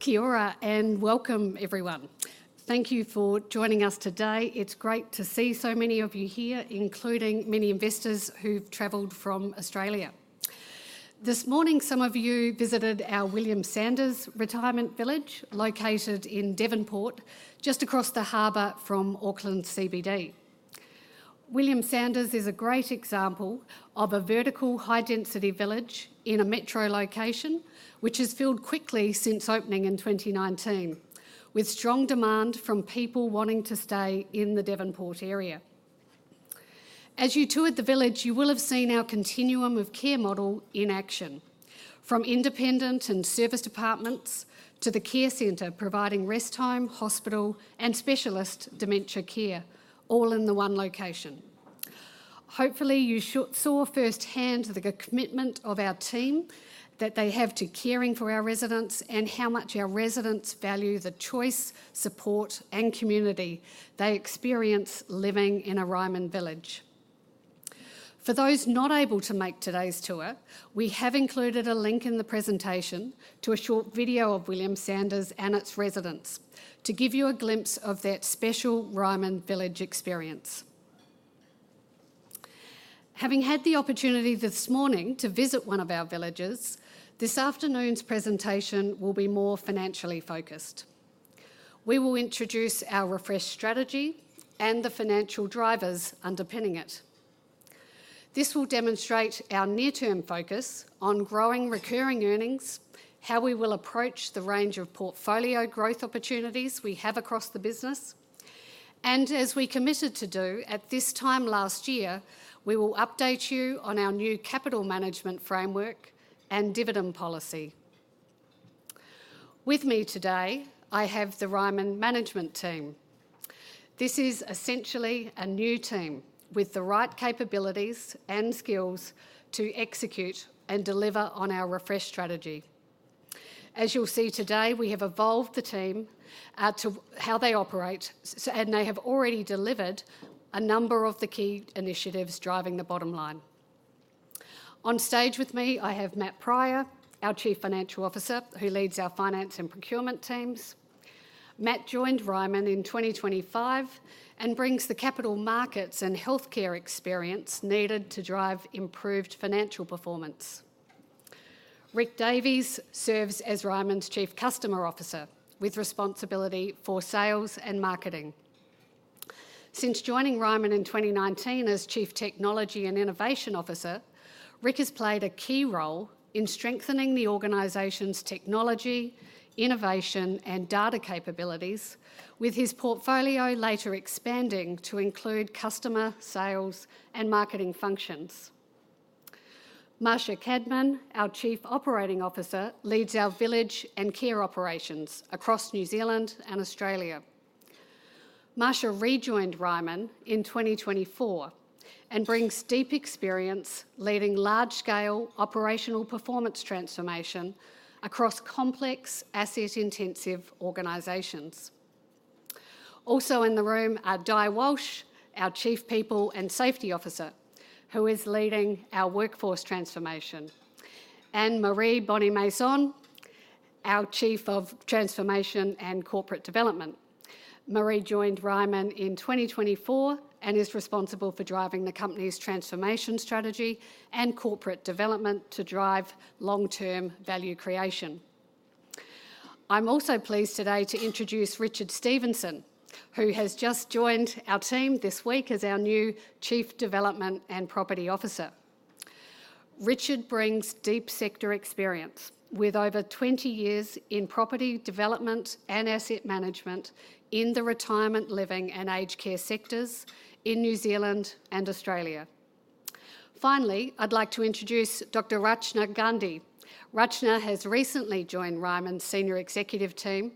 Kia ora, and welcome, everyone. Thank you for joining us today. It's great to see so many of you here, including many investors who've traveled from Australia. This morning, some of you visited our William Sanders Retirement Village, located in Devonport, just across the harbor from Auckland CBD. William Sanders is a great example of a vertical, high-density village in a metro location, which has filled quickly since opening in 2019, with strong demand from people wanting to stay in the Devonport area. As you toured the village, you will have seen our continuum of care model in action, from independent and serviced apartments to the care center, providing rest home, hospital, and specialist dementia care, all in the one location. Hopefully, you saw firsthand the commitment of our team, that they have to caring for our residents, and how much our residents value the choice, support, and community they experience living in a Ryman village. For those not able to make today's tour, we have included a link in the presentation to a short video of William Sanders and its residents to give you a glimpse of that special Ryman village experience. Having had the opportunity this morning to visit one of our villages, this afternoon's presentation will be more financially focused. We will introduce our refreshed strategy and the financial drivers underpinning it. This will demonstrate our near-term focus on growing recurring earnings, how we will approach the range of portfolio growth opportunities we have across the business, and as we committed to do at this time last year, we will update you on our new capital management framework and dividend policy. With me today, I have the Ryman management team. This is essentially a new team with the right capabilities and skills to execute and deliver on our refreshed strategy. As you'll see today, we have evolved the team to how they operate, and they have already delivered a number of the key initiatives driving the bottom line. On stage with me, I have Matt Prior, our Chief Financial Officer, who leads our finance and procurement teams. Matt joined Ryman in 2025 and brings the capital markets and healthcare experience needed to drive improved financial performance. Rick Davies serves as Ryman's Chief Customer Officer, with responsibility for sales and marketing. Since joining Ryman in 2019 as Chief Technology and Innovation Officer, Rick has played a key role in strengthening the organization's technology, innovation, and data capabilities, with his portfolio later expanding to include customer, sales, and marketing functions. Marsha Cadman, our Chief Operating Officer, leads our village and care operations across New Zealand and Australia. Marsha rejoined Ryman in 2024 and brings deep experience leading large-scale operational performance transformation across complex, asset-intensive organizations. Also in the room are Di Walsh, our Chief People and Safety Officer, who is leading our workforce transformation, and Marie Bonnemaison, our Chief Transformation and Corporate Development Officer. Marie joined Ryman in 2024 and is responsible for driving the company's transformation strategy and corporate development to drive long-term value creation. I'm also pleased today to introduce Richard Stephenson, who has just joined our team this week as our new Chief Development and Property Officer. Richard brings deep sector experience, with over 20 years in property development and asset management in the retirement living and aged care sectors in New Zealand and Australia. Finally, I'd like to introduce Dr. Rachna Gandhi. Rachna has recently joined Ryman's senior executive team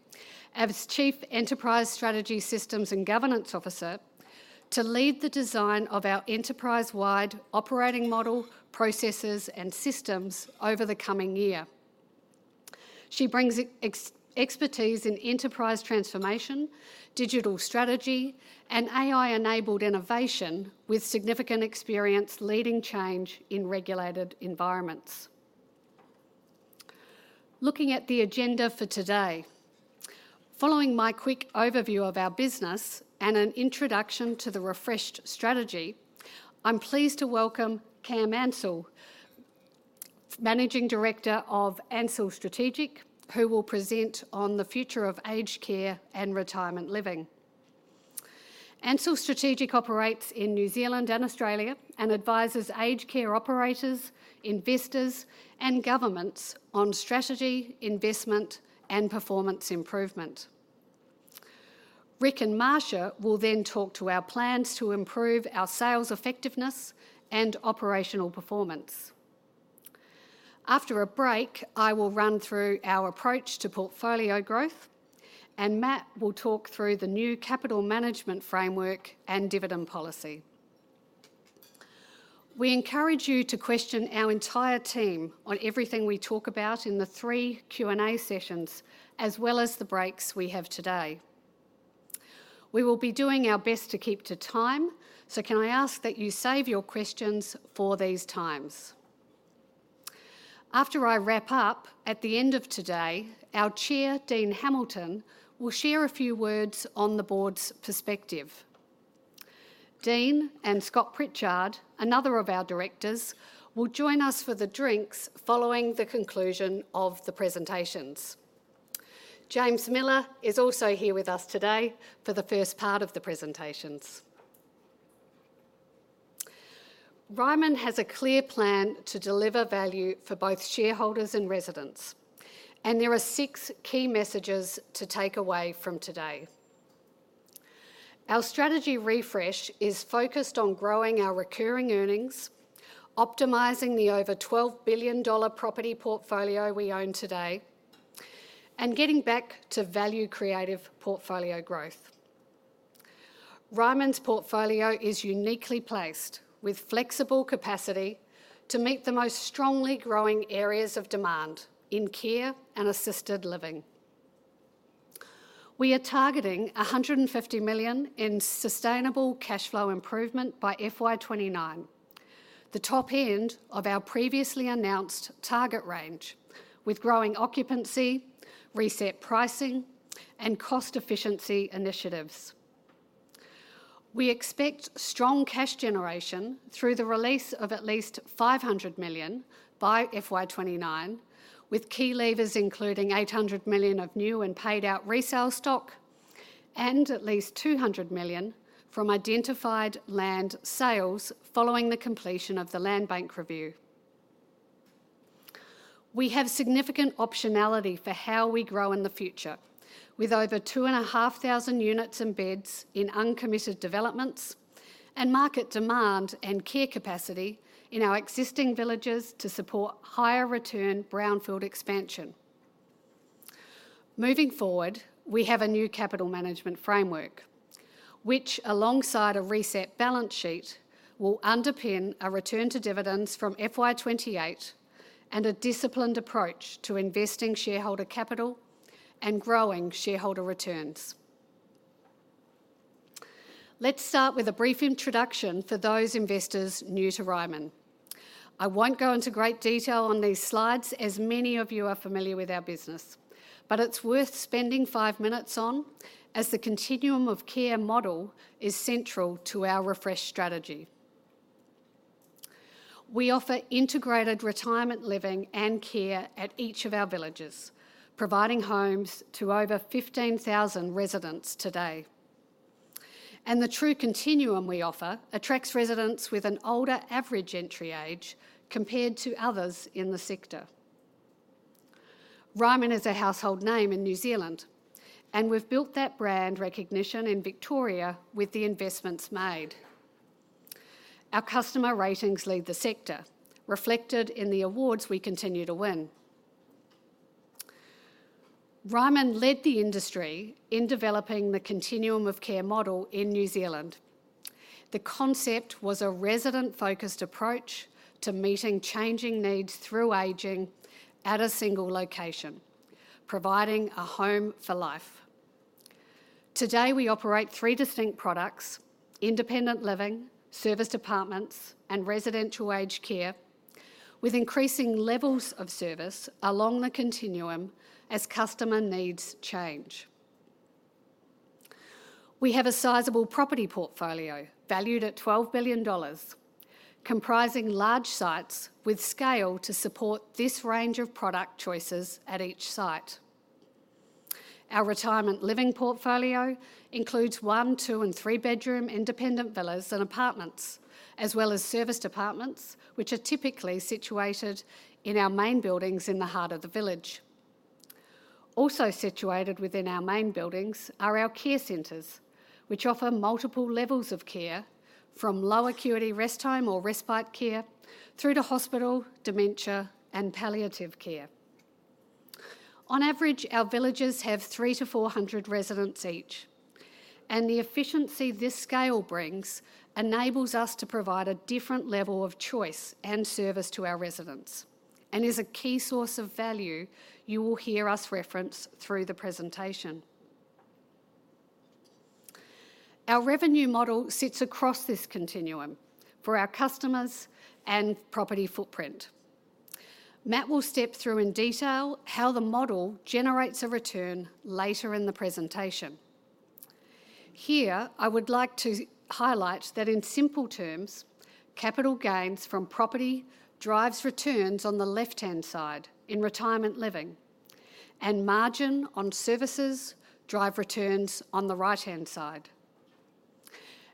as Chief Enterprise Strategy, Systems, and Governance Officer to lead the design of our enterprise-wide operating model, processes, and systems over the coming year. She brings expertise in enterprise transformation, digital strategy, and AI-enabled innovation, with significant experience leading change in regulated environments. Looking at the agenda for today, following my quick overview of our business and an introduction to the refreshed strategy, I'm pleased to welcome Cam Ansell, Managing Director of Ansell Strategic, who will present on the future of aged care and retirement living. Ansell Strategic operates in New Zealand and Australia and advises aged care operators, investors, and governments on strategy, investment, and performance improvement. Rick and Marsha will then talk to our plans to improve our sales effectiveness and operational performance. After a break, I will run through our approach to portfolio growth, and Matt will talk through the new capital management framework and dividend policy. We encourage you to question our entire team on everything we talk about in the three Q&A sessions, as well as the breaks we have today. We will be doing our best to keep to time, so can I ask that you save your questions for these times? After I wrap up, at the end of today, our chair, Dean Hamilton, will share a few words on the board's perspective. Dean and Scott Pritchard, another of our directors, will join us for the drinks following the conclusion of the presentations. James Miller is also here with us today for the first part of the presentations. Ryman has a clear plan to deliver value for both shareholders and residents, and there are six key messages to take away from today. Our strategy refresh is focused on growing our recurring earnings, optimizing the over 12 billion dollar property portfolio we own today, and getting back to value-creative portfolio growth. Ryman's portfolio is uniquely placed, with flexible capacity to meet the most strongly growing areas of demand in care and assisted living. We are targeting 150 million in sustainable cash flow improvement by FY 2029, the top end of our previously announced target range, with growing occupancy, reset pricing, and cost efficiency initiatives. We expect strong cash generation through the release of at least 500 million by FY 2029, with key levers including 800 million of new and paid-out resale stock and at least 200 million from identified land sales following the completion of the land bank review. We have significant optionality for how we grow in the future, with over 2,500 units and beds in uncommitted developments and market demand and care capacity in our existing villages to support higher return brownfield expansion. Moving forward, we have a new capital management framework, which, alongside a reset balance sheet, will underpin a return to dividends from FY 2028 and a disciplined approach to investing shareholder capital and growing shareholder returns. Let's start with a brief introduction for those investors new to Ryman. I won't go into great detail on these slides, as many of you are familiar with our business, but it's worth spending five minutes on, as the continuum of care model is central to our refresh strategy. We offer integrated retirement living and care at each of our villages, providing homes to over 15,000 residents today. The true continuum we offer attracts residents with an older average entry age compared to others in the sector. Ryman is a household name in New Zealand, and we've built that brand recognition in Victoria with the investments made. Our customer ratings lead the sector, reflected in the awards we continue to win. Ryman led the industry in developing the continuum of care model in New Zealand. The concept was a resident-focused approach to meeting changing needs through aging at a single location, providing a home for life. Today, we operate three distinct products: independent living, serviced apartments, and residential aged care, with increasing levels of service along the continuum as customer needs change. We have a sizable property portfolio, valued at 12 billion dollars, comprising large sites with scale to support this range of product choices at each site. Our retirement living portfolio includes one-, two-, and three-bedroom independent villas and apartments, as well as serviced apartments, which are typically situated in our main buildings in the heart of the village. Also situated within our main buildings are our care centers, which offer multiple levels of care, from low acuity rest home or respite care through to hospital, dementia, and palliative care. On average, our villages have 300-400 residents each, and the efficiency this scale brings enables us to provide a different level of choice and service to our residents and is a key source of value you will hear us reference through the presentation. Our revenue model sits across this continuum for our customers and property footprint. Matt will step through in detail how the model generates a return later in the presentation. Here, I would like to highlight that, in simple terms, capital gains from property drives returns on the left-hand side in retirement living, and margin on services drive returns on the right-hand side.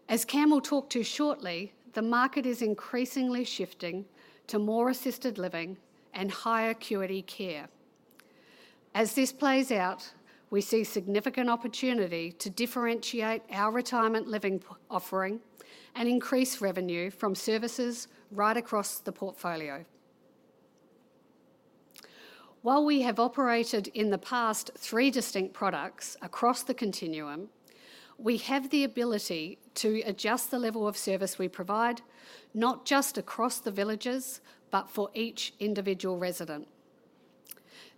As Cam will talk to shortly, the market is increasingly shifting to more assisted living and higher acuity care. As this plays out, we see significant opportunity to differentiate our retirement living portfolio offering and increase revenue from services right across the portfolio. While we have operated in the past three distinct products across the continuum, we have the ability to adjust the level of service we provide, not just across the villages, but for each individual resident.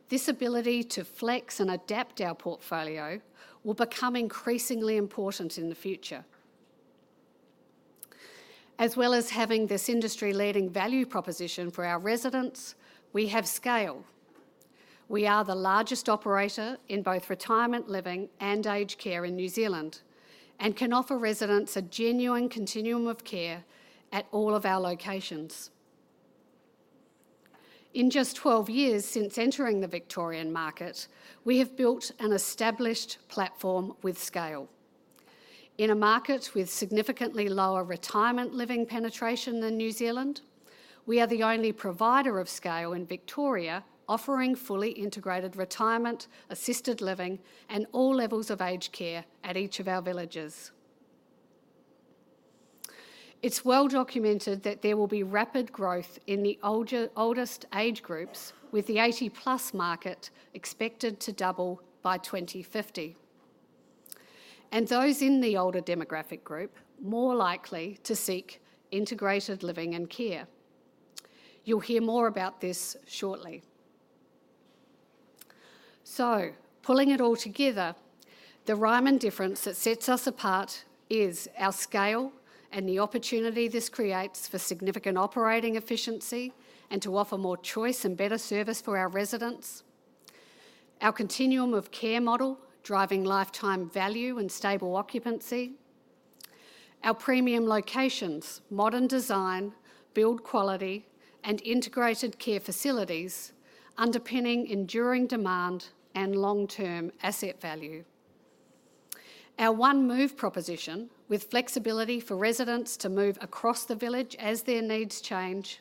This ability to flex and adapt our portfolio will become increasingly important in the future. As well as having this industry-leading value proposition for our residents, we have scale. We are the largest operator in both retirement living and aged care in New Zealand, and can offer residents a genuine continuum of care at all of our locations. In just 12 years since entering the Victorian market, we have built an established platform with scale. In a market with significantly lower retirement living penetration than New Zealand, we are the only provider of scale in Victoria offering fully integrated retirement, assisted living, and all levels of aged care at each of our villages. It's well documented that there will be rapid growth in the oldest age groups, with the 80-plus market expected to double by 2050, and those in the older demographic group more likely to seek integrated living and care. You'll hear more about this shortly. So pulling it all together, the Ryman difference that sets us apart is our scale and the opportunity this creates for significant operating efficiency and to offer more choice and better service for our residents. Our continuum of care model, driving lifetime value and stable occupancy. Our premium locations, modern design, build quality, and integrated care facilities underpinning enduring demand and long-term asset value. Our One Move proposition, with flexibility for residents to move across the village as their needs change.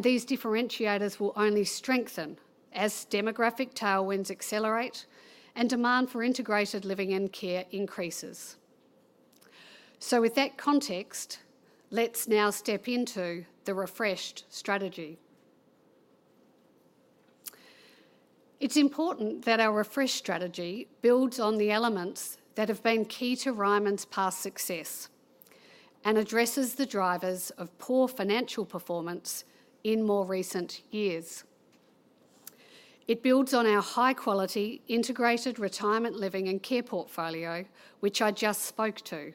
These differentiators will only strengthen as demographic tailwinds accelerate and demand for integrated living and care increases. With that context, let's now step into the refreshed strategy. It's important that our refreshed strategy builds on the elements that have been key to Ryman's past success and addresses the drivers of poor financial performance in more recent years. It builds on our high-quality, integrated retirement living and care portfolio, which I just spoke to.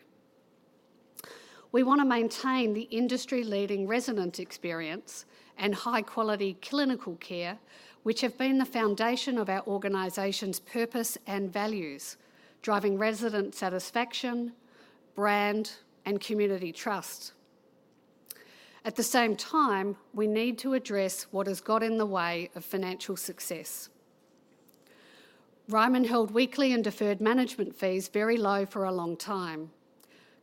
We want to maintain the industry-leading resident experience and high-quality clinical care, which have been the foundation of our organization's purpose and values, driving resident satisfaction, brand, and community trust. At the same time, we need to address what has got in the way of financial success. Ryman held weekly and deferred management fees very low for a long time.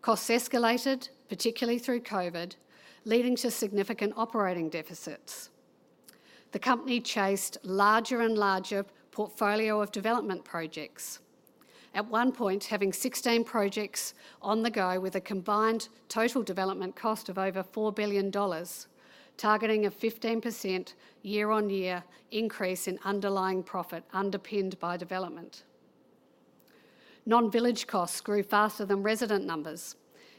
Costs escalated, particularly through COVID, leading to significant operating deficits. The company chased larger and larger portfolio of development projects, at one point having 16 projects on the go with a combined total development cost of over 4 billion dollars, targeting a 15% year-on-year increase in underlying profit underpinned by development. Non-village costs grew faster than resident numbers,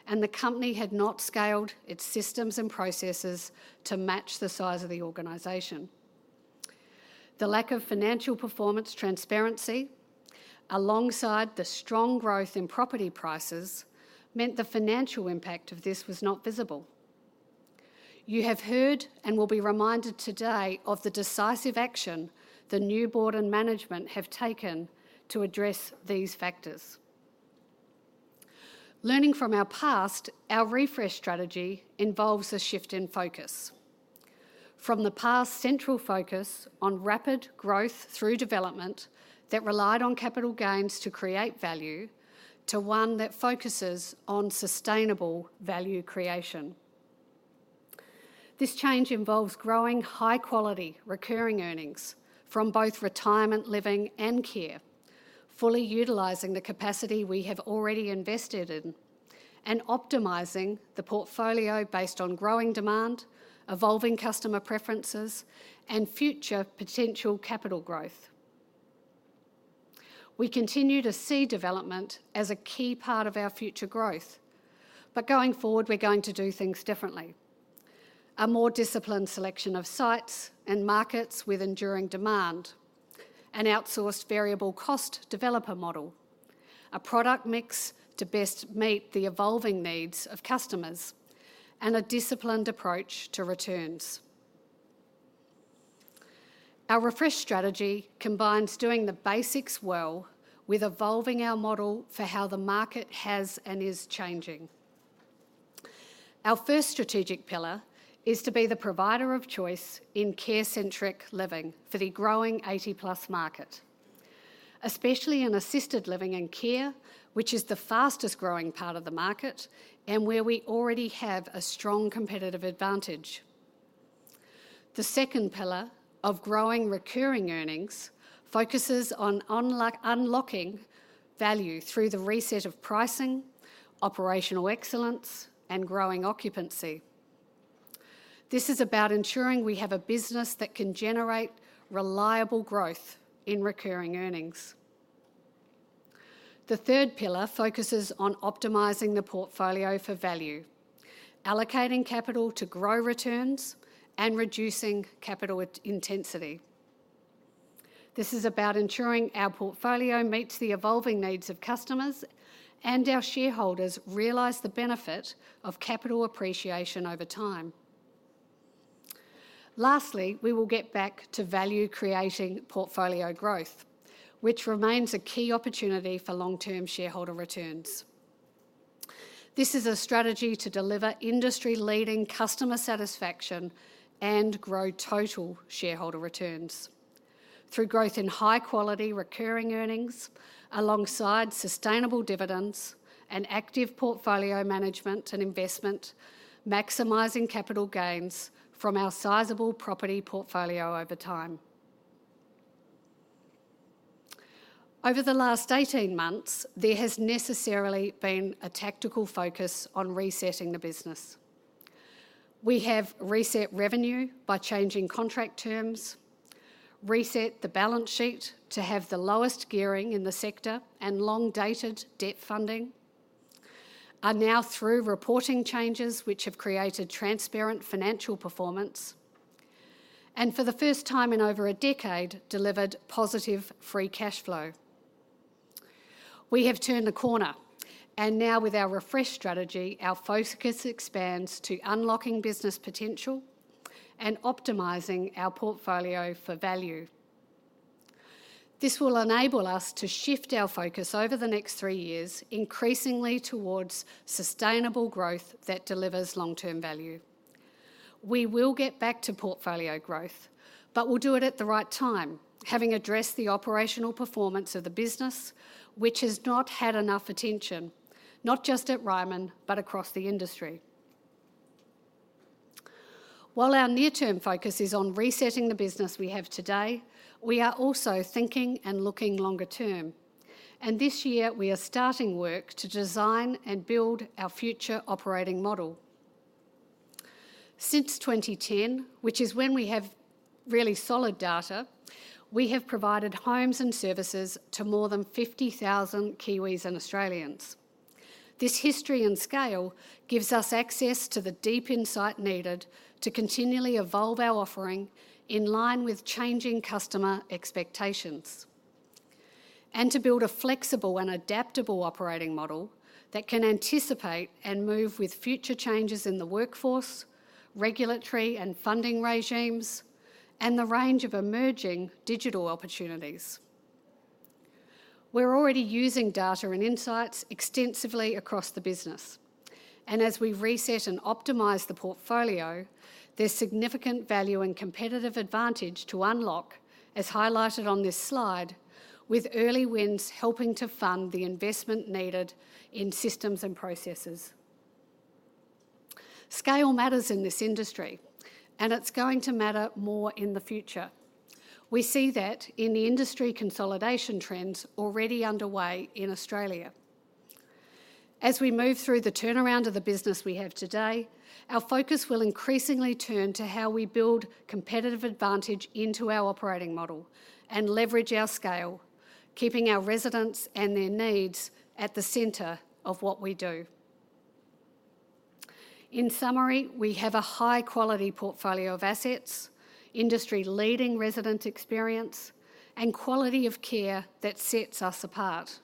and the company had not scaled its systems and processes to match the size of the organization. The lack of financial performance transparency, alongside the strong growth in property prices, meant the financial impact of this was not visible. You have heard, and will be reminded today, of the decisive action the new board and management have taken to address these factors. Learning from our past, our refreshed strategy involves a shift in focus from the past central focus on rapid growth through development that relied on capital gains to create value, to one that focuses on sustainable value creation. This change involves growing high-quality, recurring earnings from both retirement living and care, fully utilizing the capacity we have already invested in, and optimizing the portfolio based on growing demand, evolving customer preferences, and future potential capital growth. We continue to see development as a key part of our future growth, but going forward, we're going to do things differently: a more disciplined selection of sites and markets with enduring demand, an outsourced variable cost developer model, a product mix to best meet the evolving needs of customers, and a disciplined approach to returns. Our refreshed strategy combines doing the basics well with evolving our model for how the market has and is changing. Our first strategic pillar is to be the provider of choice in care-centric living for the growing 80+ market, especially in assisted living and care, which is the fastest-growing part of the market and where we already have a strong competitive advantage. The second pillar of growing recurring earnings focuses on unlocking value through the reset of pricing, operational excellence, and growing occupancy. This is about ensuring we have a business that can generate reliable growth in recurring earnings. The third pillar focuses on optimizing the portfolio for value, allocating capital to grow returns, and reducing capital intensity. This is about ensuring our portfolio meets the evolving needs of customers, and our shareholders realize the benefit of capital appreciation over time. Lastly, we will get back to value-creating portfolio growth, which remains a key opportunity for long-term shareholder returns. This is a strategy to deliver industry-leading customer satisfaction and grow total shareholder returns through growth in high-quality recurring earnings, alongside sustainable dividends and active portfolio management and investment, maximizing capital gains from our sizable property portfolio over time. Over the last 18 months, there has necessarily been a tactical focus on resetting the business. We have reset revenue by changing contract terms, reset the balance sheet to have the lowest gearing in the sector and long-dated debt funding, are now through reporting changes which have created transparent financial performance, and for the first time in over a decade, delivered positive free cash flow. We have turned the corner, and now with our refreshed strategy, our focus expands to unlocking business potential and optimizing our portfolio for value. This will enable us to shift our focus over the next three years, increasingly towards sustainable growth that delivers long-term value. We will get back to portfolio growth, but we'll do it at the right time, having addressed the operational performance of the business, which has not had enough attention, not just at Ryman, but across the industry. While our near-term focus is on resetting the business we have today, we are also thinking and looking longer term, and this year we are starting work to design and build our future operating model. Since 2010, which is when we have really solid data, we have provided homes and services to more than 50,000 Kiwis and Australians. This history and scale gives us access to the deep insight needed to continually evolve our offering in line with changing customer expectations, and to build a flexible and adaptable operating model that can anticipate and move with future changes in the workforce, regulatory and funding regimes, and the range of emerging digital opportunities. We're already using data and insights extensively across the business, and as we reset and optimize the portfolio, there's significant value and competitive advantage to unlock, as highlighted on this slide, with early wins helping to fund the investment needed in systems and processes. Scale matters in this industry, and it's going to matter more in the future. We see that in the industry consolidation trends already underway in Australia. As we move through the turnaround of the business we have today, our focus will increasingly turn to how we build competitive advantage into our operating model and leverage our scale, keeping our residents and their needs at the center of what we do. In summary, we have a high-quality portfolio of assets, industry-leading resident experience, and quality of care that sets us apart.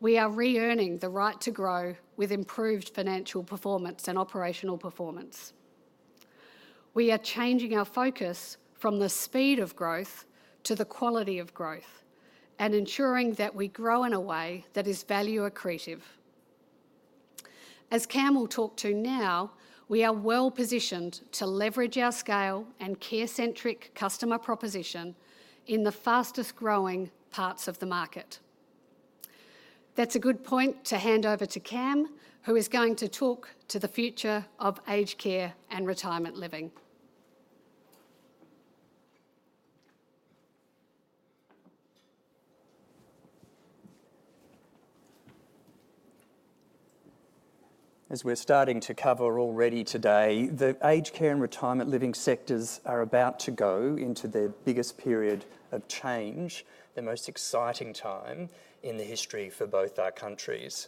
We are re-earning the right to grow with improved financial performance and operational performance. We are changing our focus from the speed of growth to the quality of growth, and ensuring that we grow in a way that is value accretive. As Cam will talk to now, we are well-positioned to leverage our scale and care-centric customer proposition in the fastest-growing parts of the market. That's a good point to hand over to Cam, who is going to talk to the future of aged care and retirement living. As we're starting to cover already today, the aged care and retirement living sectors are about to go into their biggest period of change, the most exciting time in the history for both our countries.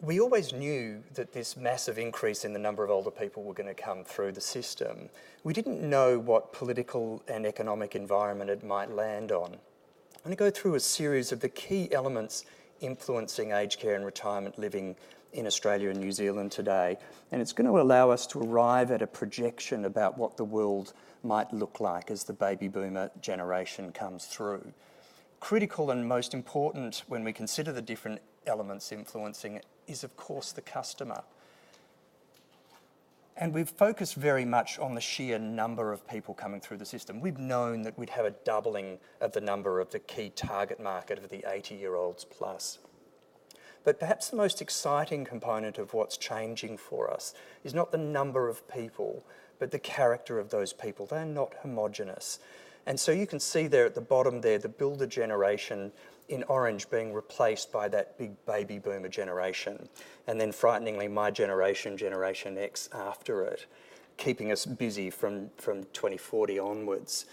We always knew that this massive increase in the number of older people were gonna come through the system. We didn't know what political and economic environment it might land on. I'm gonna go through a series of the key elements influencing aged care and retirement living in Australia and New Zealand today, and it's gonna allow us to arrive at a projection about what the world might look like as the Baby Boomer generation comes through. Critical and most important when we consider the different elements influencing it is, of course, the customer, and we've focused very much on the sheer number of people coming through the system. We've known that we'd have a doubling of the number of the key target market of the 80-year-olds plus. But perhaps the most exciting component of what's changing for us is not the number of people, but the character of those people. They're not homogeneous. And so you can see there at the bottom there, the Builder generation in orange being replaced by that big Baby Boomer generation, and then frighteningly, my generation, Generation X, after it, keeping us busy from 2040 onwards.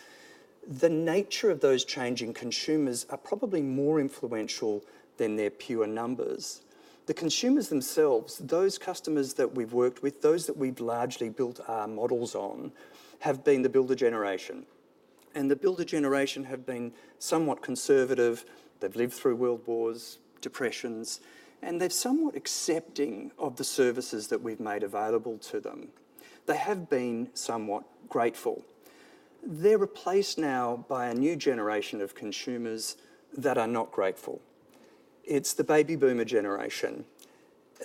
The nature of those changing consumers are probably more influential than their pure numbers. The consumers themselves, those customers that we've worked with, those that we've largely built our models on, have been the Builder generation. And the Builder generation have been somewhat conservative. They've lived through world wars, depressions, and they're somewhat accepting of the services that we've made available to them. They have been somewhat grateful. They're replaced now by a new generation of consumers that are not grateful. It's the Baby Boomer generation.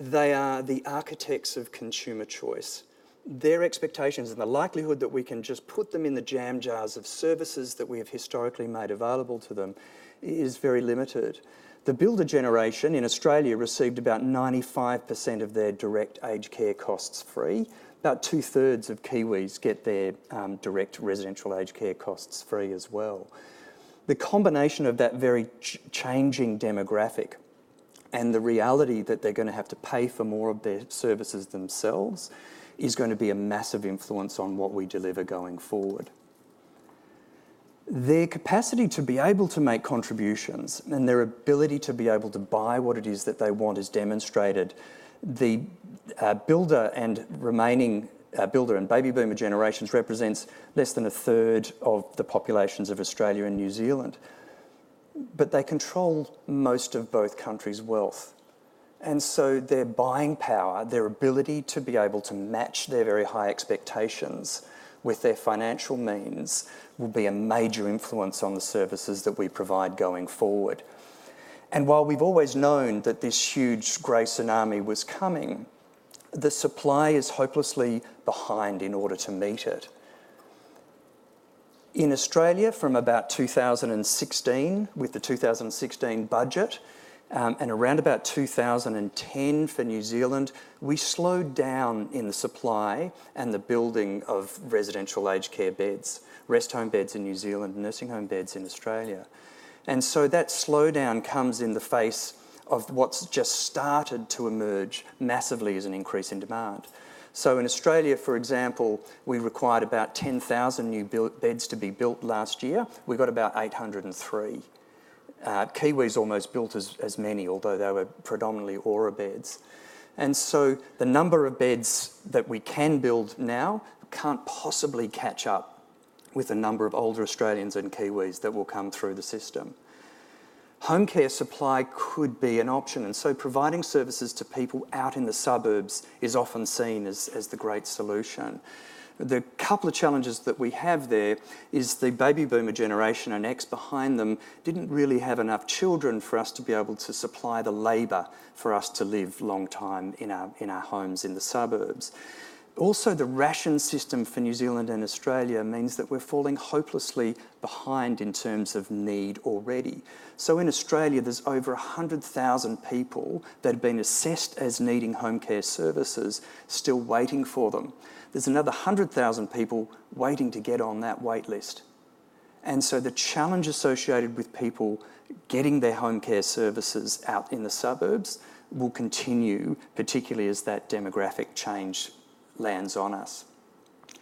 They are the architects of consumer choice. Their expectations and the likelihood that we can just put them in the jam jars of services that we have historically made available to them is very limited. The Builder generation in Australia received about 95% of their direct aged care costs free. About 2/3 of Kiwis get their direct residential aged care costs free as well. The combination of that very changing demographic and the reality that they're gonna have to pay for more of their services themselves is going to be a massive influence on what we deliver going forward. Their capacity to be able to make contributions and their ability to be able to buy what it is that they want is demonstrated. The boomer and remaining boomer and Baby Boomer generations represents less than a third of the populations of Australia and New Zealand, but they control most of both countries' wealth. And so their buying power, their ability to be able to match their very high expectations with their financial means, will be a major influence on the services that we provide going forward. And while we've always known that this huge gray tsunami was coming, the supply is hopelessly behind in order to meet it. In Australia, from about 2016, with the 2016 budget, and around about 2010 for New Zealand, we slowed down in the supply and the building of residential aged care beds, rest home beds in New Zealand, nursing home beds in Australia. That slowdown comes in the face of what's just started to emerge massively as an increase in demand. So in Australia, for example, we required about 10,000 new built beds to be built last year. We got about 803. Kiwis almost built as many, although they were predominantly ORA beds. And so the number of beds that we can build now can't possibly catch up with the number of older Australians and Kiwis that will come through the system. Home care supply could be an option, and so providing services to people out in the suburbs is often seen as the great solution. The couple of challenges that we have there is the Baby Boomer generation and X behind them didn't really have enough children for us to be able to supply the labor for us to live long time in our, in our homes in the suburbs. Also, the rationing system for New Zealand and Australia means that we're falling hopelessly behind in terms of need already. So in Australia, there's over 100,000 people that have been assessed as needing home care services, still waiting for them. There's another 100,000 people waiting to get on that wait list. And so the challenge associated with people getting their home care services out in the suburbs will continue, particularly as that demographic change lands on us. It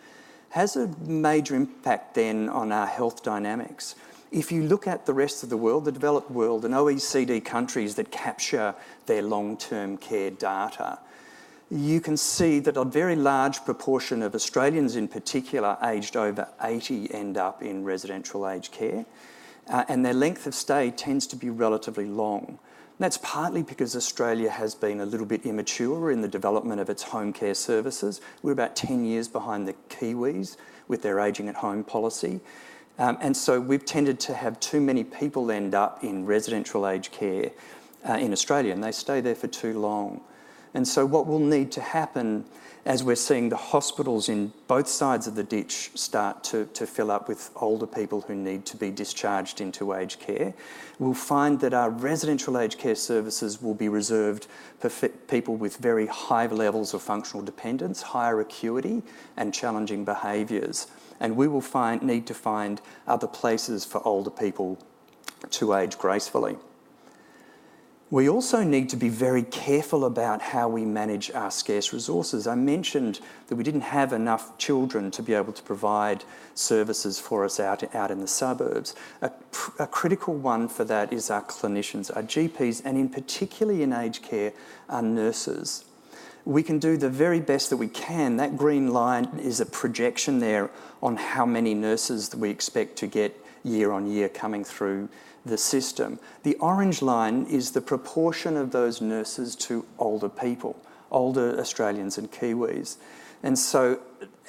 has a major impact then on our health dynamics. If you look at the rest of the world, the developed world, and OECD countries that capture their long-term care data, you can see that a very large proportion of Australians, in particular, aged over 80, end up in residential aged care, and their length of stay tends to be relatively long. That's partly because Australia has been a little bit immature in the development of its home care services. We're about 10 years behind the Kiwis with their aging at home policy. And so we've tended to have too many people end up in residential aged care, in Australia, and they stay there for too long. And so what will need to happen as we're seeing the hospitals in both sides of the ditch start to fill up with older people who need to be discharged into aged care, we'll find that our residential aged care services will be reserved for people with very high levels of functional dependence, higher acuity, and challenging behaviors. And we will find... need to find other places for older people to age gracefully. We also need to be very careful about how we manage our scarce resources. I mentioned that we didn't have enough children to be able to provide services for us out in the suburbs. A critical one for that is our clinicians, our GPs, and in particular in aged care, our nurses. We can do the very best that we can. That green line is a projection there on how many nurses we expect to get year on year coming through the system. The orange line is the proportion of those nurses to older people, older Australians and Kiwis. And so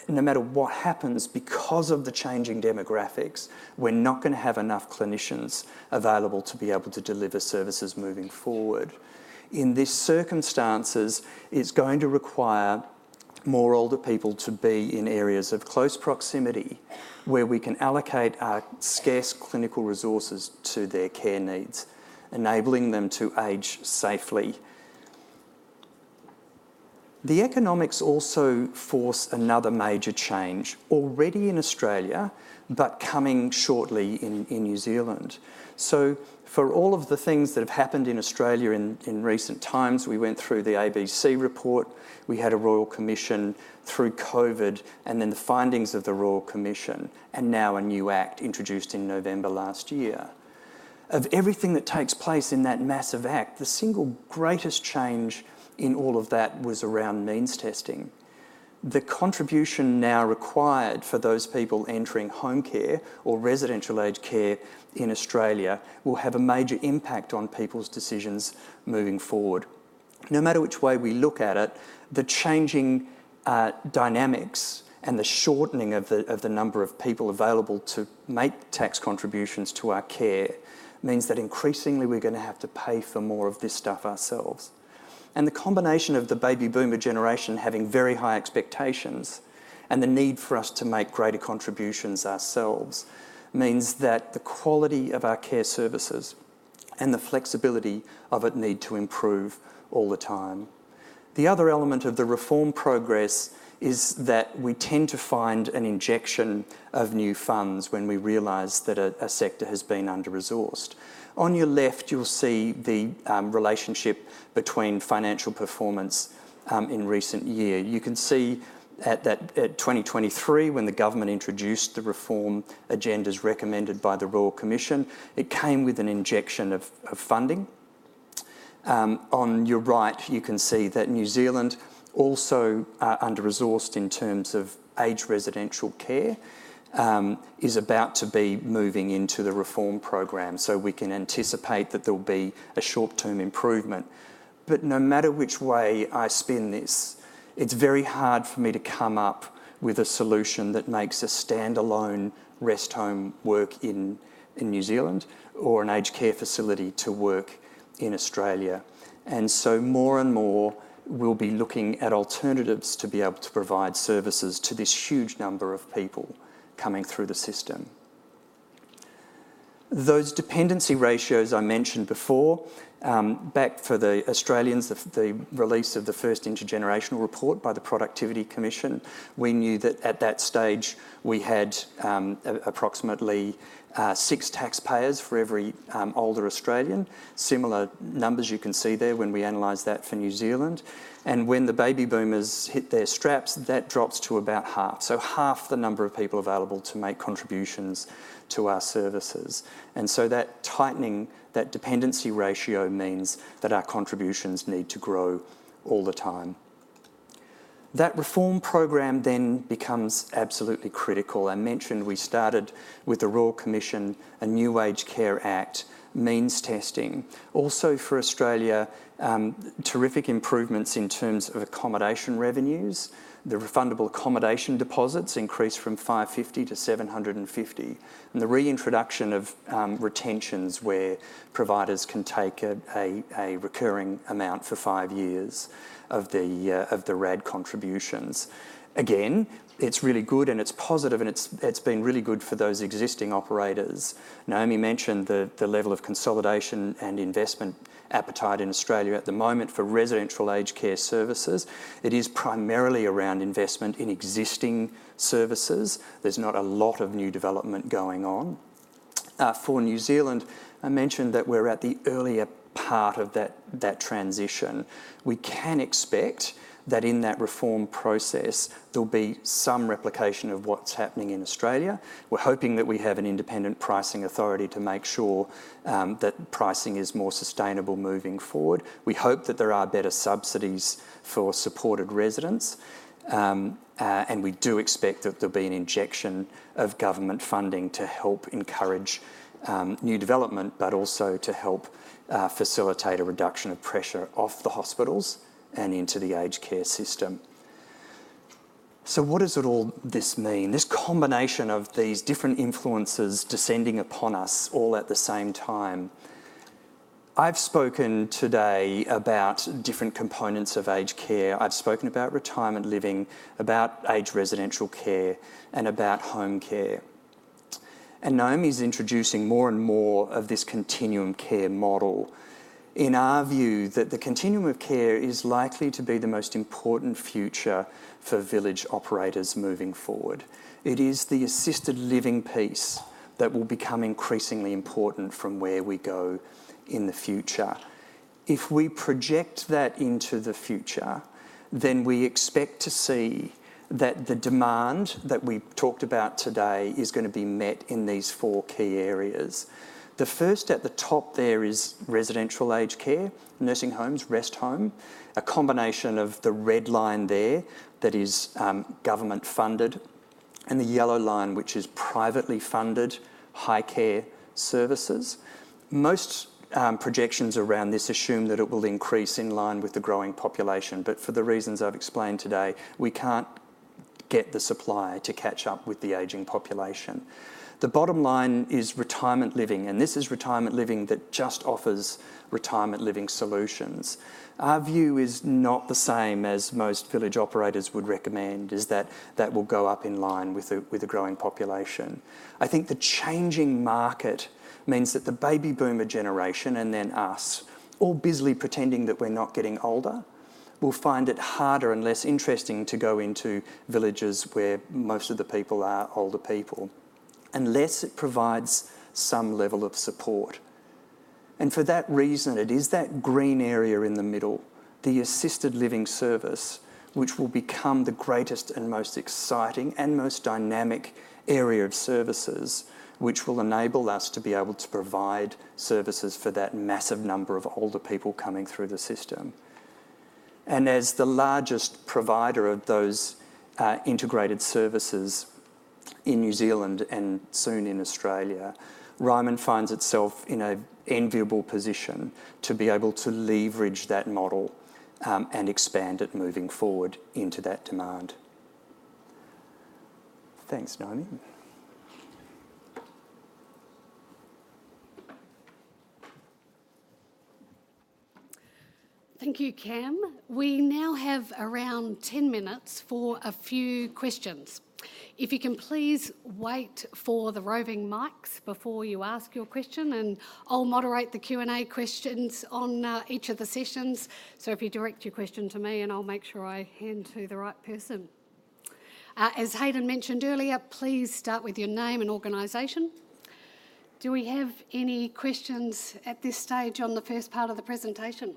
no matter what happens, because of the changing demographics, we're not gonna have enough clinicians available to be able to deliver services moving forward. In these circumstances, it's going to require more older people to be in areas of close proximity, where we can allocate our scarce clinical resources to their care needs, enabling them to age safely. The economics also force another major change already in Australia, but coming shortly in New Zealand. So for all of the things that have happened in Australia in recent times, we went through the ABC report, we had a Royal Commission through COVID, and then the findings of the Royal Commission, and now a new act introduced in November last year. Of everything that takes place in that massive act, the single greatest change in all of that was around means testing. The contribution now required for those people entering home care or residential aged care in Australia will have a major impact on people's decisions moving forward. No matter which way we look at it, the changing dynamics and the shortening of the number of people available to make tax contributions to our care means that increasingly we're going to have to pay for more of this stuff ourselves. The combination of the Baby Boomer generation having very high expectations and the need for us to make greater contributions ourselves means that the quality of our care services and the flexibility of it need to improve all the time. The other element of the reform progress is that we tend to find an injection of new funds when we realize that a sector has been under-resourced. On your left, you'll see the relationship between financial performance in recent year. You can see at 2023, when the government introduced the reform agendas recommended by the Royal Commission, it came with an injection of funding. On your right, you can see that New Zealand also under-resourced in terms of aged residential care is about to be moving into the reform program. So we can anticipate that there'll be a short-term improvement. But no matter which way I spin this, it's very hard for me to come up with a solution that makes a standalone rest home work in New Zealand or an aged care facility to work in Australia. And so more and more, we'll be looking at alternatives to be able to provide services to this huge number of people coming through the system. Those dependency ratios I mentioned before, back for the Australians, the release of the first Intergenerational Report by the Productivity Commission, we knew that at that stage, we had approximately six taxpayers for every older Australian. Similar numbers you can see there when we analyze that for New Zealand. When the Baby Boomers hit their straps, that drops to about half, so half the number of people available to make contributions to our services. So that tightening, that dependency ratio means that our contributions need to grow all the time. That reform program then becomes absolutely critical. I mentioned we started with the Royal Commission, a new Aged Care Act, means testing. Also for Australia, terrific improvements in terms of accommodation revenues. The refundable accommodation deposits increased from 550-750, and the reintroduction of retentions, where providers can take a recurring amount for five years of the RAD contributions. Again, it's really good, and it's positive, and it's been really good for those existing operators. Naomi mentioned the level of consolidation and investment appetite in Australia at the moment for residential aged care services. It is primarily around investment in existing services. There's not a lot of new development going on. For New Zealand, I mentioned that we're at the earlier part of that, that transition. We can expect that in that reform process, there'll be some replication of what's happening in Australia. We're hoping that we have an independent pricing authority to make sure that pricing is more sustainable moving forward. We hope that there are better subsidies for supported residents. And we do expect that there'll be an injection of government funding to help encourage new development, but also to help facilitate a reduction of pressure off the hospitals and into the aged care system. So what does all this mean? This combination of these different influences descending upon us all at the same time. I've spoken today about different components of aged care. I've spoken about retirement living, about aged residential care, and about home care, and Naomi is introducing more and more of this continuum care model. In our view, that the continuum of care is likely to be the most important future for village operators moving forward. It is the assisted living piece that will become increasingly important from where we go in the future. If we project that into the future, then we expect to see that the demand that we talked about today is going to be met in these four key areas. The first at the top there is residential aged care, nursing homes, rest home, a combination of the red line there that is, government-funded, and the yellow line, which is privately funded high-care services. Most projections around this assume that it will increase in line with the growing population, but for the reasons I've explained today, we can't get the supply to catch up with the aging population. The bottom line is retirement living, and this is retirement living that just offers retirement living solutions. Our view is not the same as most village operators would recommend, is that that will go up in line with the, with the growing population. I think the changing market means that the Baby Boomer generation, and then us, all busily pretending that we're not getting older will find it harder and less interesting to go into villages where most of the people are older people, unless it provides some level of support. And for that reason, it is that green area in the middle, the assisted living service, which will become the greatest and most exciting and most dynamic area of services, which will enable us to be able to provide services for that massive number of older people coming through the system. As the largest provider of those integrated services in New Zealand, and soon in Australia, Ryman finds itself in an enviable position to be able to leverage that model, and expand it moving forward into that demand. Thanks, Naomi. Thank you, Cam. We now have around 10 minutes for a few questions. If you can, please wait for the roving mics before you ask your question, and I'll moderate the Q&A questions on each of the sessions. If you direct your question to me, and I'll make sure I hand to the right person. As Hayden mentioned earlier, please start with your name and organization. Do we have any questions at this stage on the first part of the presentation?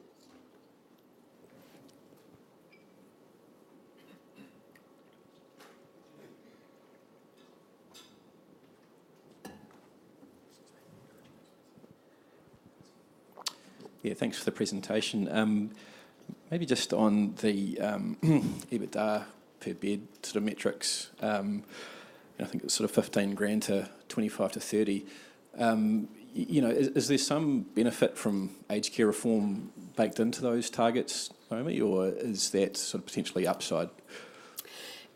Yeah, thanks for the presentation. Maybe just on the EBITDA per bed sort of metrics, and I think it was sort of 15,000-25,000-NZD 30,000. You know, is there some benefit from aged care reform baked into those targets, Naomi, or is that sort of potentially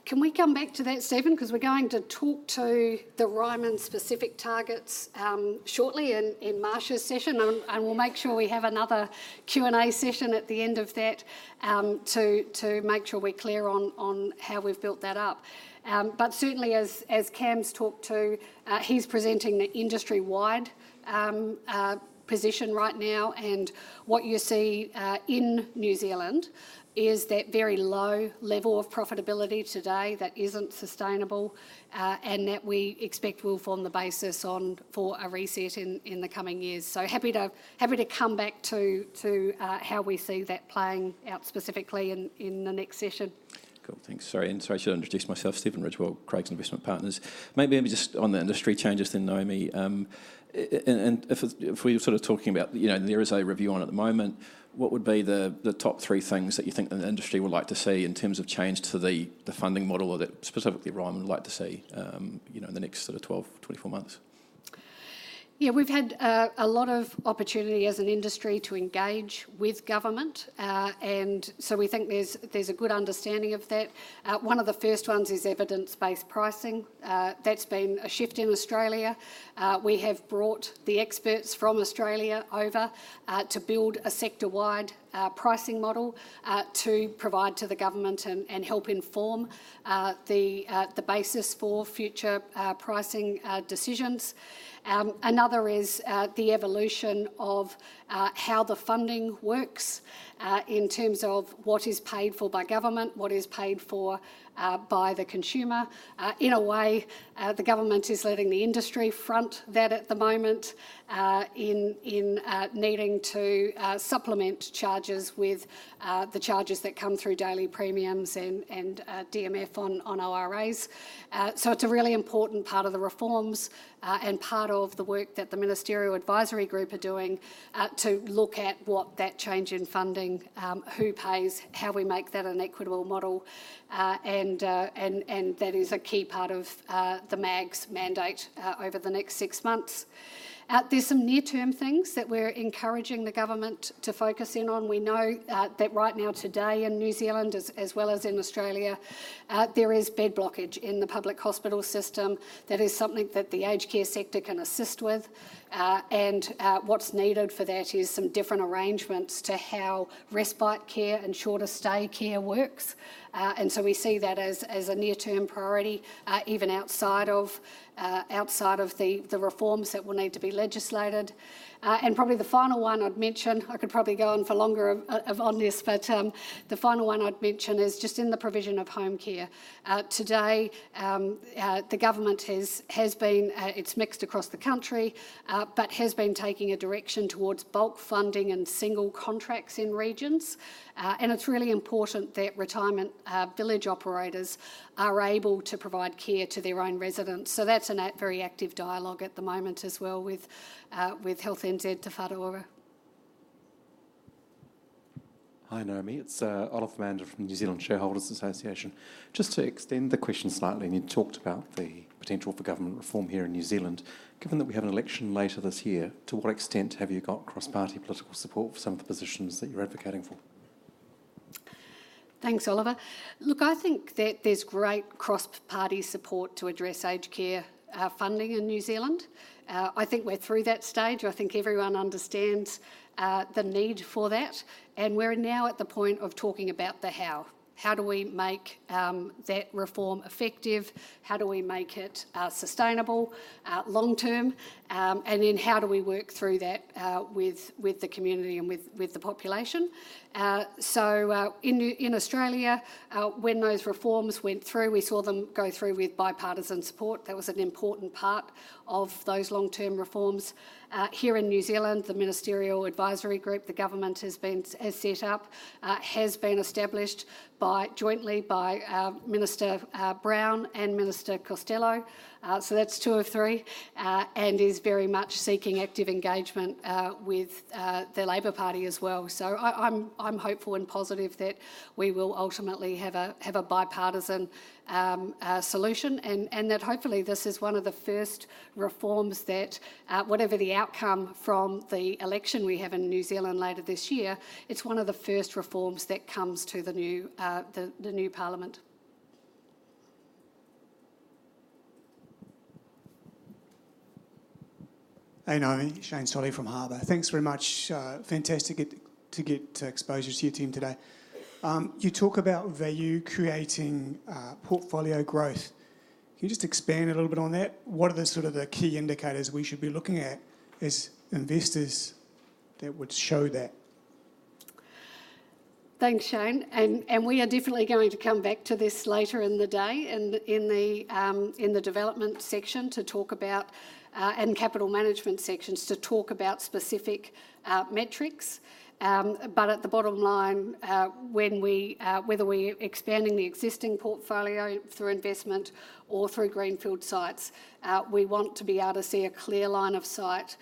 upside? Can we come back to that, Stephen? Because we're going to talk to the Ryman-specific targets, shortly in, in Marsha's session, and, and we'll make sure we have another Q&A session at the end of that, to, to make sure we're clear on, on how we've built that up. But certainly as, as Cam's talked to, he's presenting the industry-wide, position right now, and what you see, in New Zealand is that very low level of profitability today that isn't sustainable, and that we expect will form the basis on... for a reset in, in the coming years. So happy to, happy to come back to, to, how we see that playing out specifically in, in the next session. Cool, thanks. Sorry, and sorry, I should introduce myself. Stephen Ridgewell, Craigs Investment Partners. Maybe, maybe just on the industry changes then, Naomi, and if we were sort of talking about, you know, there is a review on at the moment, what would be the top three things that you think the industry would like to see in terms of change to the funding model or that specifically Ryman would like to see, you know, in the next sort of 12-24 months? Yeah, we've had a lot of opportunity as an industry to engage with government. And so we think there's a good understanding of that. One of the first ones is evidence-based pricing. That's been a shift in Australia. We have brought the experts from Australia over to build a sector-wide pricing model to provide to the government and help inform the basis for future pricing decisions. Another is the evolution of how the funding works in terms of what is paid for by government, what is paid for by the consumer. In a way, the government is letting the industry front that at the moment, in needing to supplement charges with the charges that come through daily premiums and DMF on ORAs. So it's a really important part of the reforms, and part of the work that the Ministerial Advisory Group are doing, to look at what that change in funding, who pays, how we make that an equitable model, and that is a key part of the MAG's mandate over the next six months. There's some near-term things that we're encouraging the government to focus in on. We know that right now today in New Zealand, as well as in Australia, there is bed blockage in the public hospital system. That is something that the aged care sector can assist with, and what's needed for that is some different arrangements to how respite care and shorter stay care works. And so we see that as a near-term priority, even outside of the reforms that will need to be legislated. And probably the final one I'd mention, I could probably go on for longer on this, but the final one I'd mention is just in the provision of home care. Today, the government has been, it's mixed across the country, but has been taking a direction towards bulk funding and single contracts in regions. It's really important that retirement village operators are able to provide care to their own residents, so that's a very active dialogue at the moment as well with Health NZ, Te Whatu Ora. Hi, Naomi. It's Oliver Mander from New Zealand Shareholders' Association. Just to extend the question slightly, and you talked about the potential for government reform here in New Zealand. Given that we have an election later this year, to what extent have you got cross-party political support for some of the positions that you're advocating for? Thanks, Oliver. Look, I think that there's great cross-party support to address aged care funding in New Zealand. I think we're through that stage. I think everyone understands the need for that, and we're now at the point of talking about the how. How do we make that reform effective? How do we make it sustainable long-term? And then how do we work through that with the community and with the population? So, in Australia, when those reforms went through, we saw them go through with bipartisan support. That was an important part of those long-term reforms. Here in New Zealand, the Ministerial Advisory Group the government has set up has been established jointly by Minister Brown and Minister Costello. So that's two of three, and is very much seeking active engagement with the Labour Party as well. So I'm hopeful and positive that we will ultimately have a bipartisan solution, and that hopefully this is one of the first reforms that, whatever the outcome from the election we have in New Zealand later this year, it's one of the first reforms that comes to the new parliament. Hey, Naomi. Shane Solly from Harbour. Thanks very much. Fantastic to get exposure to your team today. You talk about value-creating portfolio growth. Can you just expand a little bit on that? What are the sort of the key indicators we should be looking at as investors that would show that? Thanks, Shane, and we are definitely going to come back to this later in the day, in the development section to talk about, and capital management sections, to talk about specific metrics. But at the bottom line, when we whether we're expanding the existing portfolio through investment or through greenfield sites, we want to be able to see a clear line of sight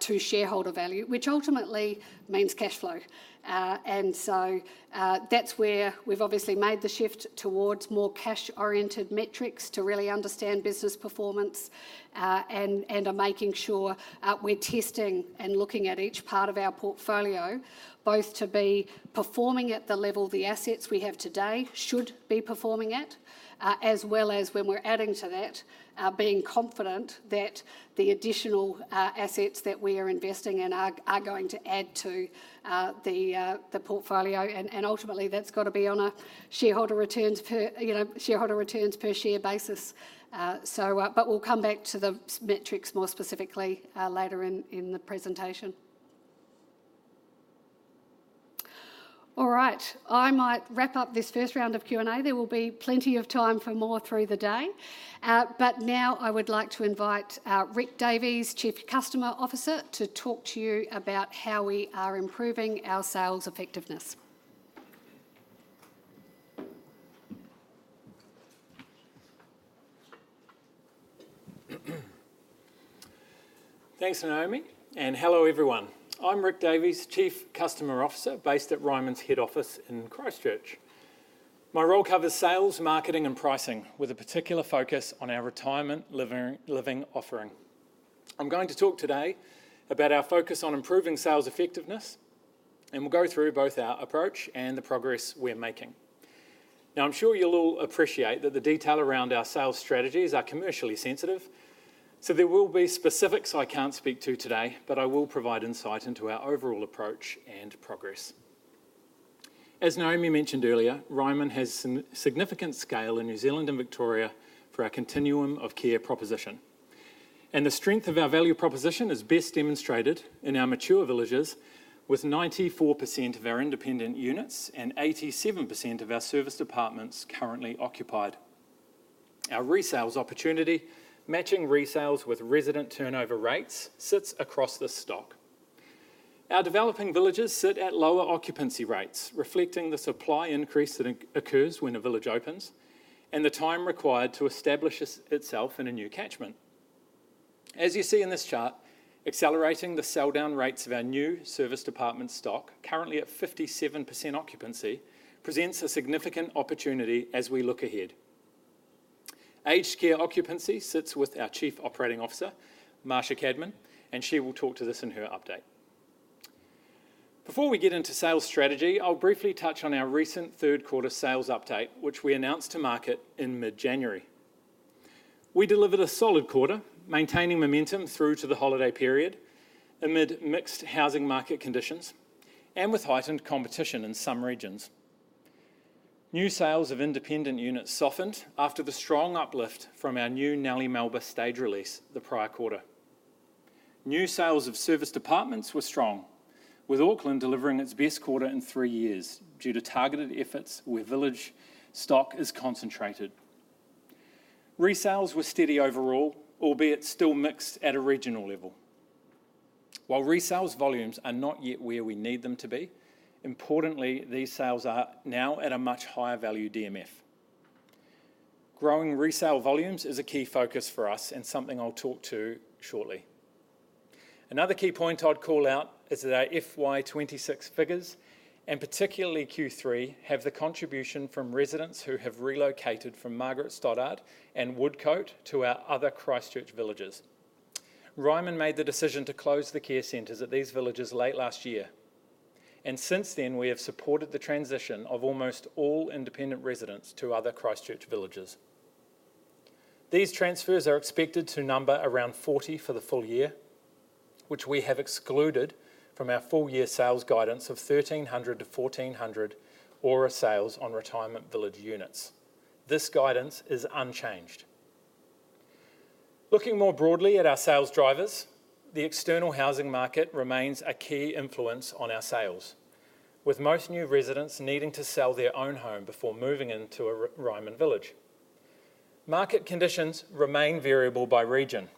to shareholder value, which ultimately means cash flow. And so, that's where we've obviously made the shift towards more cash-oriented metrics to really understand business performance, and are making sure we're testing and looking at each part of our portfolio, both to be performing at the level the assets we have today should be performing at, as well as when we're adding to that, being confident that the additional assets that we are investing in are going to add to the portfolio, and ultimately, that's got to be on a shareholder returns per, you know, shareholder returns per share basis. So, but we'll come back to the metrics more specifically later in the presentation. All right, I might wrap up this first round of Q&A. There will be plenty of time for more through the day. Now I would like to invite Rick Davies, Chief Customer Officer, to talk to you about how we are improving our sales effectiveness. Thanks, Naomi, and hello, everyone. I'm Rick Davies, Chief Customer Officer based at Ryman's head office in Christchurch. My role covers sales, marketing, and pricing, with a particular focus on our retirement living, living offering. I'm going to talk today about our focus on improving sales effectiveness, and we'll go through both our approach and the progress we're making. Now, I'm sure you'll all appreciate that the detail around our sales strategies are commercially sensitive, so there will be specifics I can't speak to today, but I will provide insight into our overall approach and progress. As Naomi mentioned earlier, Ryman has some significant scale in New Zealand and Victoria for our continuum of care proposition, and the strength of our value proposition is best demonstrated in our mature villages, with 94% of our independent units and 87% of our serviced apartments currently occupied. Our resales opportunity, matching resales with resident turnover rates, sits across this stock. Our developing villages sit at lower occupancy rates, reflecting the supply increase that occurs when a village opens and the time required to establish itself in a new catchment. As you see in this chart, accelerating the sell-down rates of our new serviced apartments stock, currently at 57% occupancy, presents a significant opportunity as we look ahead. Aged care occupancy sits with our Chief Operating Officer, Marsha Cadman, and she will talk to this in her update. Before we get into sales strategy, I'll briefly touch on our recent third quarter sales update, which we announced to market in mid-January. We delivered a solid quarter, maintaining momentum through to the holiday period amid mixed housing market conditions and with heightened competition in some regions. New sales of independent units softened after the strong uplift from our new Nellie Melba stage release the prior quarter. New sales of serviced apartments were strong, with Auckland delivering its best quarter in three years due to targeted efforts where village stock is concentrated. Resales were steady overall, albeit still mixed at a regional level. While resales volumes are not yet where we need them to be, importantly, these sales are now at a much higher value DMF. Growing resale volumes is a key focus for us and something I'll talk to shortly. Another key point I'd call out is that our FY 2026 figures, and particularly Q3, have the contribution from residents who have relocated from Margaret Stoddart and Woodcote to our other Christchurch villages. Ryman made the decision to close the care centers at these villages late last year, and since then, we have supported the transition of almost all independent residents to other Christchurch villages. These transfers are expected to number around 40 for the full year, which we have excluded from our full-year sales guidance of 1,300-1,400 ORA sales on retirement village units. This guidance is unchanged. Looking more broadly at our sales drivers, the external housing market remains a key influence on our sales, with most new residents needing to sell their own home before moving into a Ryman village. Market conditions remain variable by region.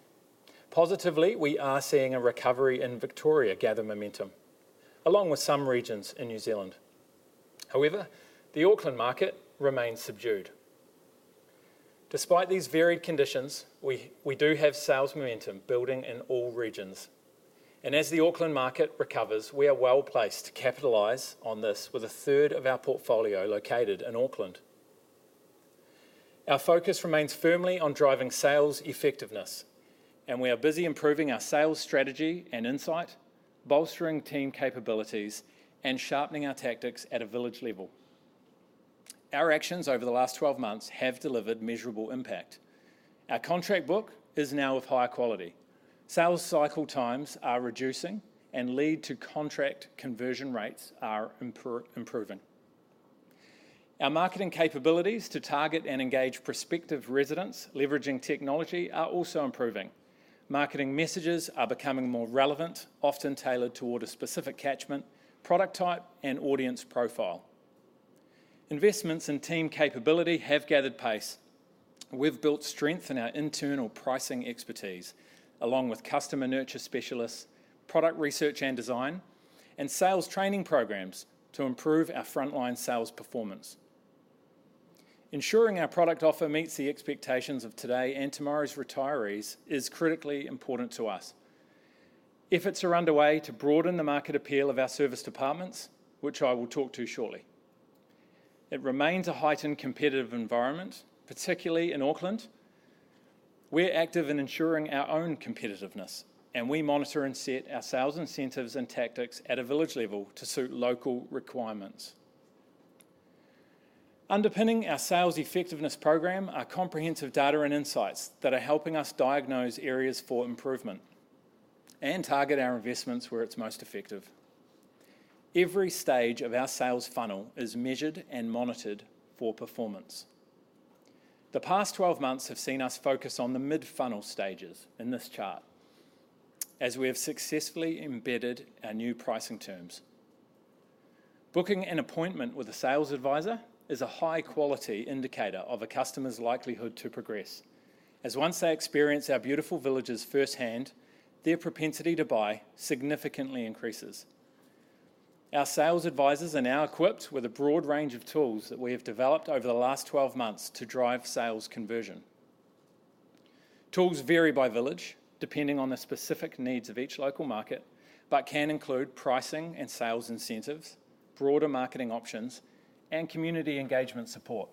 Positively, we are seeing a recovery in Victoria gather momentum, along with some regions in New Zealand. However, the Auckland market remains subdued. Despite these varied conditions, we do have sales momentum building in all regions, and as the Auckland market recovers, we are well-placed to capitalize on this with a third of our portfolio located in Auckland. Our focus remains firmly on driving sales effectiveness, and we are busy improving our sales strategy and insight, bolstering team capabilities, and sharpening our tactics at a village level. Our actions over the last 12 months have delivered measurable impact. Our contract book is now of higher quality. Sales cycle times are reducing, and lead-to-contract conversion rates are improving. Our marketing capabilities to target and engage prospective residents, leveraging technology, are also improving. Marketing messages are becoming more relevant, often tailored toward a specific catchment, product type, and audience profile. Investments in team capability have gathered pace. We've built strength in our internal pricing expertise, along with customer nurture specialists, product research and design, and sales training programs to improve our frontline sales performance. Ensuring our product offer meets the expectations of today and tomorrow's retirees is critically important to us. Efforts are underway to broaden the market appeal of our serviced apartments, which I will talk to shortly. It remains a heightened competitive environment, particularly in Auckland. We're active in ensuring our own competitiveness, and we monitor and set our sales incentives and tactics at a village level to suit local requirements. Underpinning our sales effectiveness program are comprehensive data and insights that are helping us diagnose areas for improvement and target our investments where it's most effective. Every stage of our sales funnel is measured and monitored for performance. The past 12 months have seen us focus on the mid-funnel stages in this chart, as we have successfully embedded our new pricing terms. Booking an appointment with a sales advisor is a high-quality indicator of a customer's likelihood to progress, as once they experience our beautiful villages firsthand, their propensity to buy significantly increases. Our sales advisors are now equipped with a broad range of tools that we have developed over the last 12 months to drive sales conversion. Tools vary by village, depending on the specific needs of each local market, but can include pricing and sales incentives, broader marketing options, and community engagement support.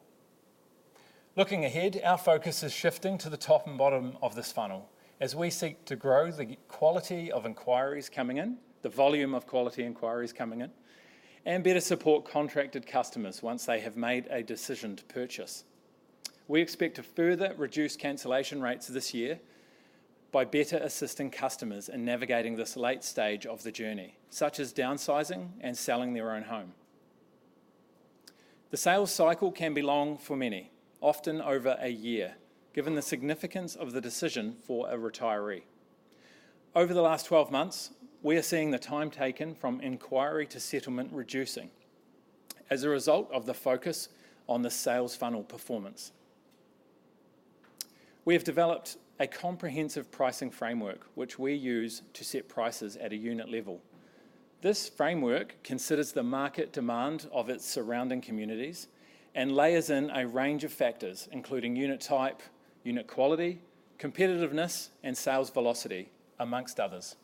Looking ahead, our focus is shifting to the top and bottom of this funnel as we seek to grow the quality of inquiries coming in, the volume of quality inquiries coming in, and better support contracted customers once they have made a decision to purchase. We expect to further reduce cancellation rates this year by better assisting customers in navigating this late stage of the journey, such as downsizing and selling their own home. The sales cycle can be long for many, often over a year, given the significance of the decision for a retiree. Over the last 12 months, we are seeing the time taken from inquiry to settlement reducing as a result of the focus on the sales funnel performance. We have developed a comprehensive pricing framework, which we use to set prices at a unit level. This framework considers the market demand of its surrounding communities and layers in a range of factors, including unit type, unit quality, competitiveness, and sales velocity, among others.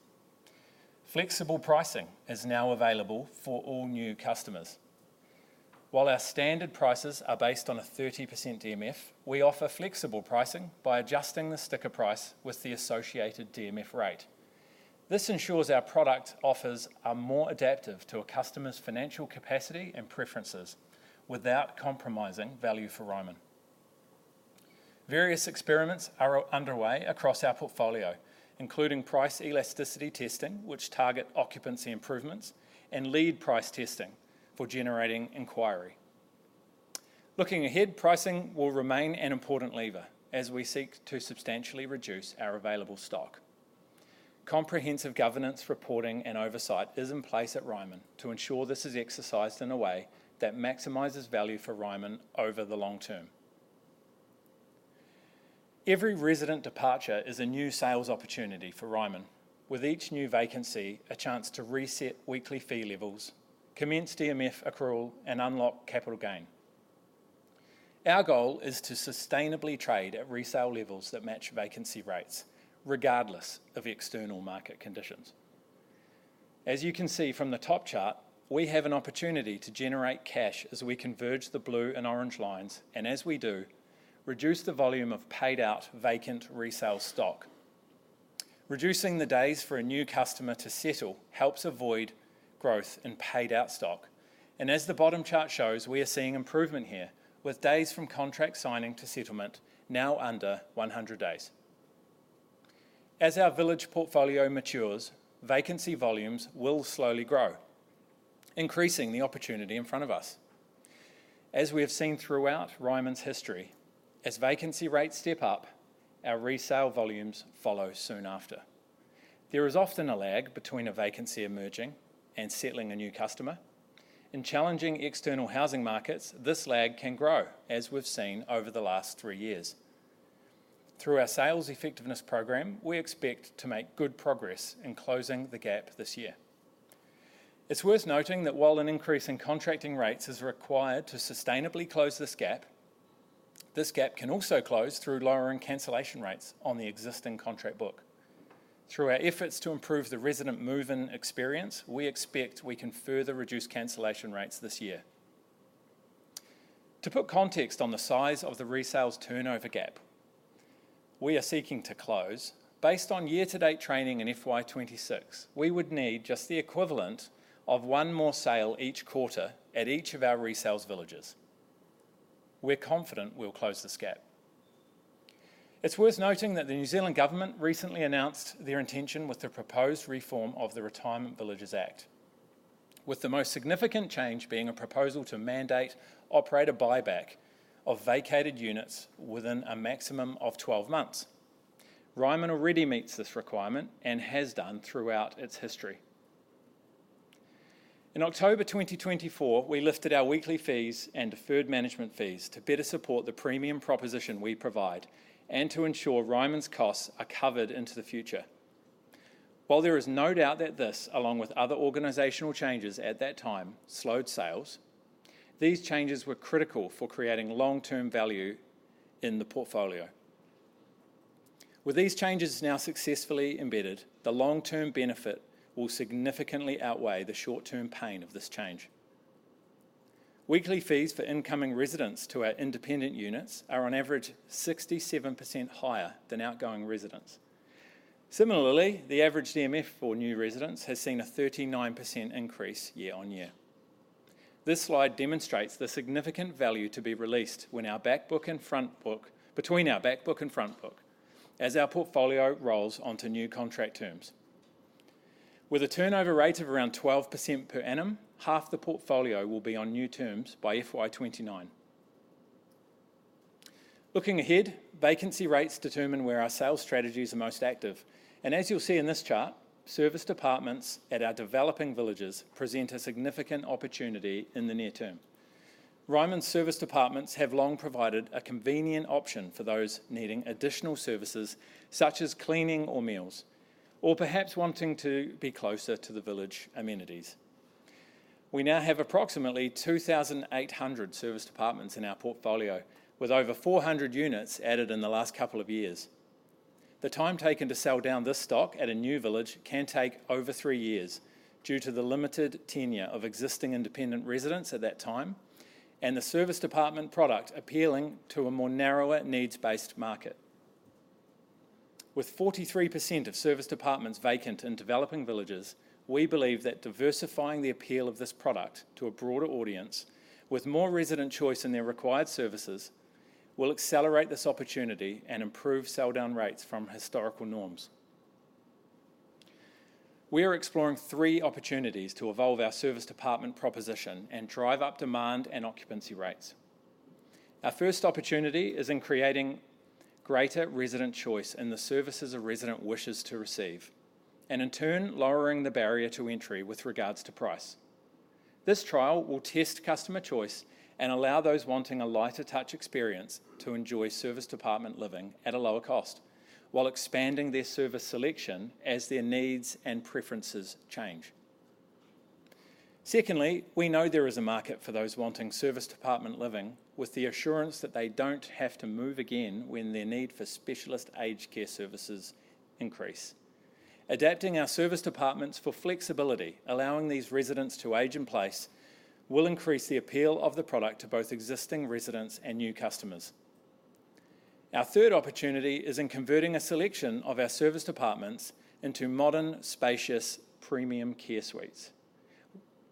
Flexible pricing is now available for all new customers. While our standard prices are based on a 30% DMF, we offer flexible pricing by adjusting the sticker price with the associated DMF rate. This ensures our product offers are more adaptive to a customer's financial capacity and preferences without compromising value for Ryman. Various experiments are underway across our portfolio, including price elasticity testing, which target occupancy improvements, and lead price testing for generating inquiry. Looking ahead, pricing will remain an important lever as we seek to substantially reduce our available stock. Comprehensive governance, reporting, and oversight is in place at Ryman to ensure this is exercised in a way that maximizes value for Ryman over the long term. Every resident departure is a new sales opportunity for Ryman, with each new vacancy, a chance to reset weekly fee levels, commence DMF accrual, and unlock capital gain. Our goal is to sustainably trade at resale levels that match vacancy rates, regardless of external market conditions. As you can see from the top chart, we have an opportunity to generate cash as we converge the blue and orange lines, and as we do, reduce the volume of paid-out vacant resale stock. Reducing the days for a new customer to settle helps avoid growth in paid-out stock, and as the bottom chart shows, we are seeing improvement here, with days from contract signing to settlement now under 100 days. As our village portfolio matures, vacancy volumes will slowly grow, increasing the opportunity in front of us. As we have seen throughout Ryman's history, as vacancy rates step up, our resale volumes follow soon after. There is often a lag between a vacancy emerging and settling a new customer. In challenging external housing markets, this lag can grow, as we've seen over the last three years. Through our sales effectiveness program, we expect to make good progress in closing the gap this year. It's worth noting that while an increase in contracting rates is required to sustainably close this gap, this gap can also close through lowering cancellation rates on the existing contract book. Through our efforts to improve the resident move-in experience, we expect we can further reduce cancellation rates this year. To put context on the size of the resales turnover gap we are seeking to close, based on year-to-date training in FY 2026, we would need just the equivalent of one more sale each quarter at each of our resales villages. We're confident we'll close this gap. It's worth noting that the New Zealand government recently announced their intention with the proposed reform of the Retirement Villages Act, with the most significant change being a proposal to mandate operator buyback of vacated units within a maximum of 12 months. Ryman already meets this requirement and has done throughout its history. In October 2024, we lifted our weekly fees and deferred management fees to better support the premium proposition we provide and to ensure Ryman's costs are covered into the future. While there is no doubt that this, along with other organizational changes at that time, slowed sales, these changes were critical for creating long-term value in the portfolio. With these changes now successfully embedded, the long-term benefit will significantly outweigh the short-term pain of this change. Weekly fees for incoming residents to our independent units are on average 67% higher than outgoing residents. Similarly, the average DMF for new residents has seen a 39% increase year on year. This slide demonstrates the significant value to be released when our back book and front book - between our back book and front book, as our portfolio rolls onto new contract terms. With a turnover rate of around 12% per annum, half the portfolio will be on new terms by FY 2029. Looking ahead, vacancy rates determine where our sales strategies are most active, and as you'll see in this chart, serviced apartments at our developing villages present a significant opportunity in the near term. Ryman's serviced apartments have long provided a convenient option for those needing additional services, such as cleaning or meals, or perhaps wanting to be closer to the village amenities. We now have approximately 2,800 serviced apartments in our portfolio, with over 400 units added in the last couple of years. The time taken to sell down this stock at a new village can take over three years due to the limited tenure of existing independent residents at that time and the service department product appealing to a more narrower, needs-based market. With 43% of serviced apartments vacant in developing villages, we believe that diversifying the appeal of this product to a broader audience, with more resident choice in their required services, will accelerate this opportunity and improve sell-down rates from historical norms. We are exploring three opportunities to evolve our service department proposition and drive up demand and occupancy rates. Our first opportunity is in creating greater resident choice in the services a resident wishes to receive, and in turn, lowering the barrier to entry with regards to price. This trial will test customer choice and allow those wanting a lighter touch experience to enjoy service department living at a lower cost while expanding their service selection as their needs and preferences change. Secondly, we know there is a market for those wanting serviced apartment living with the assurance that they don't have to move again when their need for specialist aged care services increase. Adapting our serviced apartments for flexibility, allowing these residents to age in place, will increase the appeal of the product to both existing residents and new customers. Our third opportunity is in converting a selection of our serviced apartments into modern, spacious, premium care suites,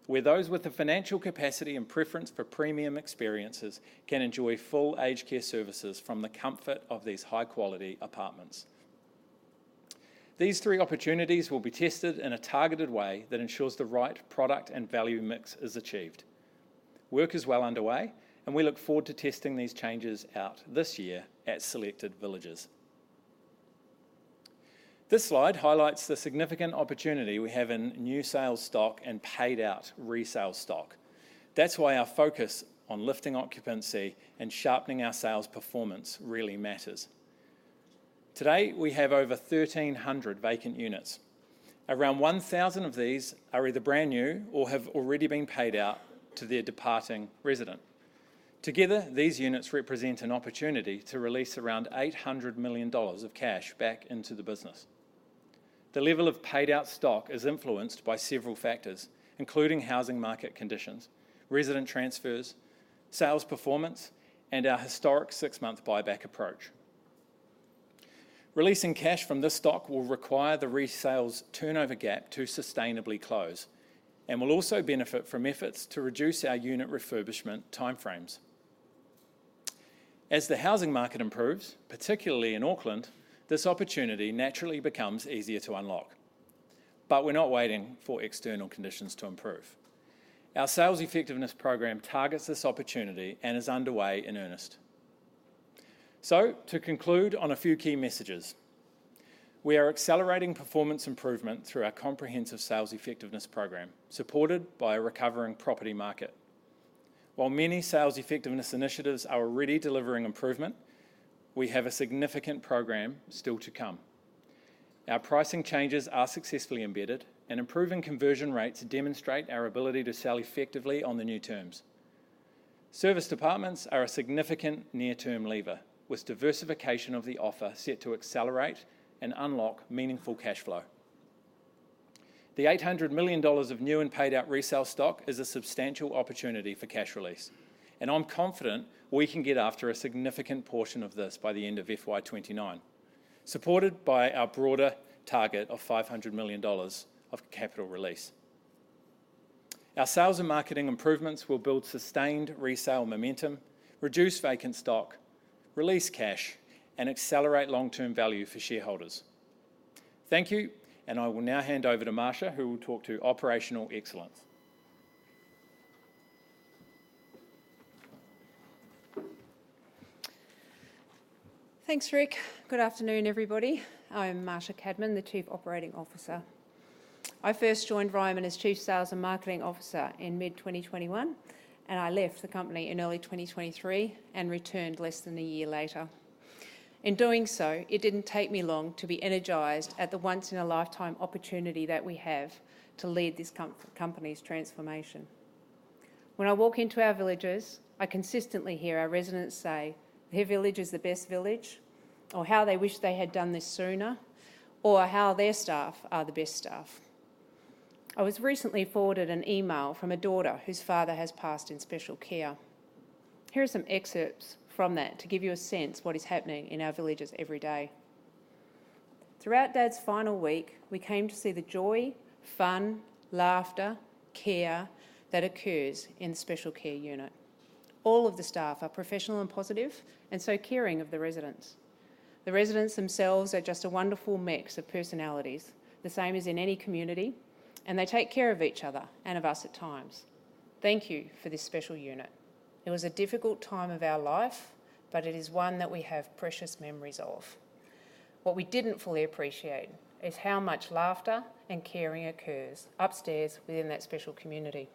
where those with the financial capacity and preference for premium experiences can enjoy full aged care services from the comfort of these high-quality apartments. These three opportunities will be tested in a targeted way that ensures the right product and value mix is achieved. Work is well underway, and we look forward to testing these changes out this year at selected villages. This slide highlights the significant opportunity we have in new sales stock and paid-out resale stock. That's why our focus on lifting occupancy and sharpening our sales performance really matters. Today, we have over 1,300 vacant units. Around 1,000 of these are either brand new or have already been paid out to their departing resident. Together, these units represent an opportunity to release around 800 million dollars of cash back into the business. The level of paid-out stock is influenced by several factors, including housing market conditions, resident transfers, sales performance, and our historic six-month buyback approach. Releasing cash from this stock will require the resales turnover gap to sustainably close, and will also benefit from efforts to reduce our unit refurbishment timeframes. As the housing market improves, particularly in Auckland, this opportunity naturally becomes easier to unlock. But we're not waiting for external conditions to improve. Our sales effectiveness program targets this opportunity and is underway in earnest. So to conclude on a few key messages, we are accelerating performance improvement through our comprehensive sales effectiveness program, supported by a recovering property market. While many sales effectiveness initiatives are already delivering improvement, we have a significant program still to come. Our pricing changes are successfully embedded, and improving conversion rates demonstrate our ability to sell effectively on the new terms. Serviced apartments are a significant near-term lever, with diversification of the offer set to accelerate and unlock meaningful cash flow. The 800 million dollars of new and paid-out resale stock is a substantial opportunity for cash release, and I'm confident we can get after a significant portion of this by the end of FY 2029, supported by our broader target of 500 million dollars of capital release. Our sales and marketing improvements will build sustained resale momentum, reduce vacant stock, release cash, and accelerate long-term value for shareholders. Thank you, and I will now hand over to Marsha, who will talk to operational excellence. Thanks, Rick. Good afternoon, everybody. I'm Marsha Cadman, the Chief Operating Officer. I first joined Ryman as Chief Sales and Marketing Officer in mid-2021, and I left the company in early 2023 and returned less than a year later. In doing so, it didn't take me long to be energized at the once-in-a-lifetime opportunity that we have to lead this company's transformation. When I walk into our villages, I consistently hear our residents say their village is the best village, or how they wish they had done this sooner, or how their staff are the best staff. I was recently forwarded an email from a daughter whose father has passed in special care. Here are some excerpts from that to give you a sense what is happening in our villages every day. Throughout Dad's final week, we came to see the joy, fun, laughter, care that occurs in the special care unit. All of the staff are professional and positive, and so caring of the residents. The residents themselves are just a wonderful mix of personalities, the same as in any community, and they take care of each other and of us at times. Thank you for this special unit. It was a difficult time of our life, but it is one that we have precious memories of. What we didn't fully appreciate is how much laughter and caring occurs upstairs within that special community."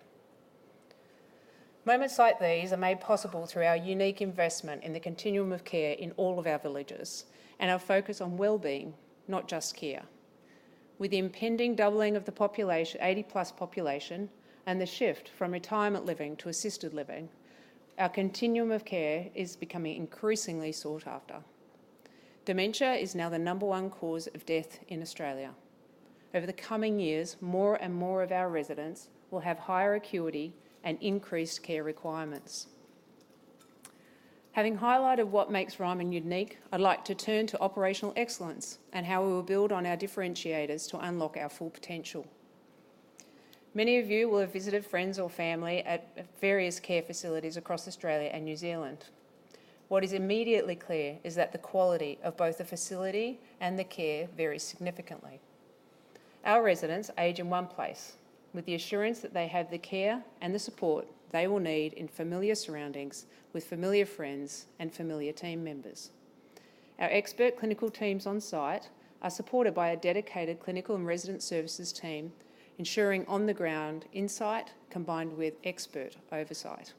Moments like these are made possible through our unique investment in the continuum of care in all of our villages, and our focus on well-being, not just care. With the impending doubling of the 80-plus population, and the shift from retirement living to assisted living, our continuum of care is becoming increasingly sought after. Dementia is now the number one cause of death in Australia. Over the coming years, more and more of our residents will have higher acuity and increased care requirements. Having highlighted what makes Ryman unique, I'd like to turn to operational excellence and how we will build on our differentiators to unlock our full potential. Many of you will have visited friends or family at various care facilities across Australia and New Zealand. What is immediately clear is that the quality of both the facility and the care varies significantly. Our residents age in one place with the assurance that they have the care and the support they will need in familiar surroundings with familiar friends and familiar team members. Our expert clinical teams on site are supported by a dedicated clinical and resident services team, ensuring on-the-ground insight combined with expert oversight.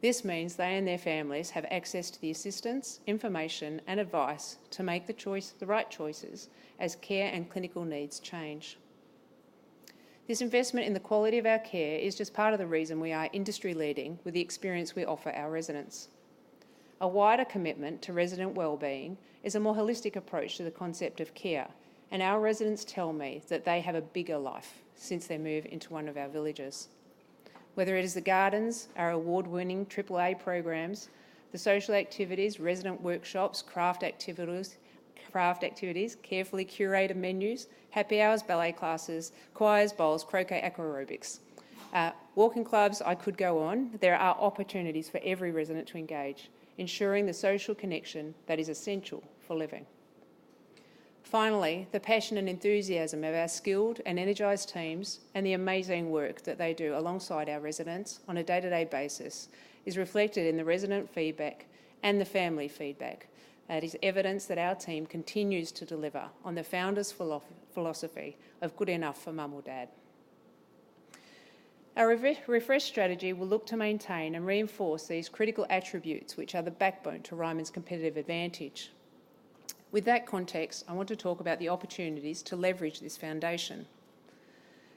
This means they and their families have access to the assistance, information, and advice to make the choice, the right choices as care and clinical needs change. This investment in the quality of our care is just part of the reason we are industry-leading with the experience we offer our residents. A wider commitment to resident wellbeing is a more holistic approach to the concept of care, and our residents tell me that they have a bigger life since they move into one of our villages. Whether it is the gardens, our award-winning AAA Program, the social activities, resident workshops, craft activities, craft activities, carefully curated menus, happy hours, ballet classes, choirs, bowls, croquet, aqua aerobics, walking clubs, I could go on. There are opportunities for every resident to engage, ensuring the social connection that is essential for living. Finally, the passion and enthusiasm of our skilled and energized teams, and the amazing work that they do alongside our residents on a day-to-day basis, is reflected in the resident feedback and the family feedback. That is evidence that our team continues to deliver on the founder's philosophy of good enough for Mum or Dad. Our refresh strategy will look to maintain and reinforce these critical attributes, which are the backbone to Ryman's competitive advantage. With that context, I want to talk about the opportunities to leverage this foundation.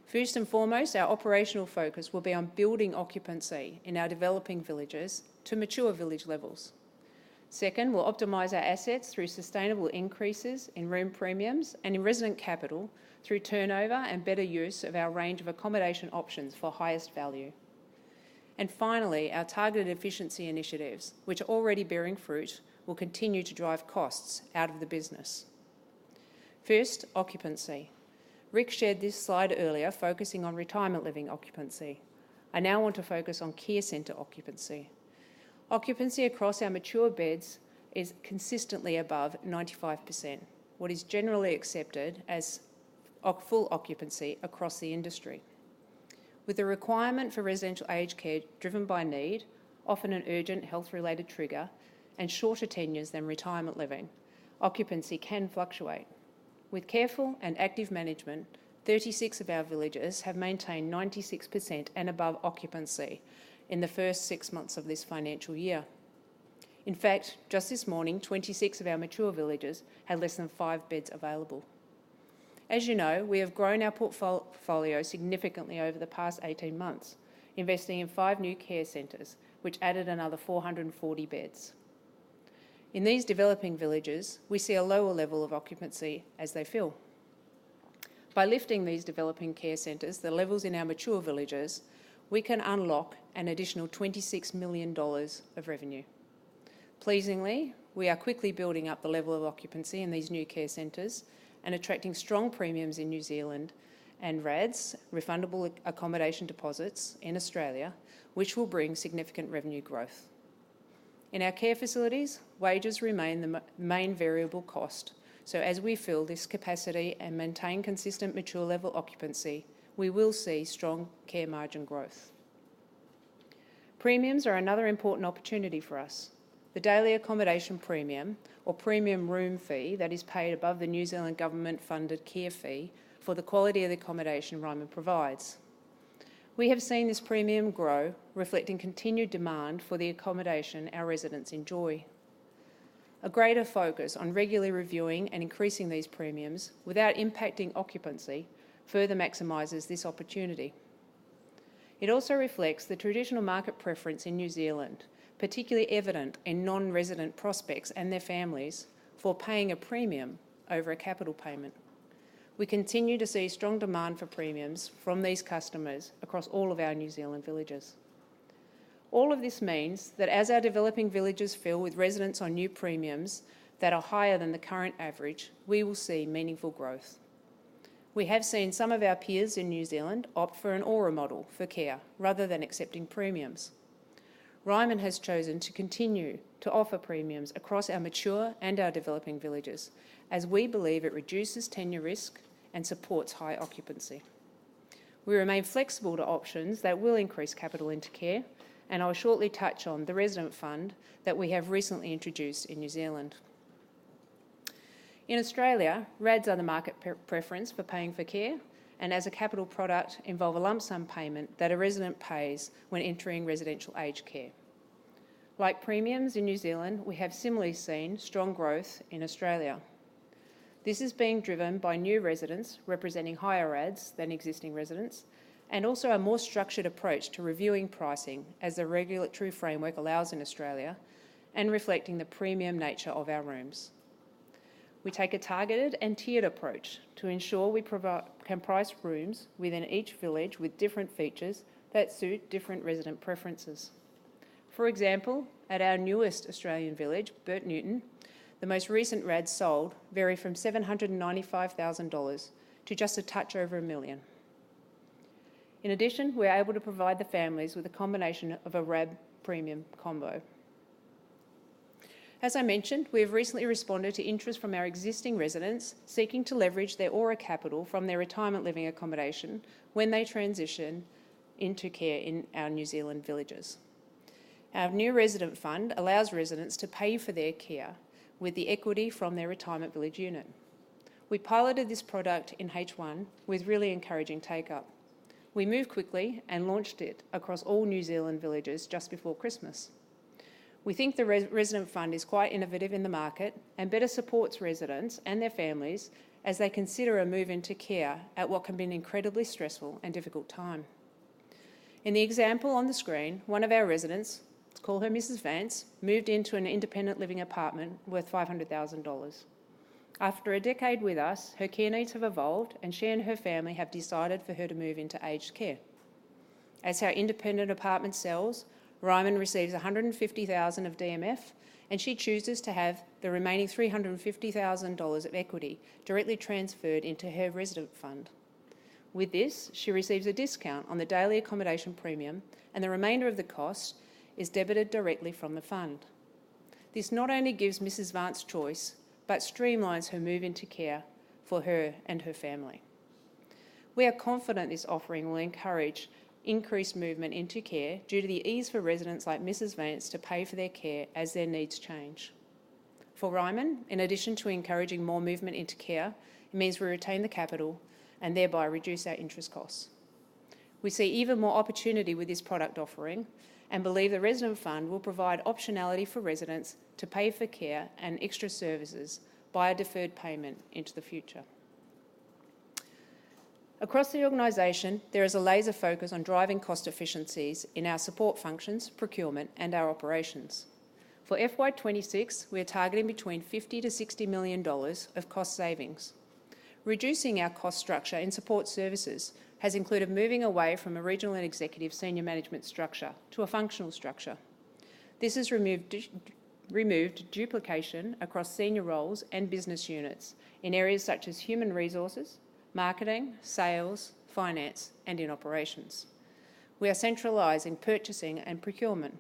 First and foremost, our operational focus will be on building occupancy in our developing villages to mature village levels. Second, we'll optimize our assets through sustainable increases in room premiums and in resident capital through turnover and better use of our range of accommodation options for highest value. And finally, our targeted efficiency initiatives, which are already bearing fruit, will continue to drive costs out of the business. First, occupancy. Rick shared this slide earlier, focusing on retirement living occupancy. I now want to focus on care center occupancy. Occupancy across our mature beds is consistently above 95%, what is generally accepted as full occupancy across the industry. With the requirement for residential aged care driven by need, often an urgent health-related trigger, and shorter tenures than retirement living, occupancy can fluctuate. With careful and active management, 36 of our villages have maintained 96% and above occupancy in the first six months of this financial year. In fact, just this morning, 26 of our mature villages had less than five beds available. As you know, we have grown our portfolio significantly over the past 18 months, investing in five new care centers, which added another 440 beds. In these developing villages, we see a lower level of occupancy as they fill. By lifting these developing care centers, the levels in our mature villages, we can unlock an additional 26 million dollars of revenue. Pleasingly, we are quickly building up the level of occupancy in these new care centers and attracting strong premiums in New Zealand and RADs, Refundable Accommodation Deposits, in Australia, which will bring significant revenue growth. In our care facilities, wages remain the main variable cost, so as we fill this capacity and maintain consistent mature level occupancy, we will see strong care margin growth. Premiums are another important opportunity for us. The daily accommodation premium, or premium room fee, that is paid above the New Zealand government-funded care fee for the quality of the accommodation Ryman provides. We have seen this premium grow, reflecting continued demand for the accommodation our residents enjoy. A greater focus on regularly reviewing and increasing these premiums without impacting occupancy further maximizes this opportunity. It also reflects the traditional market preference in New Zealand, particularly evident in non-resident prospects and their families, for paying a premium over a capital payment. We continue to see strong demand for premiums from these customers across all of our New Zealand villages. All of this means that as our developing villages fill with residents on new premiums that are higher than the current average, we will see meaningful growth. We have seen some of our peers in New Zealand opt for an ORA model for care rather than accepting premiums. Ryman has chosen to continue to offer premiums across our mature and our developing villages, as we believe it reduces tenure risk and supports high occupancy. We remain flexible to options that will increase capital into care, and I'll shortly touch on the Resident Fund that we have recently introduced in New Zealand. In Australia, RADs are the market preference for paying for care, and as a capital product, involve a lump sum payment that a resident pays when entering residential aged care. Like premiums in New Zealand, we have similarly seen strong growth in Australia. This is being driven by new residents representing higher RADs than existing residents, and also a more structured approach to reviewing pricing, as the regulatory framework allows in Australia, and reflecting the premium nature of our rooms. We take a targeted and tiered approach to ensure we provide can price rooms within each village with different features that suit different resident preferences. For example, at our newest Australian village, Bert Newton, the most recent RADs sold vary from 795,000 dollars to just a touch over 1 million. In addition, we are able to provide the families with a combination of a RAD premium combo. As I mentioned, we have recently responded to interest from our existing residents seeking to leverage their ORA capital from their retirement living accommodation when they transition into care in our New Zealand villages. Our new Resident Fund allows residents to pay for their care with the equity from their retirement village unit. We piloted this product in H1 with really encouraging take-up. We moved quickly and launched it across all New Zealand villages just before Christmas. We think the Resident Fund is quite innovative in the market and better supports residents and their families as they consider a move into care at what can be an incredibly stressful and difficult time. In the example on the screen, one of our residents, let's call her Mrs. Vance, moved into an independent living apartment worth 500,000 dollars. After a decade with us, her care needs have evolved, and she and her family have decided for her to move into aged care. As her independent apartment sells, Ryman receives 150,000 of DMF, and she chooses to have the remaining 350,000 dollars of equity directly transferred into her Resident Fund. With this, she receives a discount on the daily accommodation premium, and the remainder of the cost is debited directly from the fund. This not only gives Mrs. Vance choice, but streamlines her move into care for her and her family. We are confident this offering will encourage increased movement into care due to the ease for residents like Mrs. Vance to pay for their care as their needs change. For Ryman, in addition to encouraging more movement into care, it means we retain the capital and thereby reduce our interest costs. We see even more opportunity with this product offering, and believe the Resident Fund will provide optionality for residents to pay for care and extra services by a deferred payment into the future. Across the organization, there is a laser focus on driving cost efficiencies in our support functions, procurement, and our operations. For FY 2026, we are targeting between 50 million-60 million dollars of cost savings. Reducing our cost structure in support services has included moving away from a regional and executive senior management structure to a functional structure. This has removed removed duplication across senior roles and business units in areas such as human resources, marketing, sales, finance, and in operations. We are centralizing purchasing and procurement.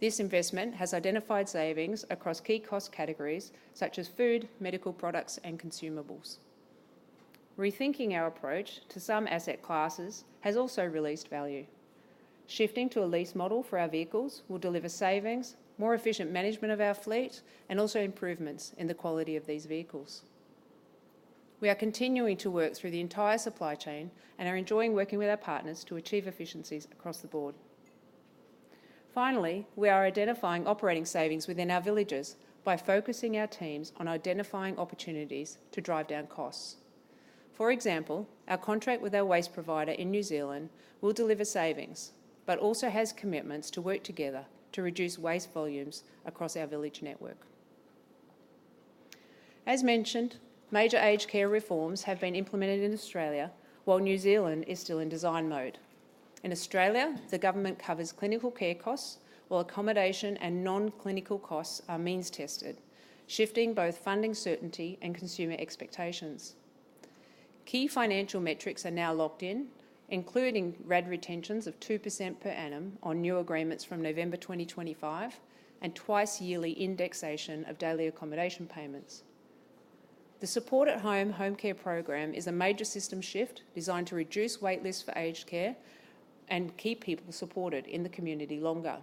This investment has identified savings across key cost categories such as food, medical products, and consumables. Rethinking our approach to some asset classes has also released value. Shifting to a lease model for our vehicles will deliver savings, more efficient management of our fleet, and also improvements in the quality of these vehicles. We are continuing to work through the entire supply chain and are enjoying working with our partners to achieve efficiencies across the board. Finally, we are identifying operating savings within our villages by focusing our teams on identifying opportunities to drive down costs. For example, our contract with our waste provider in New Zealand will deliver savings, but also has commitments to work together to reduce waste volumes across our village network. As mentioned, major aged care reforms have been implemented in Australia, while New Zealand is still in design mode. In Australia, the government covers clinical care costs, while accommodation and non-clinical costs are means-tested, shifting both funding certainty and consumer expectations. Key financial metrics are now locked in, including RAD retentions of 2% per annum on new agreements from November 2025, and twice-yearly indexation of daily accommodation payments. The Support at Home home care program is a major system shift designed to reduce wait lists for aged care and keep people supported in the community longer.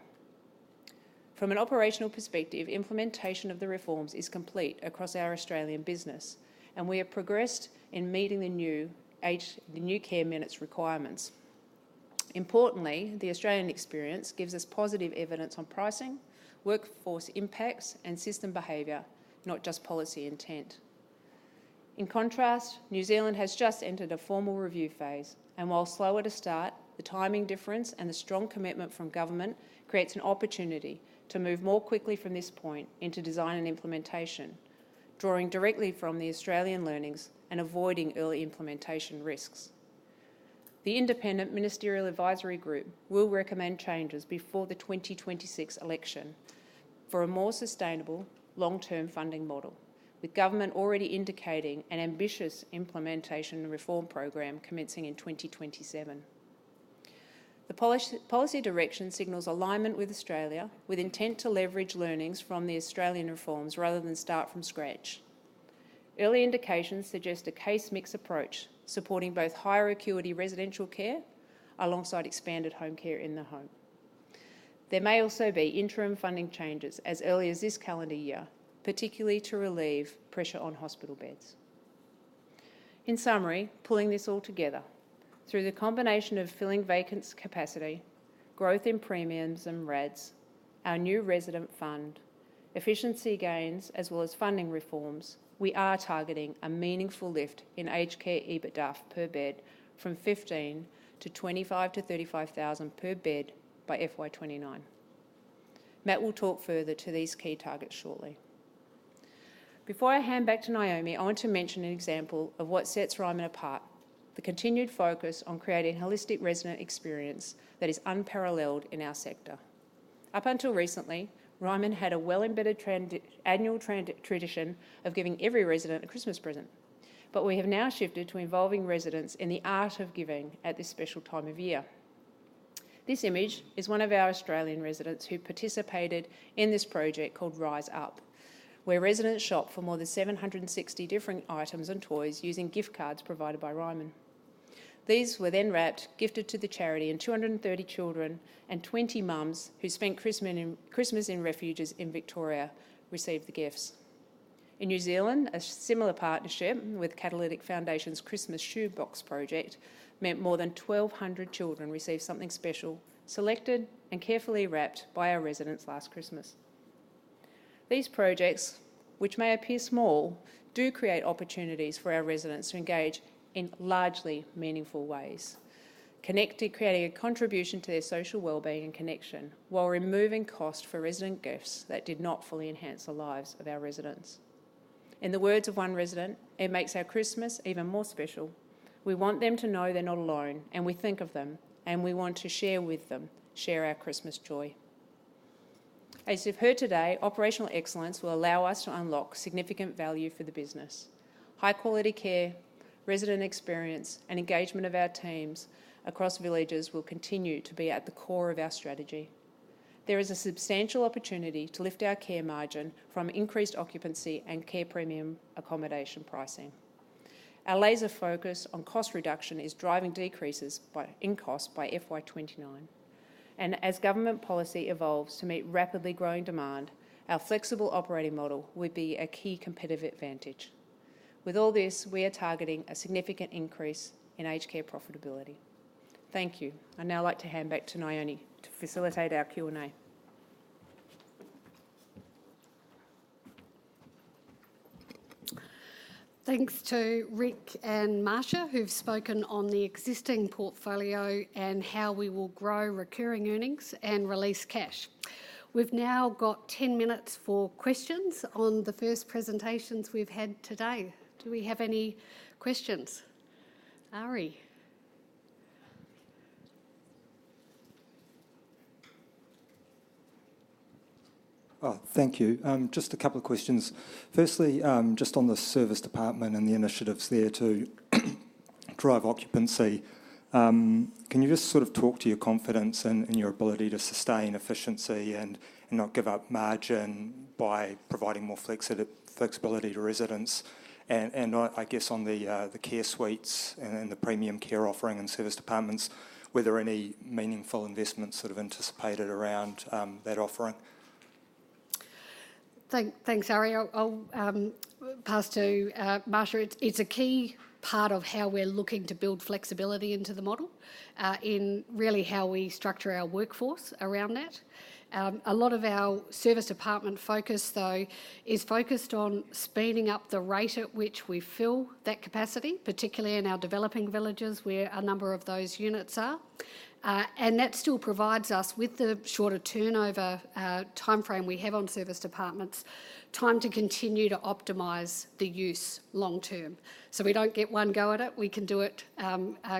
From an operational perspective, implementation of the reforms is complete across our Australian business, and we have progressed in meeting the new care minutes requirements. Importantly, the Australian experience gives us positive evidence on pricing, workforce impacts, and system behavior, not just policy intent. In contrast, New Zealand has just entered a formal review phase, and while slower to start, the timing difference and the strong commitment from government creates an opportunity to move more quickly from this point into design and implementation, drawing directly from the Australian learnings and avoiding early implementation risks. The Independent Ministerial Advisory Group will recommend changes before the 2026 election for a more sustainable long-term funding model, with government already indicating an ambitious implementation and reform program commencing in 2027. The policy direction signals alignment with Australia, with intent to leverage learnings from the Australian reforms rather than start from scratch. Early indications suggest a case mix approach, supporting both higher acuity residential care alongside expanded home care in the home. There may also be interim funding changes as early as this calendar year, particularly to relieve pressure on hospital beds. In summary, pulling this all together, through the combination of filling vacant capacity, growth in premiums and RADs, our new Resident Fund, efficiency gains, as well as funding reforms, we are targeting a meaningful lift in aged care EBITDAF per bed from 15,000-25,000-NZD 35,000 per bed by FY 2029. Matt will talk further to these key targets shortly. Before I hand back to Naomi, I want to mention an example of what sets Ryman apart, the continued focus on creating a holistic resident experience that is unparalleled in our sector. Up until recently, Ryman had a well-embedded annual tradition of giving every resident a Christmas present, but we have now shifted to involving residents in the art of giving at this special time of year. This image is one of our Australian residents who participated in this project called Rise Up, where residents shopped for more than 760 different items and toys using gift cards provided by Ryman. These were then wrapped, gifted to the charity, and 230 children and 20 moms who spent Christmas in refuges in Victoria received the gifts. In New Zealand, a similar partnership with Catalytic Foundation's Christmas Shoebox Project meant more than 1,200 children received something special, selected and carefully wrapped by our residents last Christmas. These projects, which may appear small, do create opportunities for our residents to engage in largely meaningful ways, connecting, creating a contribution to their social wellbeing and connection, while removing cost for resident gifts that did not fully enhance the lives of our residents. In the words of one resident, "It makes our Christmas even more special. We want them to know they're not alone, and we think of them, and we want to share with them, share our Christmas joy." As you've heard today, operational excellence will allow us to unlock significant value for the business. High-quality care, resident experience, and engagement of our teams across villages will continue to be at the core of our strategy. There is a substantial opportunity to lift our care margin from increased occupancy and care premium accommodation pricing. Our laser focus on cost reduction is driving decreases in cost by FY 2029. And as government policy evolves to meet rapidly growing demand, our flexible operating model will be a key competitive advantage. With all this, we are targeting a significant increase in aged care profitability. Thank you. I'd now like to hand back to Naomi to facilitate our Q&A. Thanks to Rick and Marsha, who've spoken on the existing portfolio and how we will grow recurring earnings and release cash. We've now got 10 minutes for questions on the first presentations we've had today. Do we have any questions? Arie? Oh, thank you. Just a couple of questions. Firstly, just on the service department and the initiatives there to drive occupancy, can you just sort of talk to your confidence in your ability to sustain efficiency and not give up margin by providing more flexibility to residents? And I guess on the care suites and then the premium care offering and serviced apartments, here any meaningful investments sort of anticipated around that offering? Thanks, Arie. I'll pass to Marsha. It's a key part of how we're looking to build flexibility into the model, in really how we structure our workforce around that. A lot of our service department focus, though, is focused on speeding up the rate at which we fill that capacity, particularly in our developing villages, where a number of those units are. And that still provides us with the shorter turnover timeframe we have on serviced apartments, time to continue to optimize the use long term. So we don't get one go at it, we can do it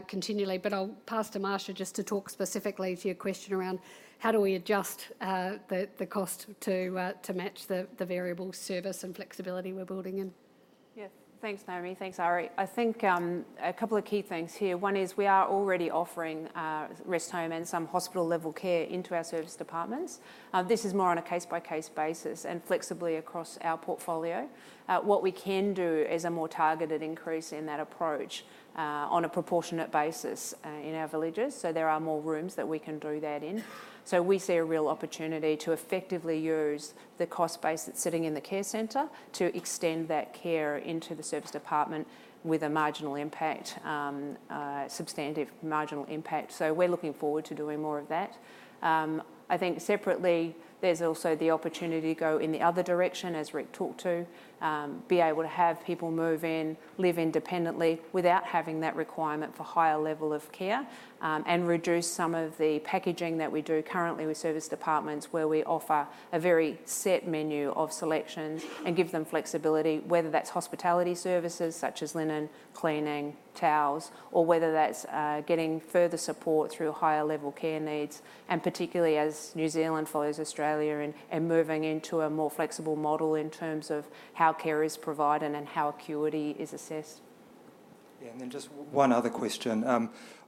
continually. But I'll pass to Marsha just to talk specifically to your question around: how do we adjust the cost to match the variable service and flexibility we're building in? Yeah. Thanks, Naomi. Thanks, Arie. I think, a couple of key things here. One is, we are already offering, rest home and some hospital-level care into our serviced apartments. This is more on a case-by-case basis and flexibly across our portfolio. What we can do is a more targeted increase in that approach, on a proportionate basis, in our villages, so there are more rooms that we can do that in. So we see a real opportunity to effectively use the cost base that's sitting in the care center to extend that care into the serviced apartments with a marginal impact, substantive marginal impact, so we're looking forward to doing more of that. I think separately, there's also the opportunity to go in the other direction, as Rick talked to, be able to have people move in, live independently, without having that requirement for higher level of care, and reduce some of the packaging that we do currently with serviced apartments, where we offer a very set menu of selections and give them flexibility, whether that's hospitality services such as linen, cleaning, towels, or whether that's getting further support through higher level care needs, and particularly as New Zealand follows Australia in moving into a more flexible model in terms of how care is provided and how acuity is assessed. Yeah, and then just one other question.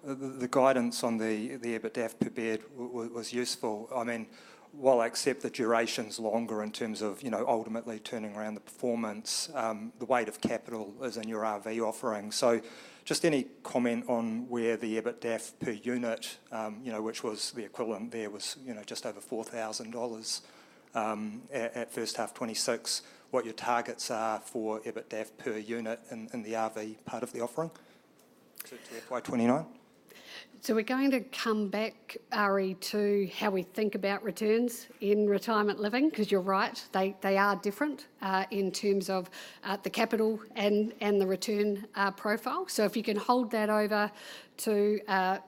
The guidance on the EBITDAF per bed was useful. I mean, while I accept the duration's longer in terms of, you know, ultimately turning around the performance, the weight of capital is in your RV offering. So just any comment on where the EBITDAF per unit, you know, which was the equivalent, there was, you know, just over 4,000 dollars, at first half 2026, what your targets are for EBITDAF per unit in the RV part of the offering to FY 2029? So we're going to come back, Ari, to how we think about returns in retirement living, 'cause you're right, they, they are different, in terms of, the capital and, and the return, profile. So if you can hold that over to,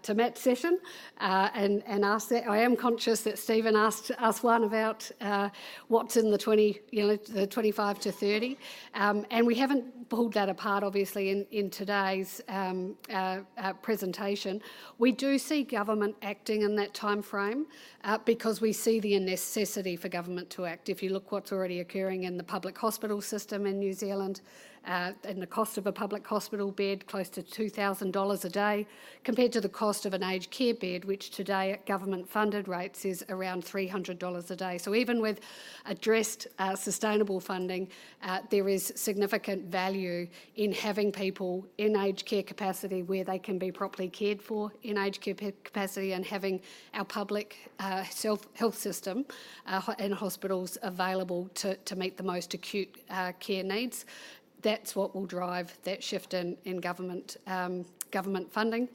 to Matt's session, and, and ask that. I am conscious that Stephen asked us one about, what's in the twenty, you know, the 25-30, and we haven't pulled that apart, obviously, in, in today's, presentation. We do see government acting in that timeframe, because we see the necessity for government to act. If you look what's already occurring in the public hospital system in New Zealand, and the cost of a public hospital bed, close to 2,000 dollars a day, compared to the cost of an aged care bed, which today, at government-funded rates, is around 300 dollars a day. So even with addressed, sustainable funding, there is significant value in having people in aged care capacity where they can be properly cared for in aged care capacity, and having our public, health system, in hospitals available to meet the most acute care needs. That's what will drive that shift in government funding.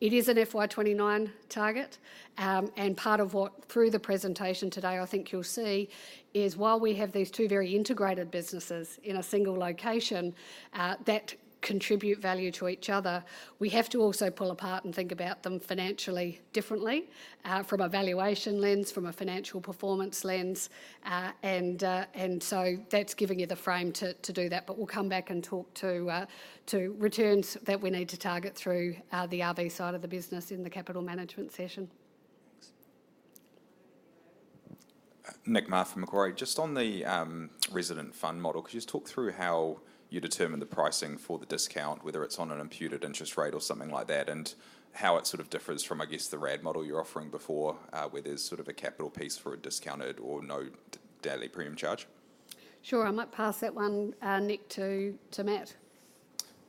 It is an FY 2029 target, and part of what, through the presentation today, I think you'll see, is while we have these two very integrated businesses in a single location, that contribute value to each other, we have to also pull apart and think about them financially differently, from a valuation lens, from a financial performance lens. And, and so that's giving you the frame to, to do that. But we'll come back and talk to, to returns that we need to target through, the RV side of the business in the capital management session. Thanks. Nick Mar from Macquarie. Just on the Resident Fund model, could you just talk through how you determine the pricing for the discount, whether it's on an imputed interest rate or something like that, and how it sort of differs from, I guess, the RAD model you were offering before, where there's sort of a capital piece for a discounted or no daily premium charge? Sure, I might pass that one, Nick, to Matt.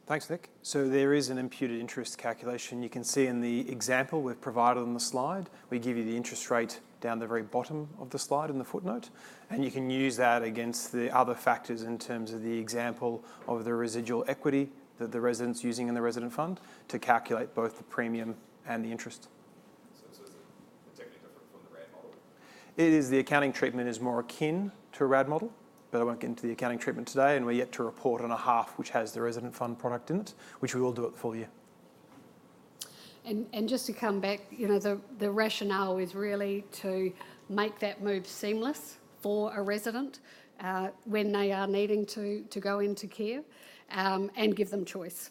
Thanks, Nick. So there is an imputed interest calculation. You can see in the example we've provided on the slide, we give you the interest rate down the very bottom of the slide in the footnote, and you can use that against the other factors in terms of the example of the residual equity that the resident's using in the Resident Fund to calculate both the premium and the interest. It is. The accounting treatment is more akin to a RAD model, but I won't get into the accounting treatment today, and we're yet to report on a half which has the Resident Fund product in it, which we will do at full year. Just to come back, you know, the rationale is really to make that move seamless for a resident, when they are needing to go into care, and give them choice.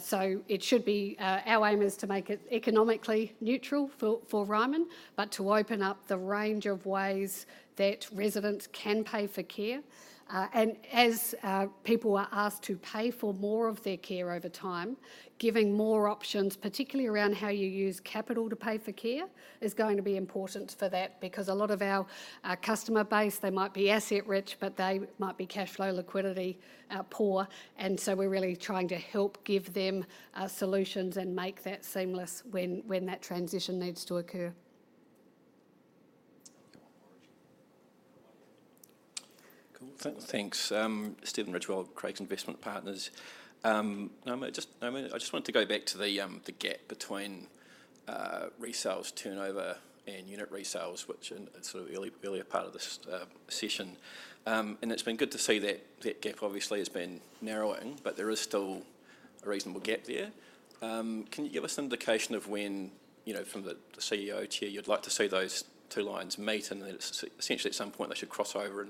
So it should be... Our aim is to make it economically neutral for Ryman, but to open up the range of ways that residents can pay for care. And as people are asked to pay for more of their care over time, giving more options, particularly around how you use capital to pay for care, is going to be important for that. Because a lot of our customer base, they might be asset rich, but they might be cash flow liquidity poor, and so we're really trying to help give them solutions and make that seamless when that transition needs to occur. Thanks. Stephen Ridgewell, Craigs Investment Partners. Naomi, just, Naomi, I just wanted to go back to the gap between resales turnover and unit resales, which in, in sort of earlier part of this session. And it's been good to see that that gap obviously has been narrowing, but there is still a reasonable gap there. Can you give us an indication of when, you know, from the, the CEO chair, you'd like to see those two lines meet? And then essentially, at some point, they should cross over,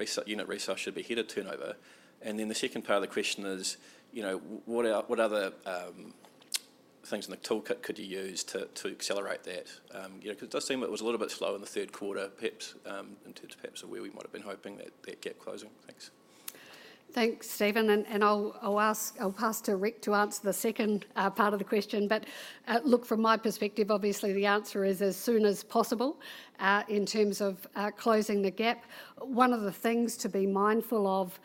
and unit resales should be ahead of turnover. And then the second part of the question is, you know, what are, what other things in the toolkit could you use to accelerate that? You know, because it does seem it was a little bit slow in the third quarter, perhaps, in terms of perhaps of where we might have been hoping that that gap closing. Thanks. Thanks, Stephen, and I'll pass to Rick to answer the second part of the question. But look, from my perspective, obviously, the answer is as soon as possible in terms of closing the gap. One of the things to be mindful of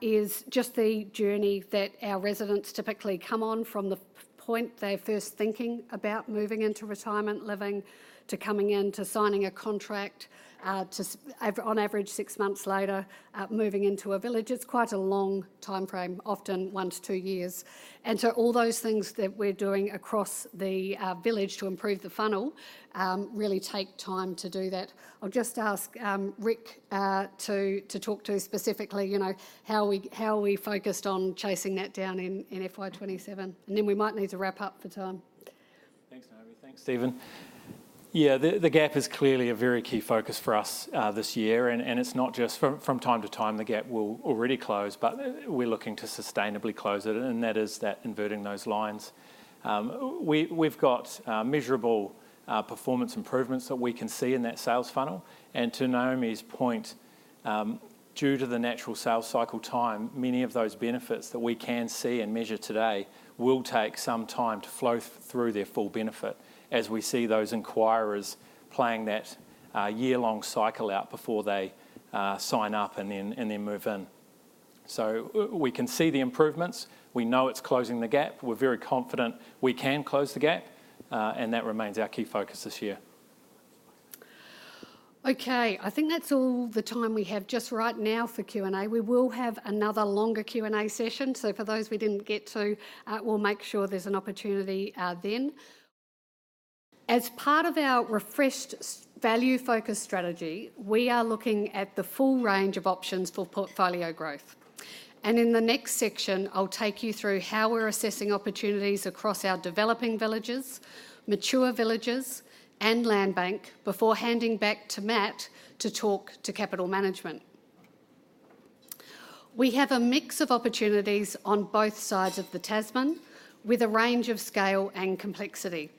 is just the journey that our residents typically come on from the point they're first thinking about moving into retirement living, to coming in, to signing a contract, on average, six months later, moving into a village. It's quite a long timeframe, often one to two years. And so all those things that we're doing across the village to improve the funnel really take time to do that. I'll just ask, Rick, to talk specifically, you know, how we focused on chasing that down in FY 2027, and then we might need to wrap up for time. Thanks, Naomi. Thanks, Stephen. Yeah, the gap is clearly a very key focus for us this year, and it's not just... From time to time, the gap will already close, but we're looking to sustainably close it, and that is that inverting those lines. We've got measurable performance improvements that we can see in that sales funnel. And to Naomi's point, due to the natural sales cycle time, many of those benefits that we can see and measure today will take some time to flow through their full benefit as we see those inquirers playing that year-long cycle out before they sign up, and then move in. So we can see the improvements. We know it's closing the gap. We're very confident we can close the gap, and that remains our key focus this year. Okay, I think that's all the time we have just right now for Q&A. We will have another longer Q&A session, so for those we didn't get to, we'll make sure there's an opportunity then. As part of our refreshed value focus strategy, we are looking at the full range of options for portfolio growth. In the next section, I'll take you through how we're assessing opportunities across our developing villages, mature villages, and land bank before handing back to Matt to talk to capital management. We have a mix of opportunities on both sides of the Tasman, with a range of scale and complexity.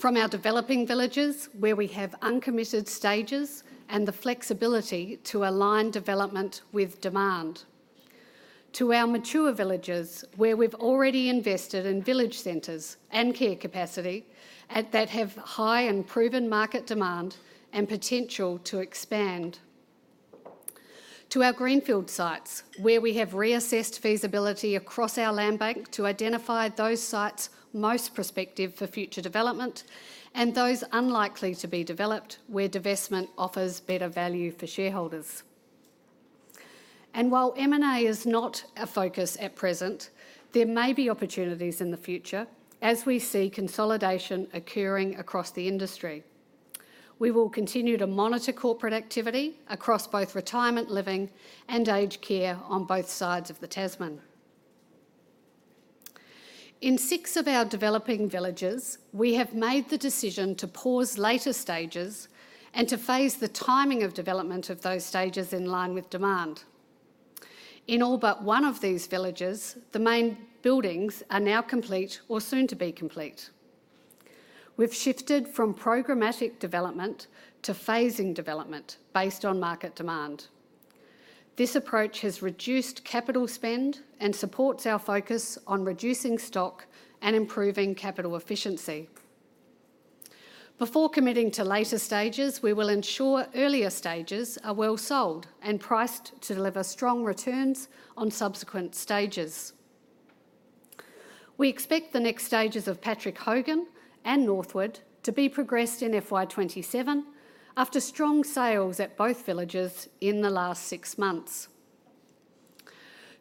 From our developing villages, where we have uncommitted stages and the flexibility to align development with demand, to our mature villages, where we've already invested in village centers and care capacity, and that have high and proven market demand and potential to expand. To our greenfield sites, where we have reassessed feasibility across our land bank to identify those sites most prospective for future development and those unlikely to be developed, where divestment offers better value for shareholders. And while M&A is not a focus at present, there may be opportunities in the future as we see consolidation occurring across the industry. We will continue to monitor corporate activity across both retirement living and aged care on both sides of the Tasman. In six of our developing villages, we have made the decision to pause later stages and to phase the timing of development of those stages in line with demand. In all but one of these villages, the main buildings are now complete or soon to be complete. We've shifted from programmatic development to phasing development based on market demand. This approach has reduced capital spend and supports our focus on reducing stock and improving capital efficiency. Before committing to later stages, we will ensure earlier stages are well sold and priced to deliver strong returns on subsequent stages. We expect the next stages of Patrick Hogan and Northwood to be progressed in FY 2027 after strong sales at both villages in the last six months.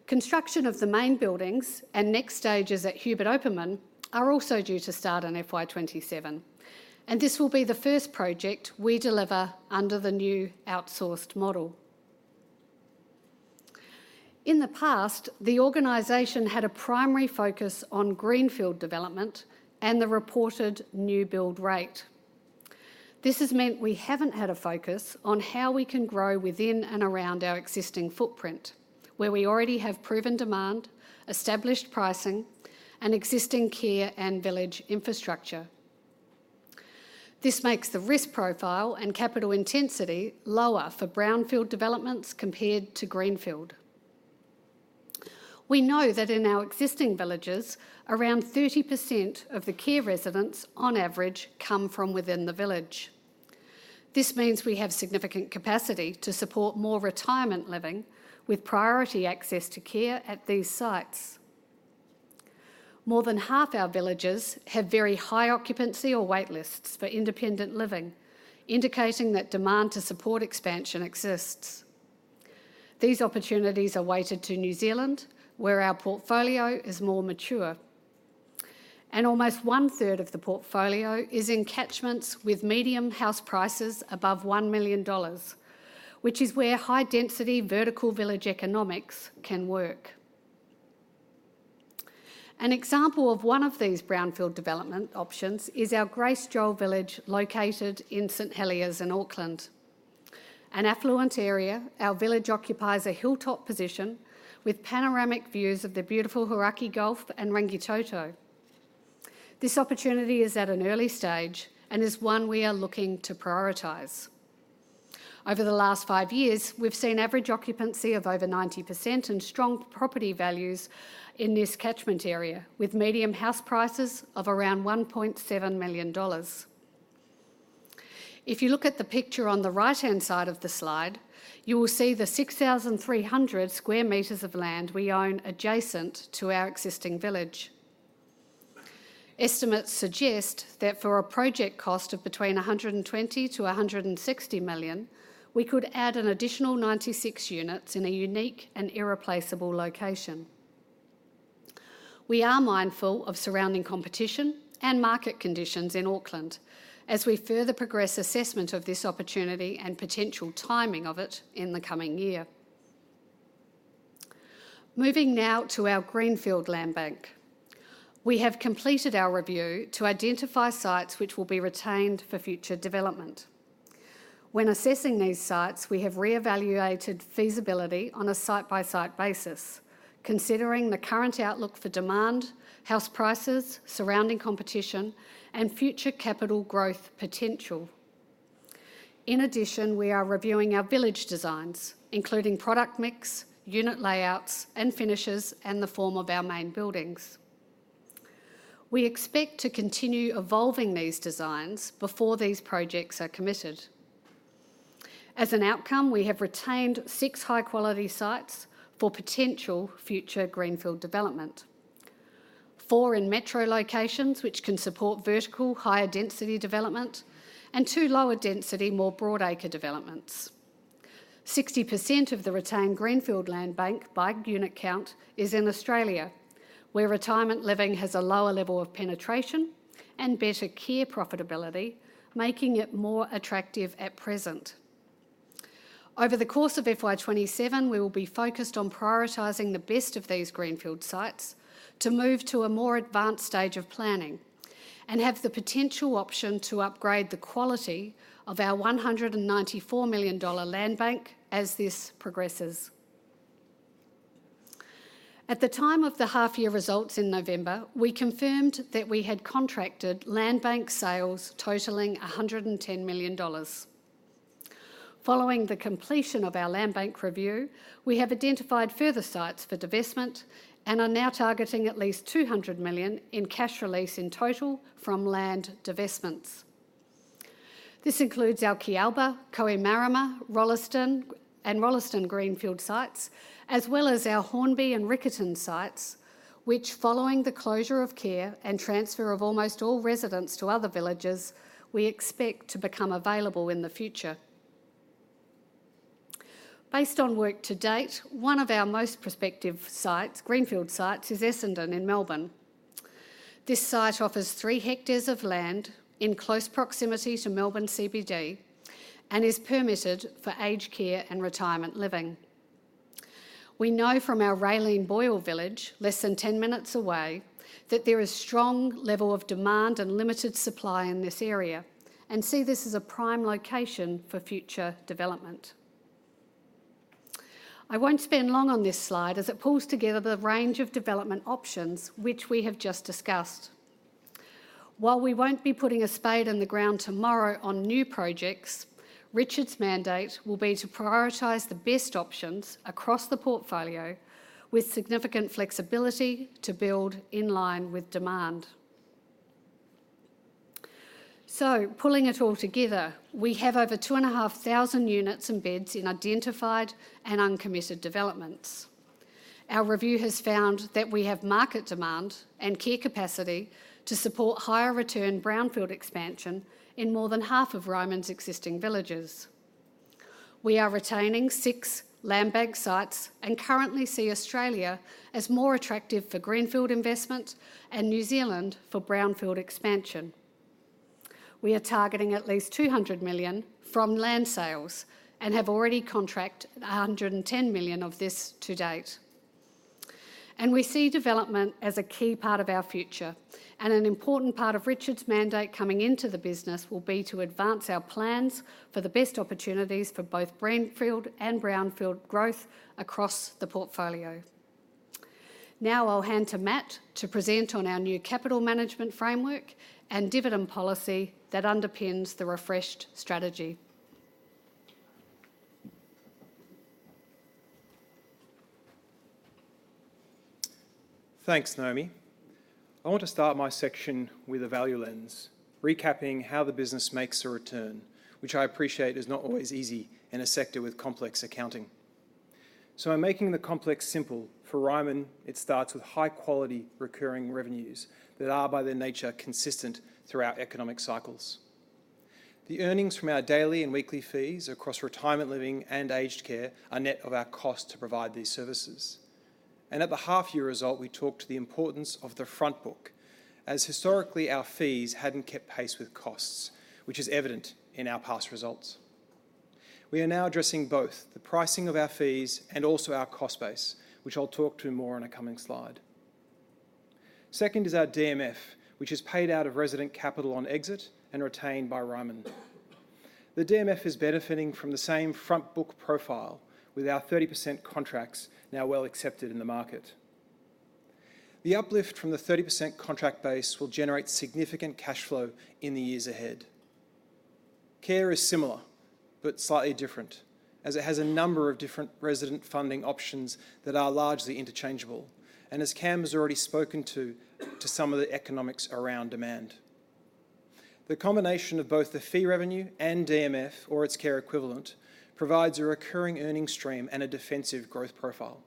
Construction of the main buildings and next stages at Hubert Opperman are also due to start in FY 2027, and this will be the first project we deliver under the new outsourced model. In the past, the organization had a primary focus on greenfield development and the reported new build rate. This has meant we haven't had a focus on how we can grow within and around our existing footprint, where we already have proven demand, established pricing, and existing care and village infrastructure. This makes the risk profile and capital intensity lower for brownfield developments compared to greenfield. We know that in our existing villages, around 30% of the care residents, on average, come from within the village. This means we have significant capacity to support more retirement living, with priority access to care at these sites. More than half our villages have very high occupancy or wait lists for independent living, indicating that demand to support expansion exists. These opportunities are weighted to New Zealand, where our portfolio is more mature, and almost one-third of the portfolio is in catchments with median house prices above 1 million dollars, which is where high-density vertical village economics can work. An example of one of these brownfield development options is our Grace Joel Village, located in St Heliers in Auckland. An affluent area, our village occupies a hilltop position with panoramic views of the beautiful Hauraki Gulf and Rangitoto. This opportunity is at an early stage and is one we are looking to prioritize. Over the last five years, we've seen average occupancy of over 90% and strong property values in this catchment area, with median house prices of around 1.7 million dollars. If you look at the picture on the right-hand side of the slide, you will see the 6,300 square meters of land we own adjacent to our existing village. Estimates suggest that for a project cost of between 120 million-160 million, we could add an additional 96 units in a unique and irreplaceable location. We are mindful of surrounding competition and market conditions in Auckland as we further progress assessment of this opportunity and potential timing of it in the coming year. Moving now to our greenfield land bank. We have completed our review to identify sites which will be retained for future development. When assessing these sites, we have re-evaluated feasibility on a site-by-site basis, considering the current outlook for demand, house prices, surrounding competition, and future capital growth potential. In addition, we are reviewing our village designs, including product mix, unit layouts, and finishes, and the form of our main buildings. We expect to continue evolving these designs before these projects are committed. As an outcome, we have retained six high-quality sites for potential future greenfield development: four in metro locations, which can support vertical, higher-density development, and two lower-density, more broad acre developments. 60% of the retained greenfield land bank by unit count is in Australia, where retirement living has a lower level of penetration and better care profitability, making it more attractive at present. Over the course of FY 2027, we will be focused on prioritizing the best of these greenfield sites to move to a more advanced stage of planning and have the potential option to upgrade the quality of our 194 million dollar land bank as this progresses. At the time of the half-year results in November, we confirmed that we had contracted land bank sales totaling 110 million dollars. Following the completion of our land bank review, we have identified further sites for divestment and are now targeting at least 200 million in cash release in total from land divestments. This includes our Kealba, Kohimarama, Rolleston, and Rolleston greenfield sites, as well as our Hornby and Riccarton sites, which, following the closure of care and transfer of almost all residents to other villages, we expect to become available in the future. Based on work to date, one of our most prospective sites, greenfield sites, is Essendon in Melbourne. This site offers three hectares of land in close proximity to Melbourne CBD and is permitted for aged care and retirement living. We know from our Raelene Boyle Village, less than 10 minutes away, that there is strong level of demand and limited supply in this area, and see this as a prime location for future development. I won't spend long on this slide, as it pulls together the range of development options which we have just discussed. While we won't be putting a spade in the ground tomorrow on new projects, Richard's mandate will be to prioritize the best options across the portfolio with significant flexibility to build in line with demand. So pulling it all together, we have over 2,500 units and beds in identified and uncommitted developments. Our review has found that we have market demand and care capacity to support higher return brownfield expansion in more than half of Ryman's existing villages. We are retaining six land bank sites and currently see Australia as more attractive for greenfield investment and New Zealand for brownfield expansion. We are targeting at least 200 million from land sales and have already contracted 110 million of this to date. We see development as a key part of our future, and an important part of Richard's mandate coming into the business will be to advance our plans for the best opportunities for both greenfield and brownfield growth across the portfolio. Now I'll hand to Matt to present on our new capital management framework and dividend policy that underpins the refreshed strategy. Thanks, Naomi. I want to start my section with a value lens, recapping how the business makes a return, which I appreciate is not always easy in a sector with complex accounting. So in making the complex simple, for Ryman, it starts with high-quality recurring revenues that are, by their nature, consistent throughout economic cycles. The earnings from our daily and weekly fees across retirement living and aged care are net of our cost to provide these services. And at the half-year result, we talked the importance of the front book, as historically, our fees hadn't kept pace with costs, which is evident in our past results. We are now addressing both the pricing of our fees and also our cost base, which I'll talk to more on a coming slide. Second is our DMF, which is paid out of resident capital on exit and retained by Ryman. The DMF is benefiting from the same front book profile, with our 30% contracts now well accepted in the market. The uplift from the 30% contract base will generate significant cash flow in the years ahead. Care is similar but slightly different, as it has a number of different resident funding options that are largely interchangeable, and as Cam has already spoken to, some of the economics around demand. The combination of both the fee revenue and DMF, or its care equivalent, provides a recurring earning stream and a defensive growth profile.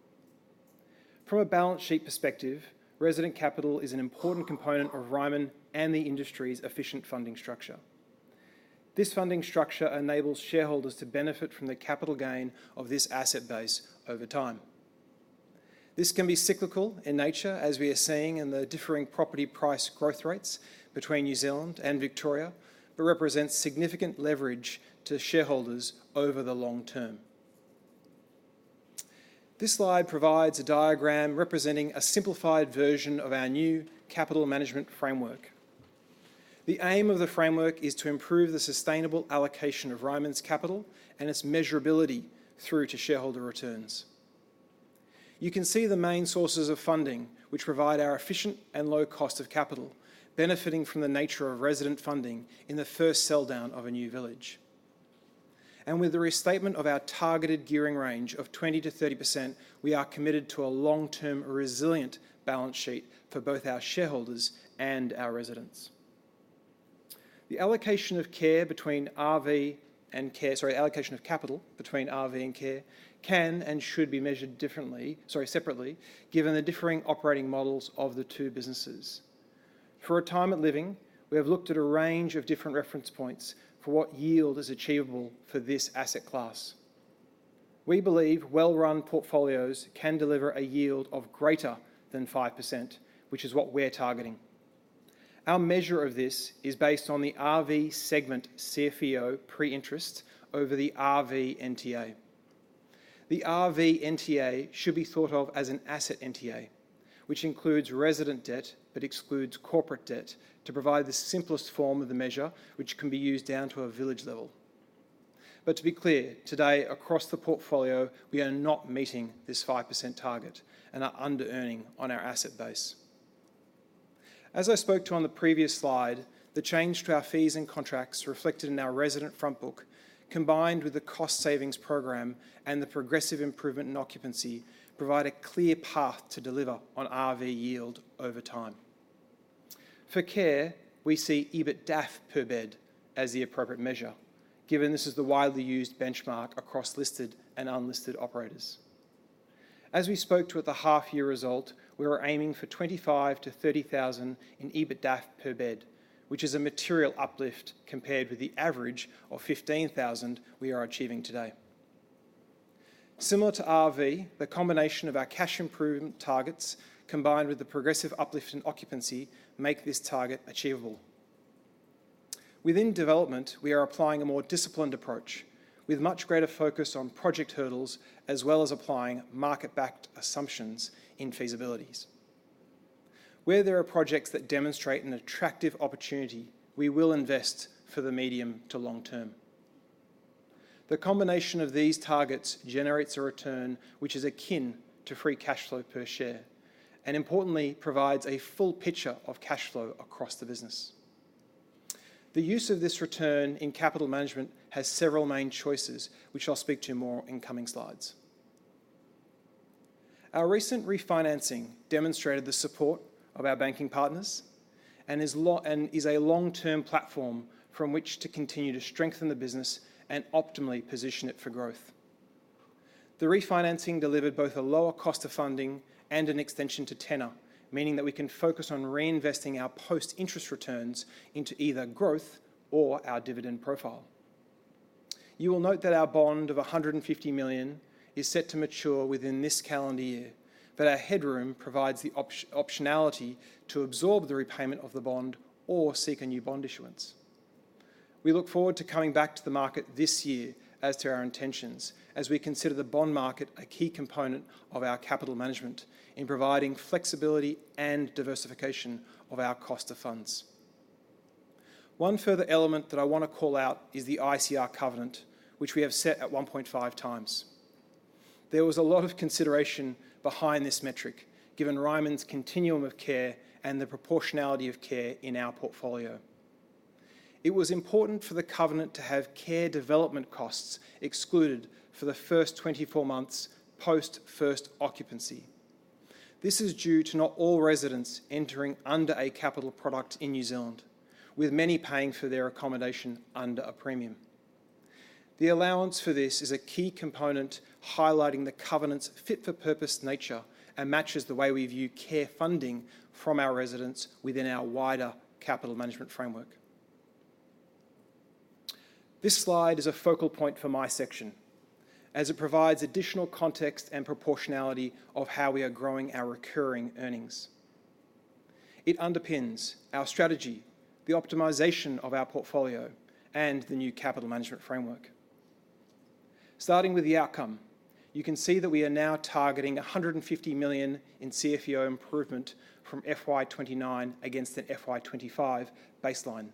From a balance sheet perspective, resident capital is an important component of Ryman and the industry's efficient funding structure. This funding structure enables shareholders to benefit from the capital gain of this asset base over time. This can be cyclical in nature, as we are seeing in the differing property price growth rates between New Zealand and Victoria, but represents significant leverage to shareholders over the long term. This slide provides a diagram representing a simplified version of our new capital management framework. The aim of the framework is to improve the sustainable allocation of Ryman's capital and its measurability through to shareholder returns. You can see the main sources of funding, which provide our efficient and low cost of capital, benefiting from the nature of resident funding in the first sell-down of a new village. With the restatement of our targeted gearing range of 20%-30%, we are committed to a long-term, resilient balance sheet for both our shareholders and our residents. The allocation of care between RV and care... Sorry, allocation of capital between RV and care can and should be measured differently, sorry, separately, given the differing operating models of the two businesses. For retirement living, we have looked at a range of different reference points for what yield is achievable for this asset class. We believe well-run portfolios can deliver a yield of greater than 5%, which is what we're targeting. Our measure of this is based on the RV segment, CFEO, pre-interest over the RV NTA. The RV NTA should be thought of as an asset NTA, which includes resident debt but excludes corporate debt, to provide the simplest form of the measure, which can be used down to a village level. But to be clear, today, across the portfolio, we are not meeting this 5% target and are under-earning on our asset base. As I spoke to on the previous slide, the change to our fees and contracts reflected in our resident front book, combined with the cost savings program and the progressive improvement in occupancy, provide a clear path to deliver on RV yield over time. For care, we see EBITDAF per bed as the appropriate measure, given this is the widely used benchmark across listed and unlisted operators. As we spoke to at the half-year result, we are aiming for 25,000-30,000 in EBITDAF per bed, which is a material uplift compared with the average of 15,000 we are achieving today. Similar to RV, the combination of our cash improvement targets, combined with the progressive uplift in occupancy, make this target achievable. Within development, we are applying a more disciplined approach, with much greater focus on project hurdles, as well as applying market-backed assumptions in feasibilities. Where there are projects that demonstrate an attractive opportunity, we will invest for the medium to long term. The combination of these targets generates a return, which is akin to free cash flow per share, and importantly, provides a full picture of cash flow across the business. The use of this return in capital management has several main choices, which I'll speak to more in coming slides. Our recent refinancing demonstrated the support of our banking partners, and is a long-term platform from which to continue to strengthen the business and optimally position it for growth. The refinancing delivered both a lower cost of funding and an extension to tenor, meaning that we can focus on reinvesting our post-interest returns into either growth or our dividend profile. You will note that our bond of 150 million is set to mature within this calendar year, but our headroom provides the optionality to absorb the repayment of the bond or seek a new bond issuance. We look forward to coming back to the market this year as to our intentions, as we consider the bond market a key component of our capital management in providing flexibility and diversification of our cost of funds. One further element that I wanna call out is the ICR covenant, which we have set at 1.5 times. There was a lot of consideration behind this metric, given Ryman's continuum of care and the proportionality of care in our portfolio. It was important for the covenant to have care development costs excluded for the first 24 months post first occupancy. This is due to not all residents entering under a capital product in New Zealand, with many paying for their accommodation under a premium. The allowance for this is a key component, highlighting the covenant's fit-for-purpose nature, and matches the way we view care funding from our residents within our wider capital management framework. This slide is a focal point for my section, as it provides additional context and proportionality of how we are growing our recurring earnings. It underpins our strategy, the optimization of our portfolio, and the new capital management framework. Starting with the outcome, you can see that we are now targeting 150 million in CFEO improvement from FY 2029 against an FY 2025 baseline.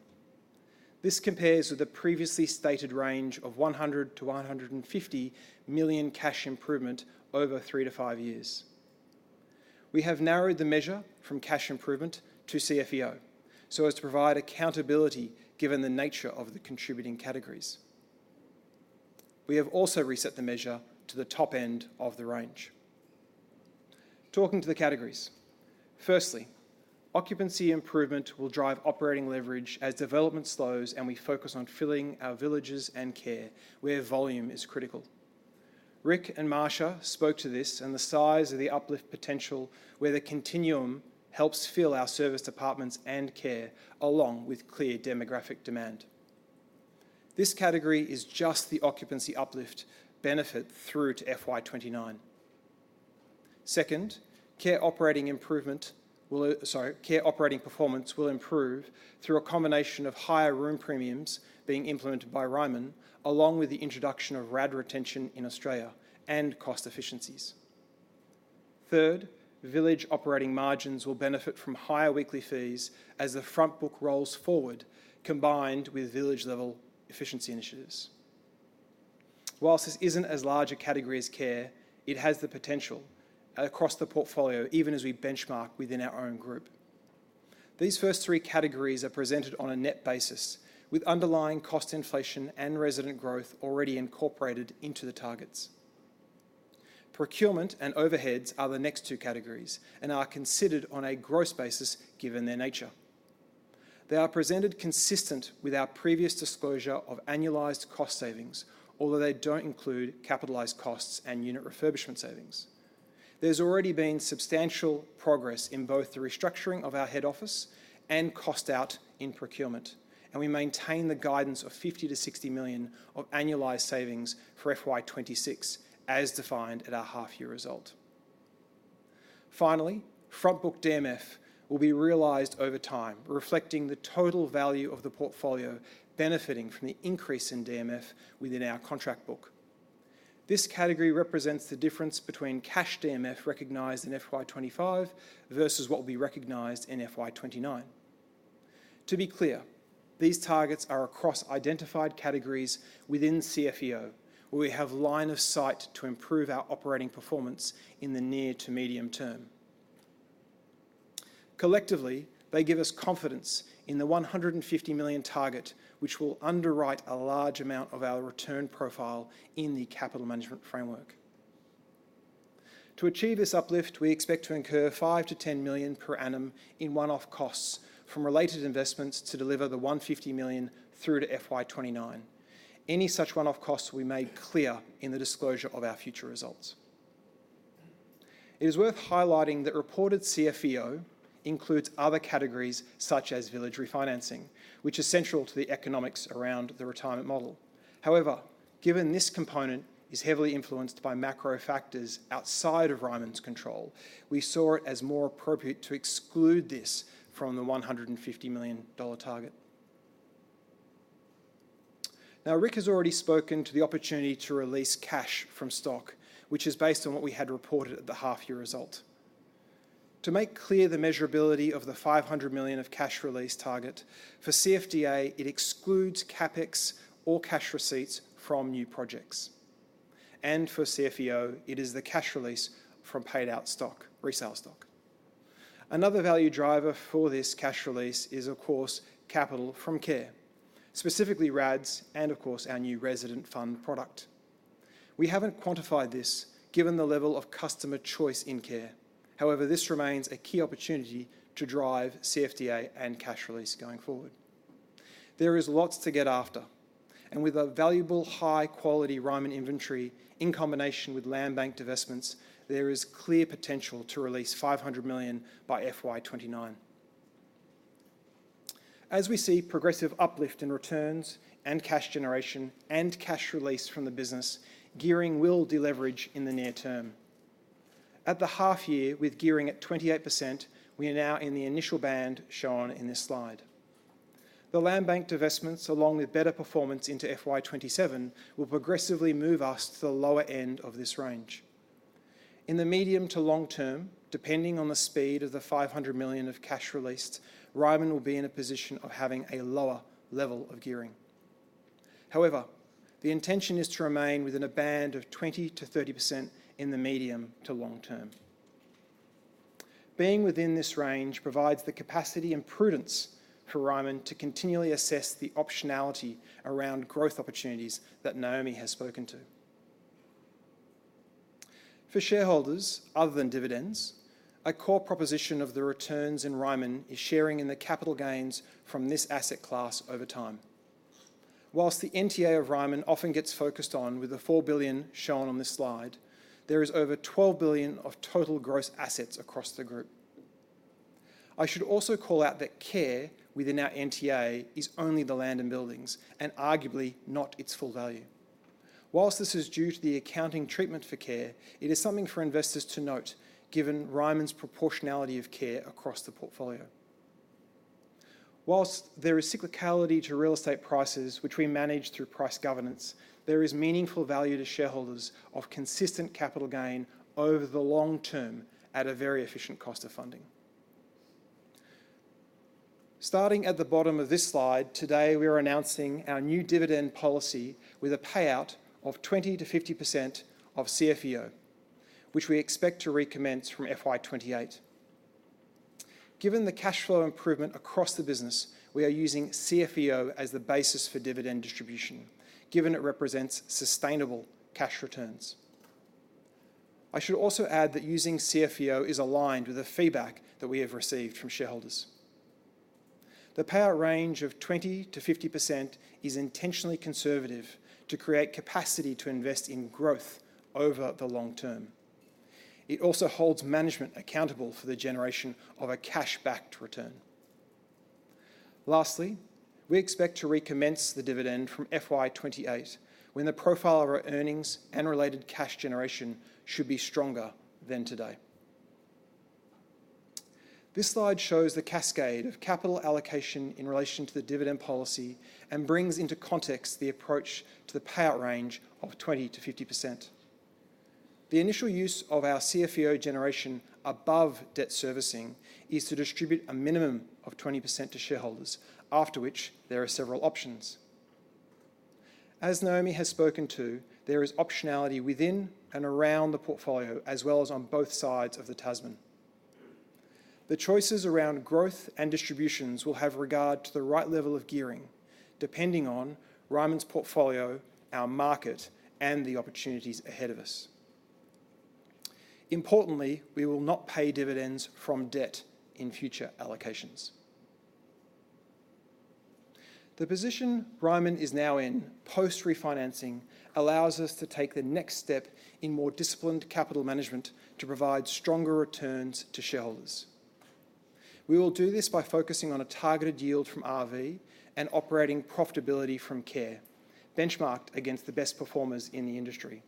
This compares with the previously stated range of 100 million-150 million cash improvement over three to five years. We have narrowed the measure from cash improvement to CFEO, so as to provide accountability, given the nature of the contributing categories. We have also reset the measure to the top end of the range. Talking to the categories: firstly, occupancy improvement will drive operating leverage as development slows, and we focus on filling our villages and care, where volume is critical. Rick and Marsha spoke to this and the size of the uplift potential, where the continuum helps fill our serviced apartments and care, along with clear demographic demand. This category is just the occupancy uplift benefit through to FY 2029. Second, care operating performance will improve through a combination of higher room premiums being implemented by Ryman, along with the introduction of RAD retention in Australia and cost efficiencies. Third, village operating margins will benefit from higher weekly fees as the front book rolls forward, combined with village-level efficiency initiatives. While this isn't as large a category as care, it has the potential across the portfolio, even as we benchmark within our own group. These first three categories are presented on a net basis, with underlying cost inflation and resident growth already incorporated into the targets. Procurement and overheads are the next two categories and are considered on a gross basis, given their nature. They are presented consistent with our previous disclosure of annualized cost savings, although they don't include capitalized costs and unit refurbishment savings. There's already been substantial progress in both the restructuring of our head office and cost out in procurement, and we maintain the guidance of 50 million-60 million of annualized savings for FY 2026, as defined at our half-year result. Finally, front book DMF will be realized over time, reflecting the total value of the portfolio benefiting from the increase in DMF within our contract book. This category represents the difference between cash DMF recognized in FY 2025 versus what will be recognized in FY 2029. To be clear, these targets are across identified categories within CFEO, where we have line of sight to improve our operating performance in the near to medium term. Collectively, they give us confidence in the 150 million target, which will underwrite a large amount of our return profile in the capital management framework. To achieve this uplift, we expect to incur 5 million NZD-10 million per annum in one-off costs from related investments to deliver the 150 million through to FY 2029. Any such one-off costs will be made clear in the disclosure of our future results. It is worth highlighting that reported CFEO includes other categories, such as village refinancing, which is central to the economics around the retirement model. However, given this component is heavily influenced by macro factors outside of Ryman's control, we saw it as more appropriate to exclude this from the 150 million dollar target. Now, Rick has already spoken to the opportunity to release cash from stock, which is based on what we had reported at the half-year result. To make clear the measurability of the 500 million cash release target, for CFDA, it excludes CapEx or cash receipts from new projects, and for CFEO, it is the cash release from paid-out stock, resale stock. Another value driver for this cash release is, of course, capital from care, specifically RADs and, of course, our new Resident Fund product. We haven't quantified this, given the level of customer choice in care. However, this remains a key opportunity to drive CFDA and cash release going forward. There is lots to get after, and with a valuable, high-quality Ryman inventory in combination with land bank divestments, there is clear potential to release 500 million by FY 2029. As we see progressive uplift in returns and cash generation and cash release from the business, gearing will deleverage in the near term. At the half year, with gearing at 28%, we are now in the initial band shown in this slide. The land bank divestments, along with better performance into FY 2027, will progressively move us to the lower end of this range. In the medium to long term, depending on the speed of the 500 million of cash released, Ryman will be in a position of having a lower level of gearing. However, the intention is to remain within a band of 20%-30% in the medium to long term. Being within this range provides the capacity and prudence for Ryman to continually assess the optionality around growth opportunities that Naomi has spoken to. For shareholders, other than dividends, a core proposition of the returns in Ryman is sharing in the capital gains from this asset class over time. While the NTA of Ryman often gets focused on, with the 4 billion shown on this slide, there is over 12 billion of total gross assets across the group. I should also call out that care within our NTA is only the land and buildings, and arguably not its full value. While this is due to the accounting treatment for care, it is something for investors to note, given Ryman's proportionality of care across the portfolio. While there is cyclicality to real estate prices, which we manage through price governance, there is meaningful value to shareholders of consistent capital gain over the long term at a very efficient cost of funding. Starting at the bottom of this slide, today, we are announcing our new dividend policy with a payout of 20%-50% of CFEO, which we expect to recommence from FY 2028. Given the cash flow improvement across the business, we are using CFEO as the basis for dividend distribution, given it represents sustainable cash returns. I should also add that using CFEO is aligned with the feedback that we have received from shareholders. The payout range of 20%-50% is intentionally conservative to create capacity to invest in growth over the long term. It also holds management accountable for the generation of a cash-backed return. Lastly, we expect to recommence the dividend from FY 2028, when the profile of our earnings and related cash generation should be stronger than today. This slide shows the cascade of capital allocation in relation to the dividend policy and brings into context the approach to the payout range of 20%-50%. The initial use of our CFEO generation above debt servicing is to distribute a minimum of 20% to shareholders, after which there are several options. As Naomi has spoken to, there is optionality within and around the portfolio, as well as on both sides of the Tasman. The choices around growth and distributions will have regard to the right level of gearing, depending on Ryman's portfolio, our market, and the opportunities ahead of us. Importantly, we will not pay dividends from debt in future allocations. The position Ryman is now in, post-refinancing, allows us to take the next step in more disciplined capital management to provide stronger returns to shareholders. We will do this by focusing on a targeted yield from RV and operating profitability from care, benchmarked against the best performers in the industry.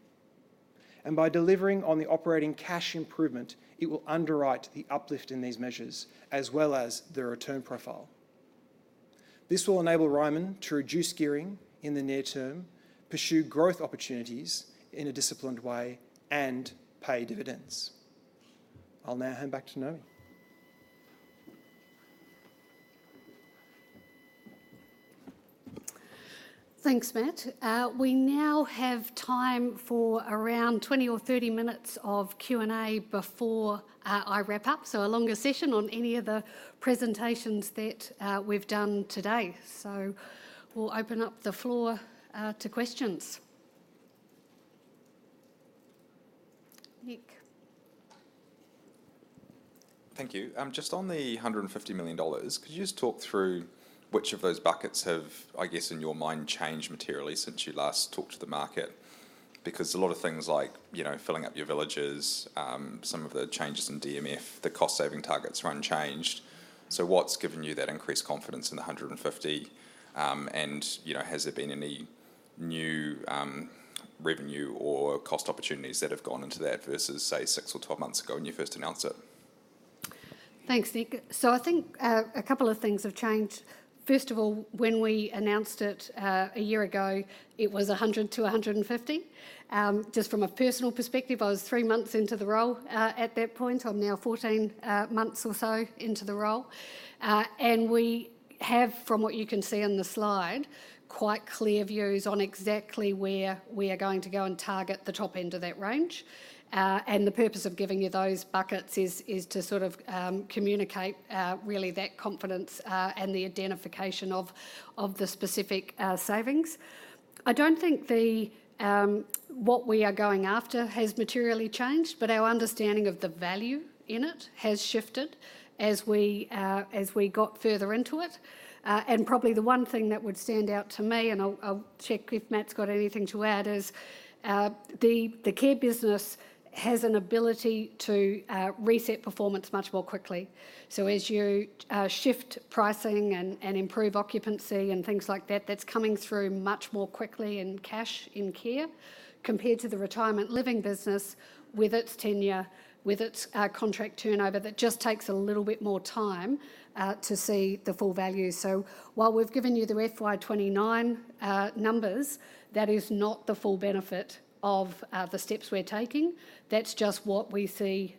By delivering on the operating cash improvement, it will underwrite the uplift in these measures, as well as the return profile. This will enable Ryman to reduce gearing in the near term, pursue growth opportunities in a disciplined way, and pay dividends. I'll now hand back to Naomi. Thanks, Matt. We now have time for around 20 or 30 minutes of Q&A before I wrap up, so a longer session on any of the presentations that we've done today. So we'll open up the floor to questions. Nick? Thank you. Just on the 150 million dollars, could you just talk through which of those buckets have, I guess, in your mind, changed materially since you last talked to the market? Because a lot of things like, you know, filling up your villages, some of the changes in DMF, the cost-saving targets run changed. So what's given you that increased confidence in the 150? And, you know, has there been any new, revenue or cost opportunities that have gone into that versus, say, six or 12 months ago when you first announced it? Thanks, Nick. So I think a couple of things have changed. First of all, when we announced it a year ago, it was 100-150. Just from a personal perspective, I was three months into the role at that point. I'm now 14 months or so into the role. And we have, from what you can see on the slide, quite clear views on exactly where we are going to go and target the top end of that range. And the purpose of giving you those buckets is to sort of communicate really that confidence and the identification of the specific savings. I don't think the what we are going after has materially changed, but our understanding of the value in it has shifted as we, as we got further into it. And probably the one thing that would stand out to me, and I'll, I'll check if Matt's got anything to add, is the care business has an ability to reset performance much more quickly. So as you shift pricing and improve occupancy and things like that, that's coming through much more quickly in cash in care, compared to the retirement living business with its tenure, with its contract turnover, that just takes a little bit more time to see the full value. So while we've given you the FY 2029 numbers, that is not the full benefit of the steps we're taking. That's just what we see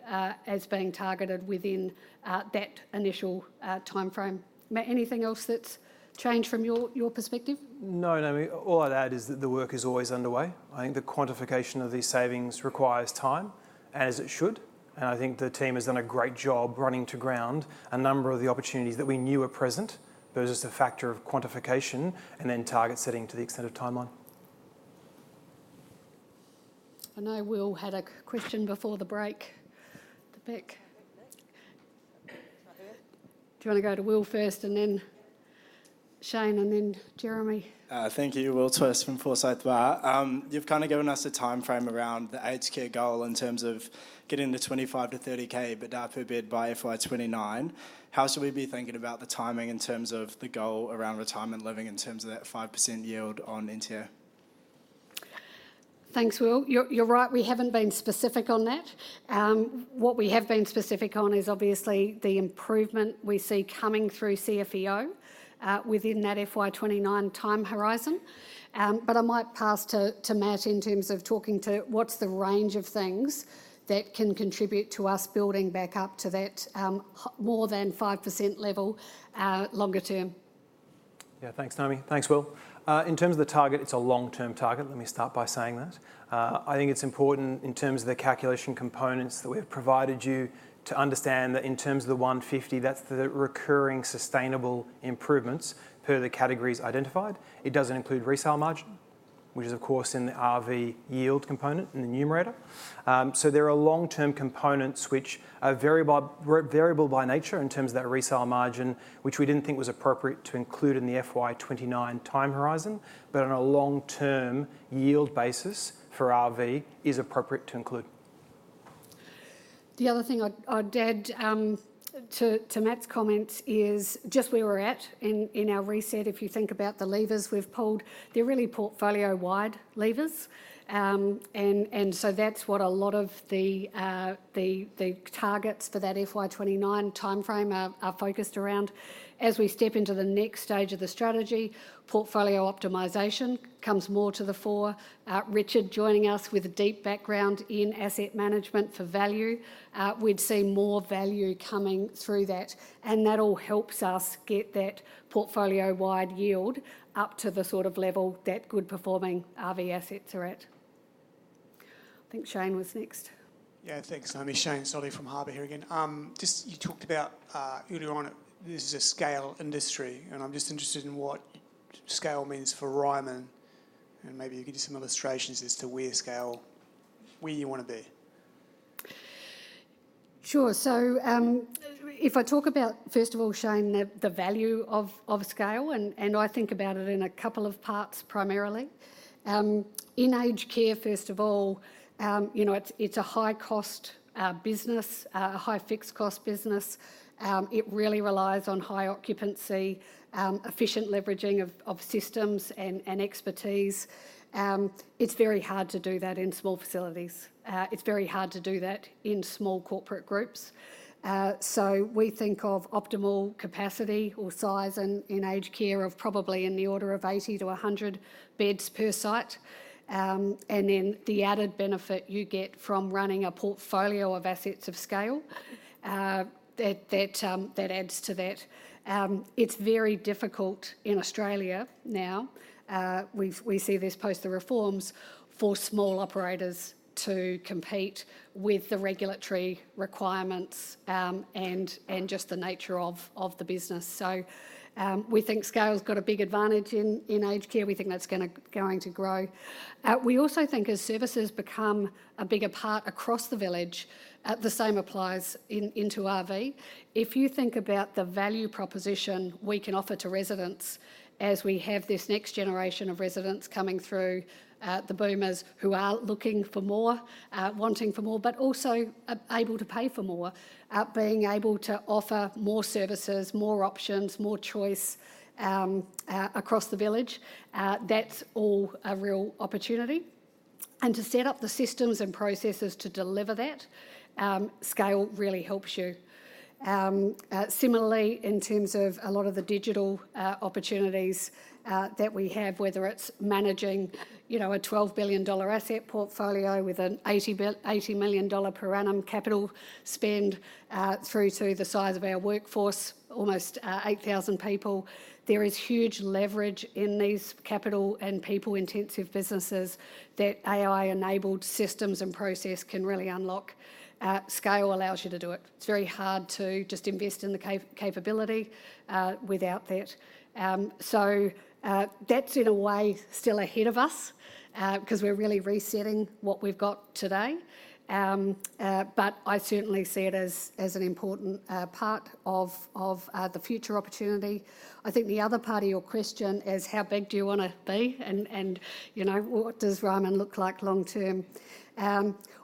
as being targeted within that initial timeframe. Matt, anything else that's changed from your perspective? No, Naomi, all I'd add is that the work is always underway. I think the quantification of these savings requires time, as it should, and I think the team has done a great job running to ground a number of the opportunities that we knew were present. But it was just a factor of quantification and then target setting to the extent of timeline. I know Will had a question before the break. Do you wanna go to Will first, and then Shane, and then Jeremy? Thank you. Will Twiss from Forsyth Barr. You've kind of given us a timeframe around the aged care goal in terms of getting to 25K-30K EBITDA per bed by FY 2029. How should we be thinking about the timing in terms of the goal around retirement living, in terms of that 5% yield on into? Thanks, Will. You're right, we haven't been specific on that. What we have been specific on is obviously the improvement we see coming through CFEO within that FY 2029 time horizon. But I might pass to Matt in terms of talking to what's the range of things that can contribute to us building back up to that more than 5% level longer term. Yeah, thanks, Naomi. Thanks, Will. In terms of the target, it's a long-term target, let me start by saying that. I think it's important in terms of the calculation components that we've provided you to understand that in terms of the 150, that's the recurring sustainable improvements per the categories identified. It doesn't include resale margin, which is of course in the RV yield component in the numerator. So there are long-term components which are variable by nature in terms of that resale margin, which we didn't think was appropriate to include in the FY 2029 time horizon, but on a long-term yield basis for RV, is appropriate to include. The other thing I'd add to Matt's comments is just where we're at in our reset. If you think about the levers we've pulled, they're really portfolio-wide levers. And so that's what a lot of the targets for that FY 2029 timeframe are focused around. As we step into the next stage of the strategy, portfolio optimization comes more to the fore. Richard joining us with a deep background in asset management for value, we'd see more value coming through that, and that all helps us get that portfolio-wide yield up to the sort of level that good performing RV assets are at. I think Shane was next. Yeah, thanks, Naomi. Shane Solly from Harbour here again. Just you talked about earlier on, this is a scale industry, and I'm just interested in what scale means for Ryman, and maybe you can give some illustrations as to where scale- where you wanna be. Sure. So, if I talk about, first of all, Shane, the value of scale, and I think about it in a couple of parts, primarily. In aged care, first of all, you know, it's a high-cost business, a high fixed cost business. It really relies on high occupancy, efficient leveraging of systems and expertise. It's very hard to do that in small facilities. It's very hard to do that in small corporate groups. So we think of optimal capacity or size in aged care of probably in the order of 80-100 beds per site. And then the added benefit you get from running a portfolio of assets of scale, that adds to that. It's very difficult in Australia now. We've, we see this post the reforms, for small operators to compete with the regulatory requirements, and just the nature of the business. So, we think scale's got a big advantage in aged care. We think that's going to grow. We also think as services become a bigger part across the village, the same applies into RV. If you think about the value proposition we can offer to residents as we have this next generation of residents coming through, the boomers, who are looking for more, wanting for more, but also able to pay for more, being able to offer more services, more options, more choice, across the village, that's all a real opportunity. and to set up the systems and processes to deliver that, scale really helps you. Similarly, in terms of a lot of the digital opportunities that we have, whether it's managing, you know, a 12 billion dollar asset portfolio with a 80 million dollar per annum capital spend, through to the size of our workforce, almost 8,000 people, there is huge leverage in these capital and people-intensive businesses that AI-enabled systems and process can really unlock. Scale allows you to do it. It's very hard to just invest in the capability without that. So, that's in a way still ahead of us, 'cause we're really resetting what we've got today. But I certainly see it as an important part of the future opportunity. I think the other part of your question is, how big do you wanna be? And, and, you know, what does Ryman look like long term?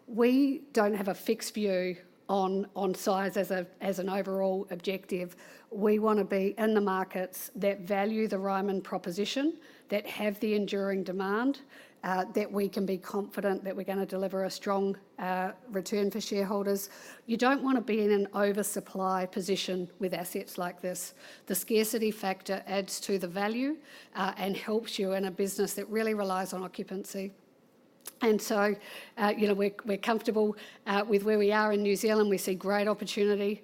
We don't have a fixed view on, on size as a, as an overall objective. We wanna be in the markets that value the Ryman proposition, that have the enduring demand, that we can be confident that we're gonna deliver a strong, return for shareholders. You don't wanna be in an oversupply position with assets like this. The scarcity factor adds to the value, and helps you in a business that really relies on occupancy. And so, you know, we're, we're comfortable, with where we are in New Zealand. We see great opportunity,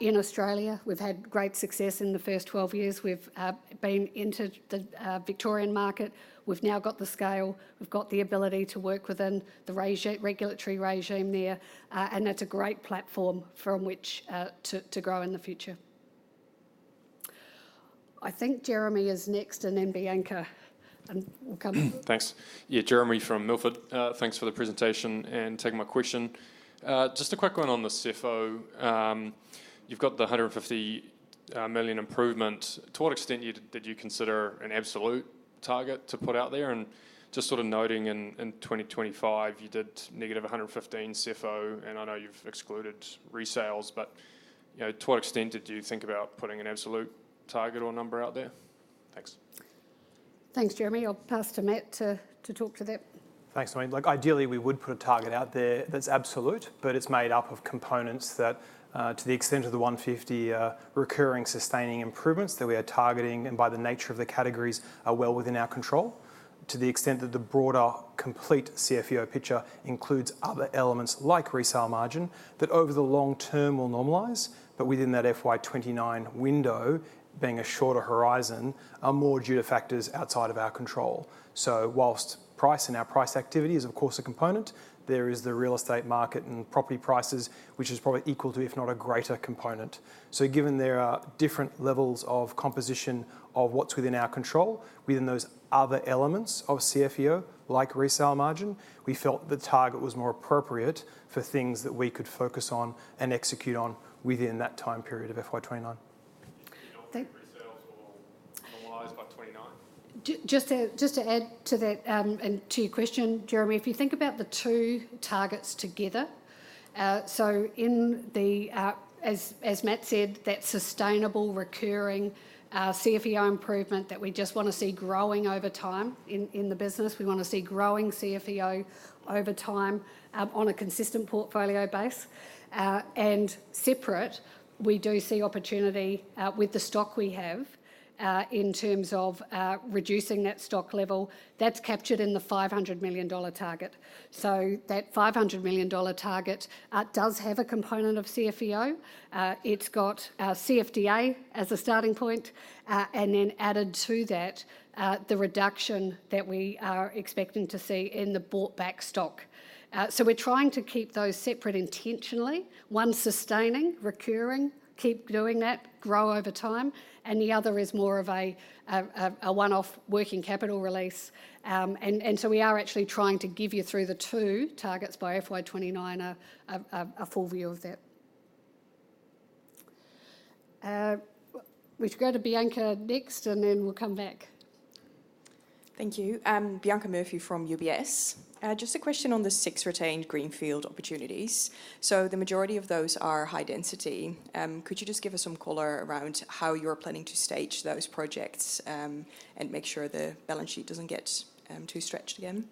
in Australia. We've had great success in the first 12 years we've, been into the, Victorian market. We've now got the scale, we've got the ability to work within the regulatory regime there, and that's a great platform from which to grow in the future. I think Jeremy is next, and then Bianca, and we'll come- Thanks. Yeah, Jeremy from Milford. Thanks for the presentation and taking my question. Just a quick one on the CFO. You've got the 150 million improvement. To what extent did you consider an absolute target to put out there? And just sort of noting in 2025, you did negative 115 CFO, and I know you've excluded resales, but, you know, to what extent did you think about putting an absolute target or number out there? Thanks. Thanks, Jeremy. I'll pass to Matt to talk to that. Thanks, Maureen. Look, ideally, we would put a target out there that's absolute, but it's made up of components that, to the extent of the 150 recurring, sustaining improvements that we are targeting, and by the nature of the categories, are well within our control. To the extent that the broader, complete CFEO picture includes other elements like resale margin, that over the long term will normalize, but within that FY 2029 window, being a shorter horizon, are more due to factors outside of our control. So whilst price and our price activity is of course a component, there is the real estate market and property prices, which is probably equal to, if not a greater component. So given there are different levels of composition of what's within our control, within those other elements of CFEO, like resale margin, we felt the target was more appropriate for things that we could focus on and execute on within that time period of FY 2029. Thank- Do you think resales will normalize by 2029? Just to add to that, and to your question, Jeremy, if you think about the two targets together, so in the, as Matt said, that sustainable, recurring, CFEO improvement that we just wanna see growing over time in the business, we wanna see growing CFEO over time, on a consistent portfolio base. And separate, we do see opportunity with the stock we have, in terms of reducing that stock level. That's captured in the 500 million dollar target. So that 500 million dollar target does have a component of CFEO. It's got CFDA as a starting point, and then added to that, the reduction that we are expecting to see in the bought-back stock. So we're trying to keep those separate intentionally: one sustaining, recurring, keep doing that, grow over time, and the other is more of a one-off working capital release. And so we are actually trying to give you, through the two targets by FY 2029, a full view of that. We can go to Bianca next, and then we'll come back. Thank you. Bianca Murphy from UBS. Just a question on the 6 retained greenfield opportunities. So the majority of those are high density. Could you just give us some color around how you're planning to stage those projects, and make sure the balance sheet doesn't get too stretched again?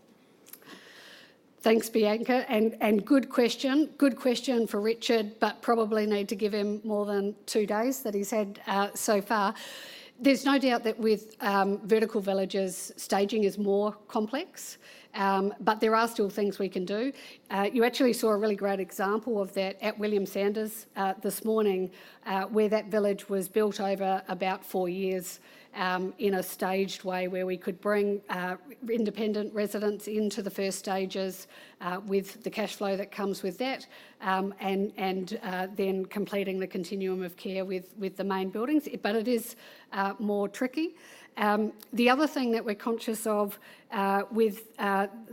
Thanks, Bianca, and good question. Good question for Richard, but probably need to give him more than two days that he's had so far. There's no doubt that with vertical villages, staging is more complex, but there are still things we can do. You actually saw a really great example of that at William Sanders this morning, where that village was built over about four years in a staged way, where we could bring independent residents into the first stages with the cash flow that comes with that, and then completing the continuum of care with the main buildings, but it is more tricky. The other thing that we're conscious of, with,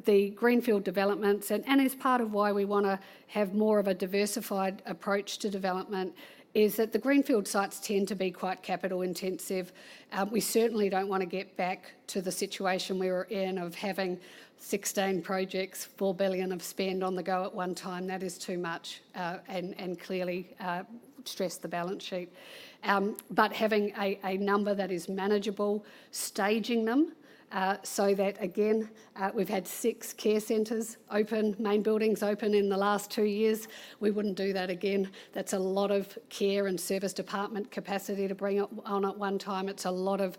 the Greenfield developments, and is part of why we wanna have more of a diversified approach to development, is that the Greenfield sites tend to be quite capital intensive. We certainly don't wanna get back to the situation we were in of having 16 projects, 4 billion of spend on the go at one time. That is too much, and clearly stressed the balance sheet. But having a number that is manageable, staging them, so that again, we've had six care centers open, main buildings open in the last two years. We wouldn't do that again. That's a lot of care and service department capacity to bring on at one time. It's a lot of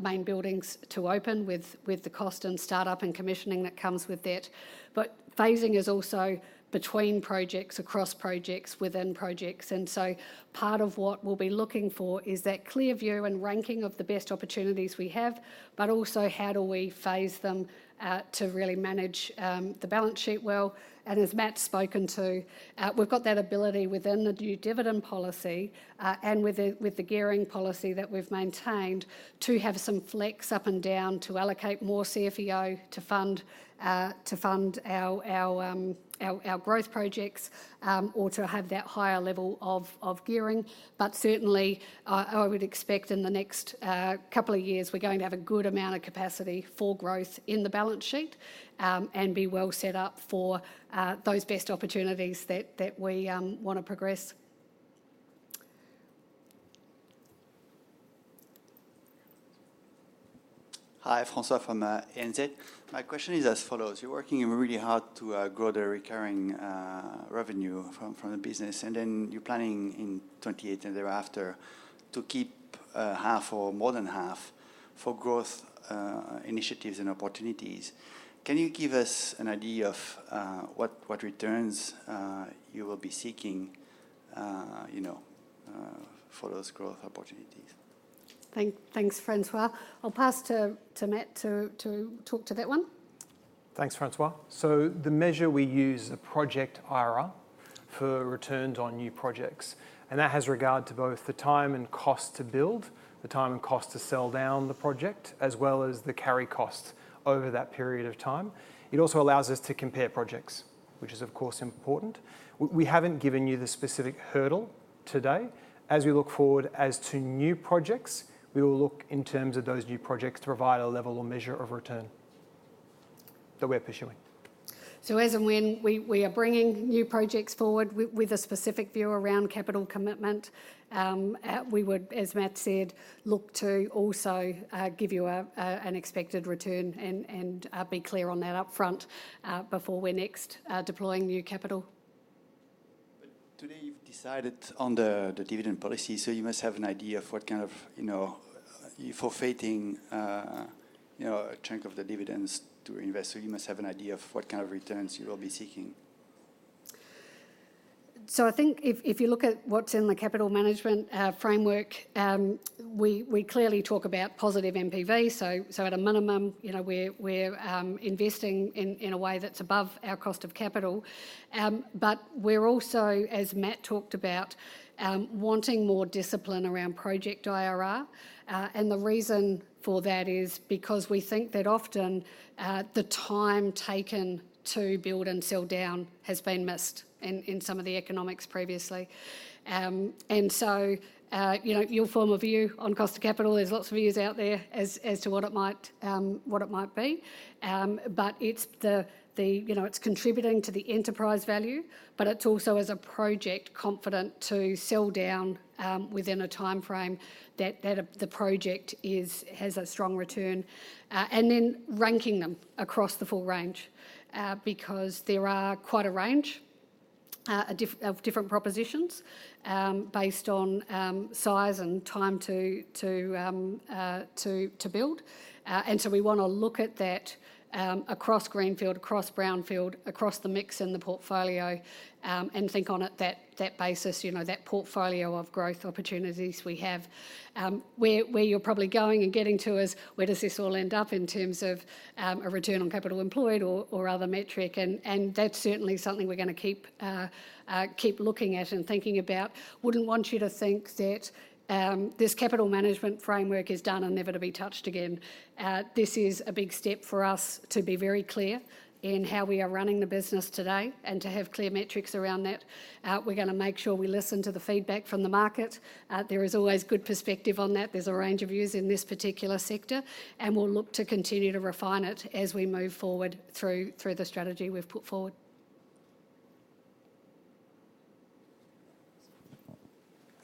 main buildings to open with, with the cost and startup and commissioning that comes with that. But phasing is also between projects, across projects, within projects, and so part of what we'll be looking for is that clear view and ranking of the best opportunities we have, but also, how do we phase them, to really manage the balance sheet well? And as Matt's spoken to, we've got that ability within the new dividend policy, and with the gearing policy that we've maintained, to have some flex up and down to allocate more CFEO to fund our growth projects, or to have that higher level of gearing. Certainly, I would expect in the next couple of years, we're going to have a good amount of capacity for growth in the balance sheet, and be well set up for those best opportunities that we wanna progress. Hi, Francois from ANZ. My question is as follows: You're working really hard to grow the recurring revenue from the business, and then you're planning in 2028 and thereafter to keep half or more than half for growth initiatives and opportunities. Can you give us an idea of what returns you will be seeking, you know, for those growth opportunities? Thanks, Francois. I'll pass to Matt to talk to that one. Thanks, Francois. So the measure we use, the Project IRR, for returns on new projects, and that has regard to both the time and cost to build, the time and cost to sell down the project, as well as the carry cost over that period of time. It also allows us to compare projects, which is, of course, important. We haven't given you the specific hurdle today. As we look forward as to new projects, we will look in terms of those new projects to provide a level or measure of return that we're pursuing. So as and when we are bringing new projects forward with a specific view around capital commitment, we would, as Matt said, look to also give you an expected return and be clear on that upfront, before we're next deploying new capital. But today you've decided on the dividend policy, so you must have an idea of what kind of, you know... You're forfeiting, you know, a chunk of the dividends to invest, so you must have an idea of what kind of returns you will be seeking. So I think if you look at what's in the capital management framework, we clearly talk about positive NPV. So at a minimum, you know, we're investing in a way that's above our cost of capital. But we're also, as Matt talked about, wanting more discipline around project IRR. And the reason for that is because we think that often the time taken to build and sell down has been missed in some of the economics previously. And so, you know, your own view on cost of capital, there's lots of views out there as to what it might be. But it's the, the... You know, it's contributing to the enterprise value, but it's also, as a project, confident to sell down within a timeframe that the project has a strong return. And then ranking them across the full range because there are quite a range of different propositions based on size and time to build. And so we wanna look at that across greenfield, across brownfield, across the mix in the portfolio, and think on it that basis, you know, that portfolio of growth opportunities we have. Where you're probably going and getting to is: Where does this all end up in terms of a return on capital employed or other metric? And that's certainly something we're gonna keep looking at and thinking about. Wouldn't want you to think that this capital management framework is done and never to be touched again. This is a big step for us to be very clear in how we are running the business today and to have clear metrics around that. We're gonna make sure we listen to the feedback from the market. There is always good perspective on that. There's a range of views in this particular sector, and we'll look to continue to refine it as we move forward through the strategy we've put forward.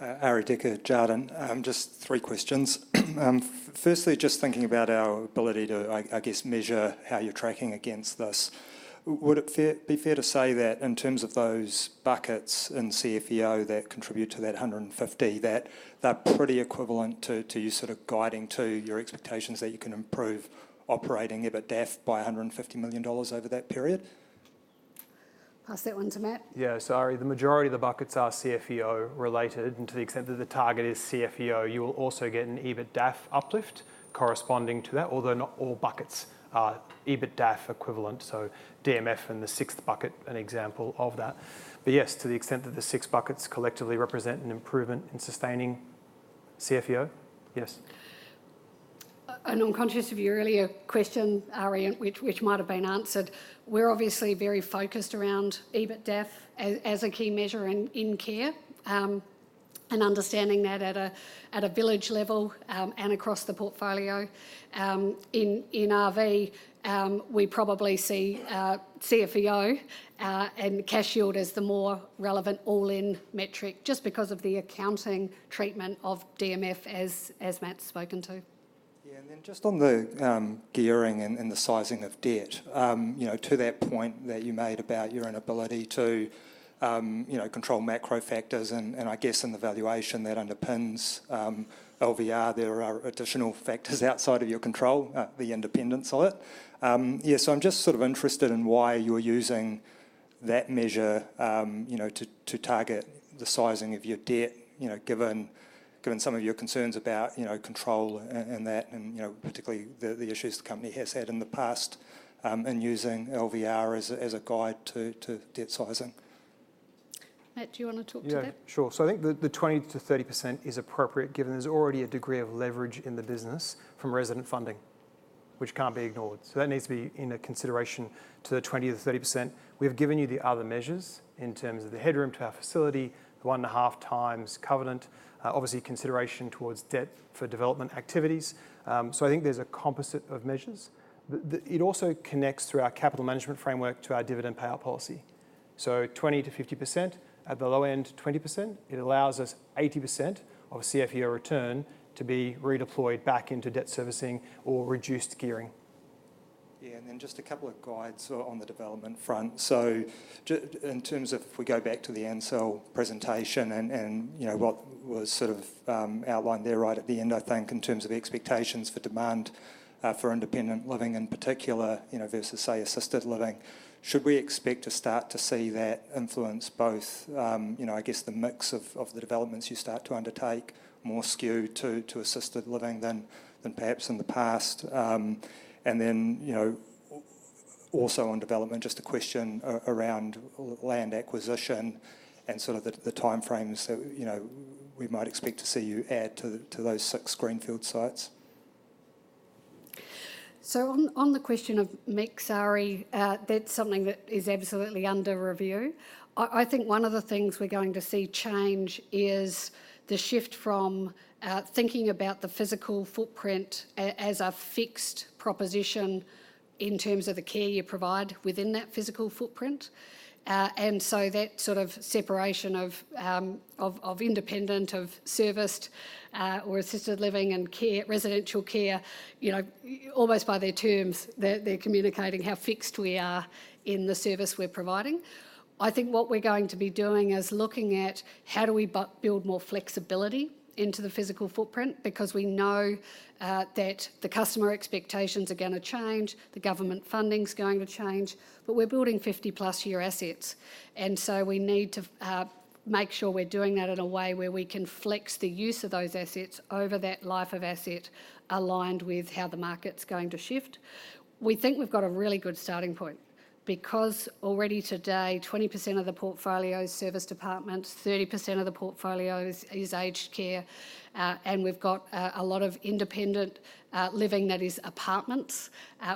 Arie Dekker, Jarden. Just three questions. Firstly, just thinking about our ability to, I guess, measure how you're tracking against this, would it be fair to say that in terms of those buckets in CFEO that contribute to that 150, that they're pretty equivalent to you sort of guiding to your expectations that you can improve operating EBITDAF by 150 million dollars over that period? Pass that one to Matt. Yeah, so Arie, the majority of the buckets are CFEO related, and to the extent that the target is CFEO, you will also get an EBITDAF uplift corresponding to that, although not all buckets are EBITDAF equivalent, so DMF in the sixth bucket, an example of that. But yes, to the extent that the six buckets collectively represent an improvement in sustaining CFEO, yes. I'm conscious of your earlier question, Ari, which might have been answered. We're obviously very focused around EBITDAF as a key measure in care, and understanding that at a village level, and across the portfolio. In RV, we probably see CFEO and cash yield as the more relevant all-in metric, just because of the accounting treatment of DMF as Matt's spoken to. ... Yeah, and then just on the, gearing and, and the sizing of debt, you know, to that point that you made about your inability to, you know, control macro factors and, and I guess in the valuation that underpins, LVR, there are additional factors outside of your control, the independence of it. Yeah, so I'm just sort of interested in why you're using that measure, you know, to, to target the sizing of your debt, you know, given, given some of your concerns about, you know, control a- and that and, you know, particularly the, the issues the company has had in the past, in using LVR as a, as a guide to, to debt sizing. Matt, do you wanna talk to that? Yeah, sure. So I think the 20%-30% is appropriate, given there's already a degree of leverage in the business from Resident Funding, which can't be ignored. So that needs to be in a consideration to the 20%-30%. We've given you the other measures in terms of the headroom to our facility, the 1.5 times covenant, obviously consideration towards debt for development activities. So I think there's a composite of measures. It also connects through our capital management framework to our dividend payout policy. So 20%-50%, at the low end, 20%, it allows us 80% of CFEO return to be redeployed back into debt servicing or reduced gearing. Yeah, and then just a couple of guides on the development front. So in terms of if we go back to the Ansell presentation and, you know, what was sort of outlined there right at the end, I think, in terms of expectations for demand for independent living, in particular, you know, versus, say, assisted living, should we expect to start to see that influence both, you know, I guess, the mix of the developments you start to undertake, more skew to assisted living than perhaps in the past? And then, you know, also on development, just a question around land acquisition and sort of the timeframes that, you know, we might expect to see you add to those six greenfield sites. So, on the question of mix, Arie, that's something that is absolutely under review. I think one of the things we're going to see change is the shift from thinking about the physical footprint as a fixed proposition in terms of the care you provide within that physical footprint. And so that sort of separation of independent, serviced, or assisted living and care, residential care, you know, almost by their terms, they're communicating how fixed we are in the service we're providing. I think what we're going to be doing is looking at how do we build more flexibility into the physical footprint, because we know that the customer expectations are gonna change, the government funding's going to change, but we're building 50-plus year assets, and so we need to make sure we're doing that in a way where we can flex the use of those assets over that life of asset, aligned with how the market's going to shift. We think we've got a really good starting point, because already today, 20% of the portfolio is serviced apartments, 30% of the portfolio is aged care, and we've got a lot of independent living that is apartments,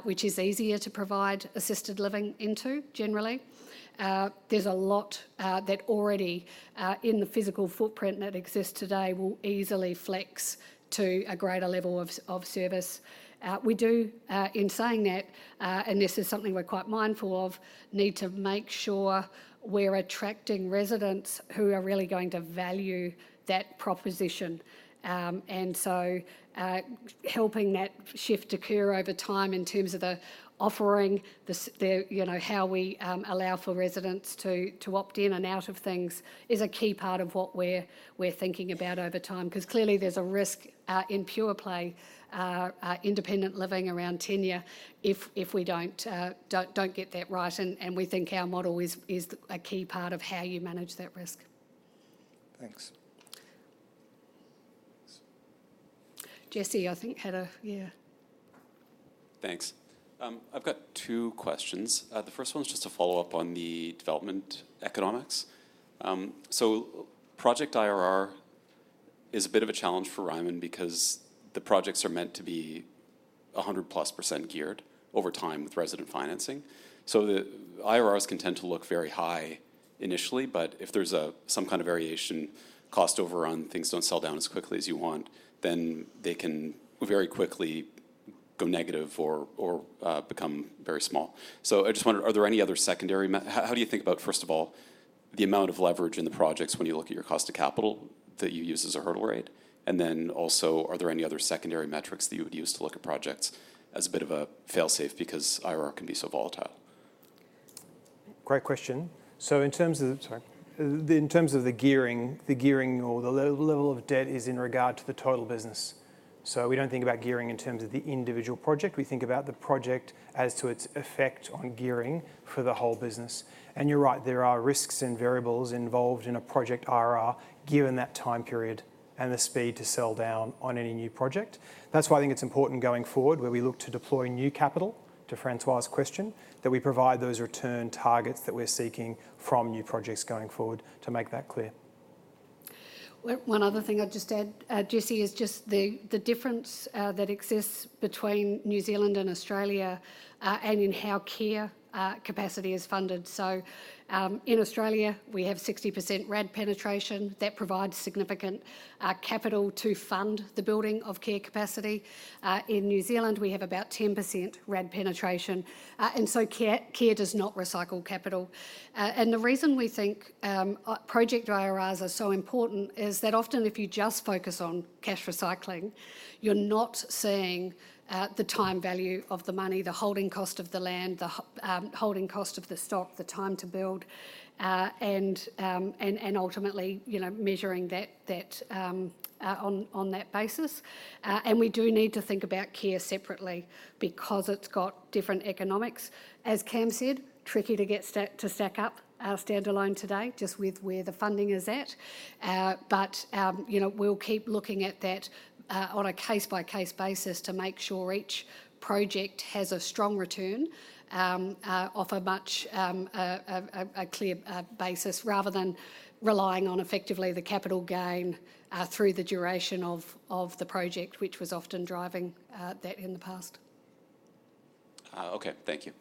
which is easier to provide assisted living into, generally. There's a lot that already in the physical footprint that exists today will easily flex to a greater level of service. We do, in saying that, and this is something we're quite mindful of, need to make sure we're attracting residents who are really going to value that proposition. And so, helping that shift occur over time in terms of the offering, you know, how we allow for residents to opt in and out of things, is a key part of what we're thinking about over time, 'cause clearly there's a risk in pure play independent living around tenure if we don't get that right, and we think our model is a key part of how you manage that risk. Thanks. Jesse, I think, had a... Yeah. Thanks. I've got two questions. The first one is just a follow-up on the development economics. So project IRR is a bit of a challenge for Ryman because the projects are meant to be 100%+ geared over time with resident financing. So the IRRs can tend to look very high initially, but if there's a, some kind of variation, cost overrun, things don't sell down as quickly as you want, then they can very quickly go negative or, or, become very small. So I just wonder, are there any other secondary how, how do you think about, first of all, the amount of leverage in the projects when you look at your cost of capital that you use as a hurdle rate? And then also, are there any other secondary metrics that you would use to look at projects as a bit of a fail-safe because IRR can be so volatile? Great question. So in terms of, sorry, in terms of the gearing, the gearing or the level of debt is in regard to the total business. So we don't think about gearing in terms of the individual project. We think about the project as to its effect on gearing for the whole business. And you're right, there are risks and variables involved in a project IRR, given that time period and the speed to sell down on any new project. That's why I think it's important going forward, where we look to deploy new capital, to Francois' question, that we provide those return targets that we're seeking from new projects going forward to make that clear. One other thing I'd just add, Jesse, is just the, the difference that exists between New Zealand and Australia, and in how care capacity is funded. So, in Australia, we have 60% RAD penetration. That provides significant capital to fund the building of care capacity. In New Zealand, we have about 10% RAD penetration, and so care does not recycle capital. And the reason we think project IRRs are so important is that often if you just focus on cash recycling, you're not seeing the time value of the money, the holding cost of the land, the holding cost of the stock, the time to build, and ultimately, you know, measuring that on that basis. And we do need to think about care separately because it's got different economics. As Cam said, tricky to get to stack up our standalone today, just with where the funding is at. But, you know, we'll keep looking at that, on a case-by-case basis to make sure each project has a strong return, off a much clearer basis, rather than relying on effectively the capital gain, through the duration of the project, which was often driving that in the past. Okay, thank you.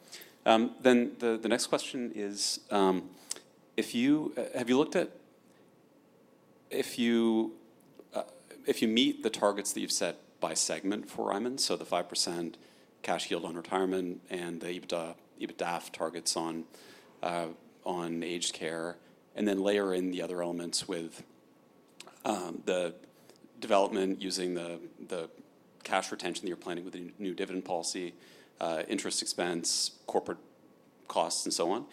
Then the next question is, if you meet the targets that you've set by segment for Ryman, so the 5% cash yield on retirement and the EBITDAF targets on aged care, and then layer in the other elements with the development using the cash retention that you're planning with the new dividend policy, interest expense, corporate costs, and so on,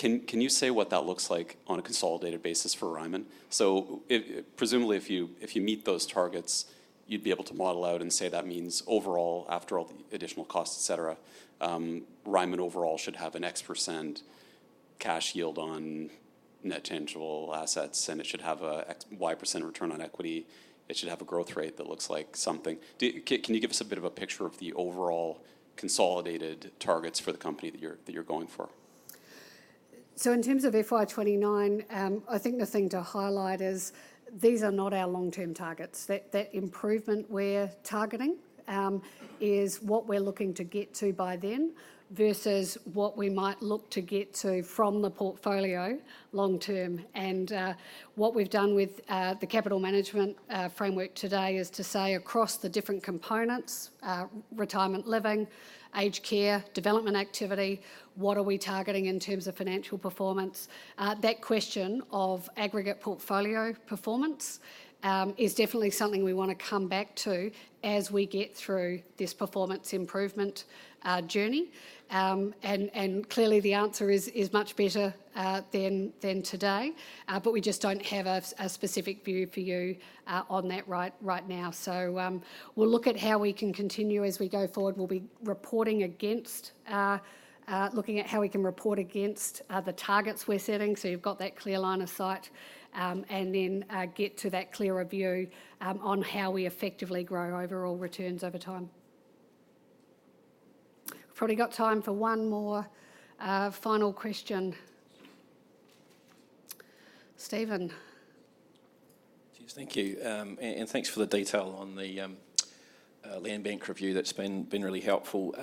can you say what that looks like on a consolidated basis for Ryman? So presumably, if you meet those targets, you'd be able to model out and say that means overall, after all the additional costs, et cetera, Ryman overall should have an X% cash yield on net tangible assets, and it should have an X%-Y% return on equity. It should have a growth rate that looks like something. Can you give us a bit of a picture of the overall consolidated targets for the company that you're going for? So in terms of FY 2029, I think the thing to highlight is these are not our long-term targets. That improvement we're targeting is what we're looking to get to by then, versus what we might look to get to from the portfolio long term. What we've done with the capital management framework today is to say across the different components, retirement living, aged care, development activity, what are we targeting in terms of financial performance? That question of aggregate portfolio performance is definitely something we want to come back to as we get through this performance improvement journey. Clearly, the answer is much better than today. But we just don't have a specific view for you on that right now. So, we'll look at how we can continue as we go forward. We'll be reporting against the targets we're setting, so you've got that clear line of sight. And then, get to that clearer view on how we effectively grow overall returns over time. We've probably got time for one more final question. Stephen? Cheers, thank you. And thanks for the detail on the land bank review. That's been really helpful.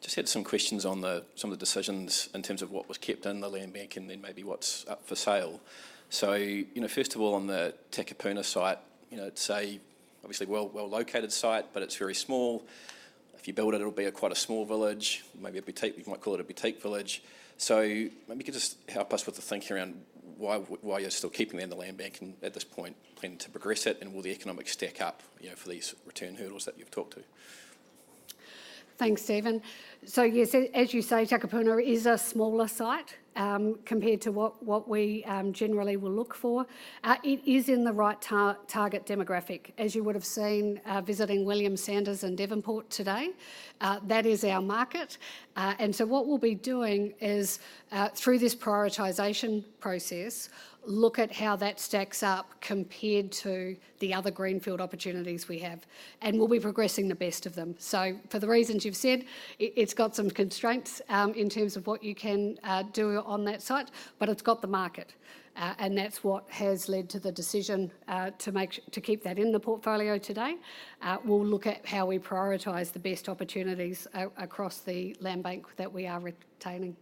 Just had some questions on some of the decisions in terms of what was kept in the land bank and then maybe what's up for sale. So, you know, first of all, on the Takapuna site, you know, it's obviously a well-located site, but it's very small. If you build it, it'll be quite a small village, maybe a boutique. You might call it a boutique village. So maybe you could just help us with the thinking around why you're still keeping it in the land bank and at this point, planning to progress it, and will the economics stack up, you know, for these return hurdles that you've talked to? Thanks, Stephen. So yes, as you say, Takapuna is a smaller site compared to what we generally will look for. It is in the right target demographic. As you would have seen, visiting William Sanders and Devonport today, that is our market. And so what we'll be doing is, through this prioritization process, look at how that stacks up compared to the other greenfield opportunities we have, and we'll be progressing the best of them. So for the reasons you've said, it's got some constraints in terms of what you can do on that site, but it's got the market, and that's what has led to the decision to keep that in the portfolio today. We'll look at how we prioritize the best opportunities across the land bank that we are retaining.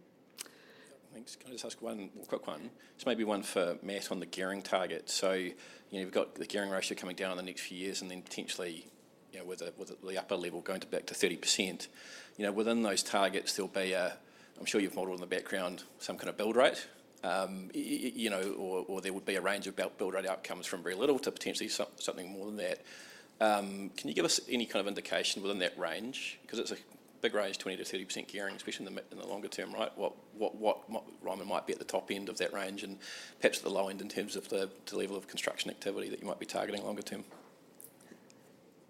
Thanks. Can I just ask one quick one? This may be one for Matt on the gearing target. So, you know, you've got the gearing ratio coming down in the next few years and then potentially, you know, with the, with the upper level going to back to 30%. You know, within those targets, there'll be a, I'm sure you've modeled in the background some kind of build rate. You know, or, or there would be a range of build rate outcomes from very little to potentially something more than that. Can you give us any kind of indication within that range? Because it's a big range, 20%-30% gearing, especially in the longer term, right? What Ryman might be at the top end of that range and perhaps the low end in terms of the level of construction activity that you might be targeting longer term?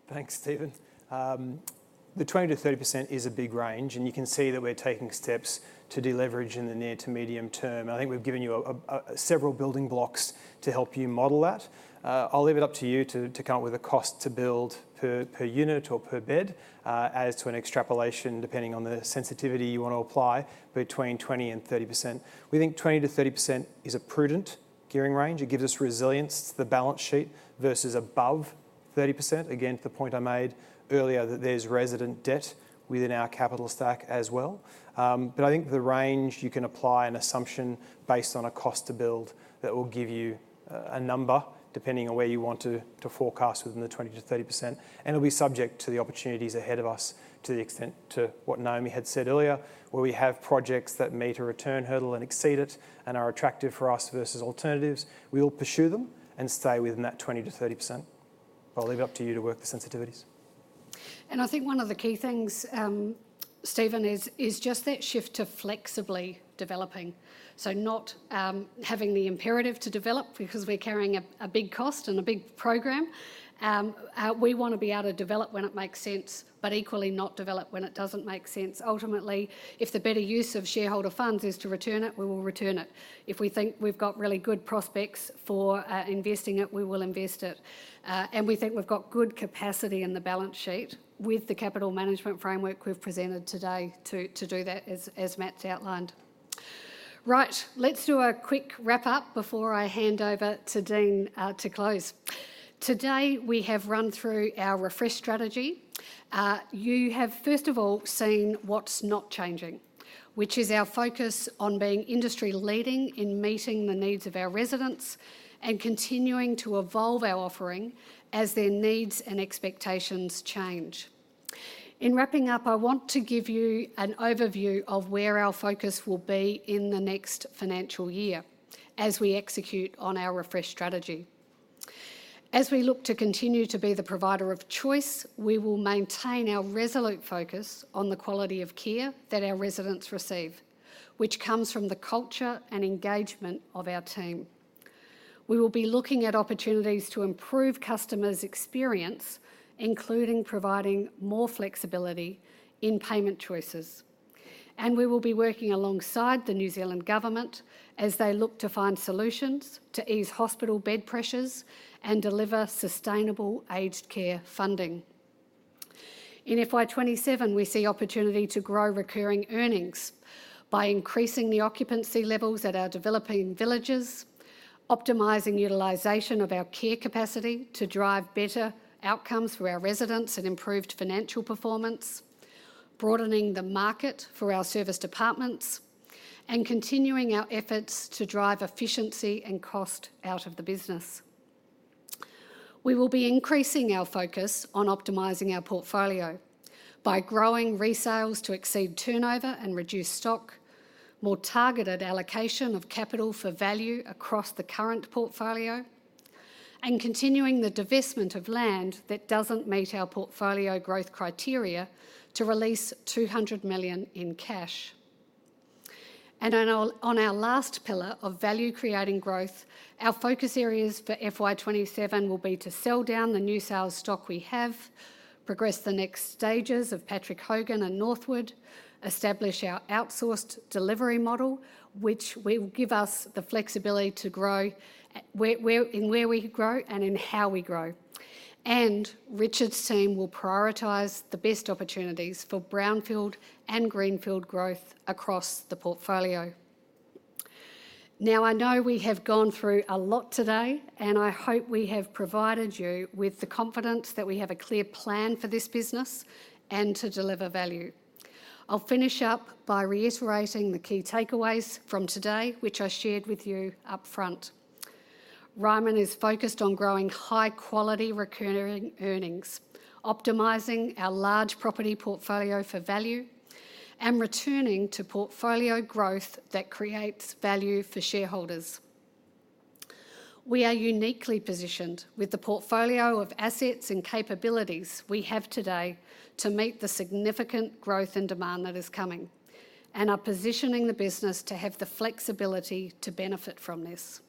Thanks, Stephen. The 20%-30% is a big range, and you can see that we're taking steps to deleverage in the near to medium term. I think we've given you several building blocks to help you model that. I'll leave it up to you to come up with a cost to build per unit or per bed as to an extrapolation, depending on the sensitivity you want to apply, between 20% and 30%. We think 20%-30% is a prudent gearing range. It gives us resilience to the balance sheet versus above 30%, again, to the point I made earlier, that there's resident debt within our capital stack as well. But I think the range, you can apply an assumption based on a cost to build that will give you a number, depending on where you want to forecast within the 20%-30%, and it'll be subject to the opportunities ahead of us to the extent to what Naomi had said earlier, where we have projects that meet a return hurdle and exceed it, and are attractive for us versus alternatives. We will pursue them and stay within that 20%-30%. I'll leave it up to you to work the sensitivities. And I think one of the key things, Stephen, is just that shift to flexibly developing, so not having the imperative to develop because we're carrying a big cost and a big program. We want to be able to develop when it makes sense, but equally not develop when it doesn't make sense. Ultimately, if the better use of shareholder funds is to return it, we will return it. If we think we've got really good prospects for investing it, we will invest it. And we think we've got good capacity in the balance sheet with the capital management framework we've presented today to do that, as Matt's outlined. Right, let's do a quick wrap-up before I hand over to Dean to close. Today, we have run through our refresh strategy. You have first of all seen what's not changing, which is our focus on being industry-leading in meeting the needs of our residents, and continuing to evolve our offering as their needs and expectations change. In wrapping up, I want to give you an overview of where our focus will be in the next financial year as we execute on our refresh strategy. As we look to continue to be the provider of choice, we will maintain our resolute focus on the quality of care that our residents receive, which comes from the culture and engagement of our team. We will be looking at opportunities to improve customers' experience, including providing more flexibility in payment choices, and we will be working alongside the New Zealand government as they look to find solutions to ease hospital bed pressures and deliver sustainable aged care funding. In FY 2027, we see opportunity to grow recurring earnings by increasing the occupancy levels at our developing villages, optimizing utilization of our care capacity to drive better outcomes for our residents and improved financial performance, broadening the market for our serviced apartments, and continuing our efforts to drive efficiency and cost out of the business. We will be increasing our focus on optimizing our portfolio by growing resales to exceed turnover and reduce stock, more targeted allocation of capital for value across the current portfolio, and continuing the divestment of land that doesn't meet our portfolio growth criteria to release 200 million in cash. On our last pillar of value-creating growth, our focus areas for FY 2027 will be to sell down the new sales stock we have, progress the next stages of Patrick Hogan and Northwood, establish our outsourced delivery model, which will give us the flexibility to grow where we grow and in how we grow. Richard's team will prioritize the best opportunities for brownfield and greenfield growth across the portfolio. Now, I know we have gone through a lot today, and I hope we have provided you with the confidence that we have a clear plan for this business and to deliver value. I'll finish up by reiterating the key takeaways from today, which I shared with you up front. Ryman is focused on growing high-quality recurring earnings, optimizing our large property portfolio for value, and returning to portfolio growth that creates value for shareholders. We are uniquely positioned with the portfolio of assets and capabilities we have today to meet the significant growth and demand that is coming, and are positioning the business to have the flexibility to benefit from this.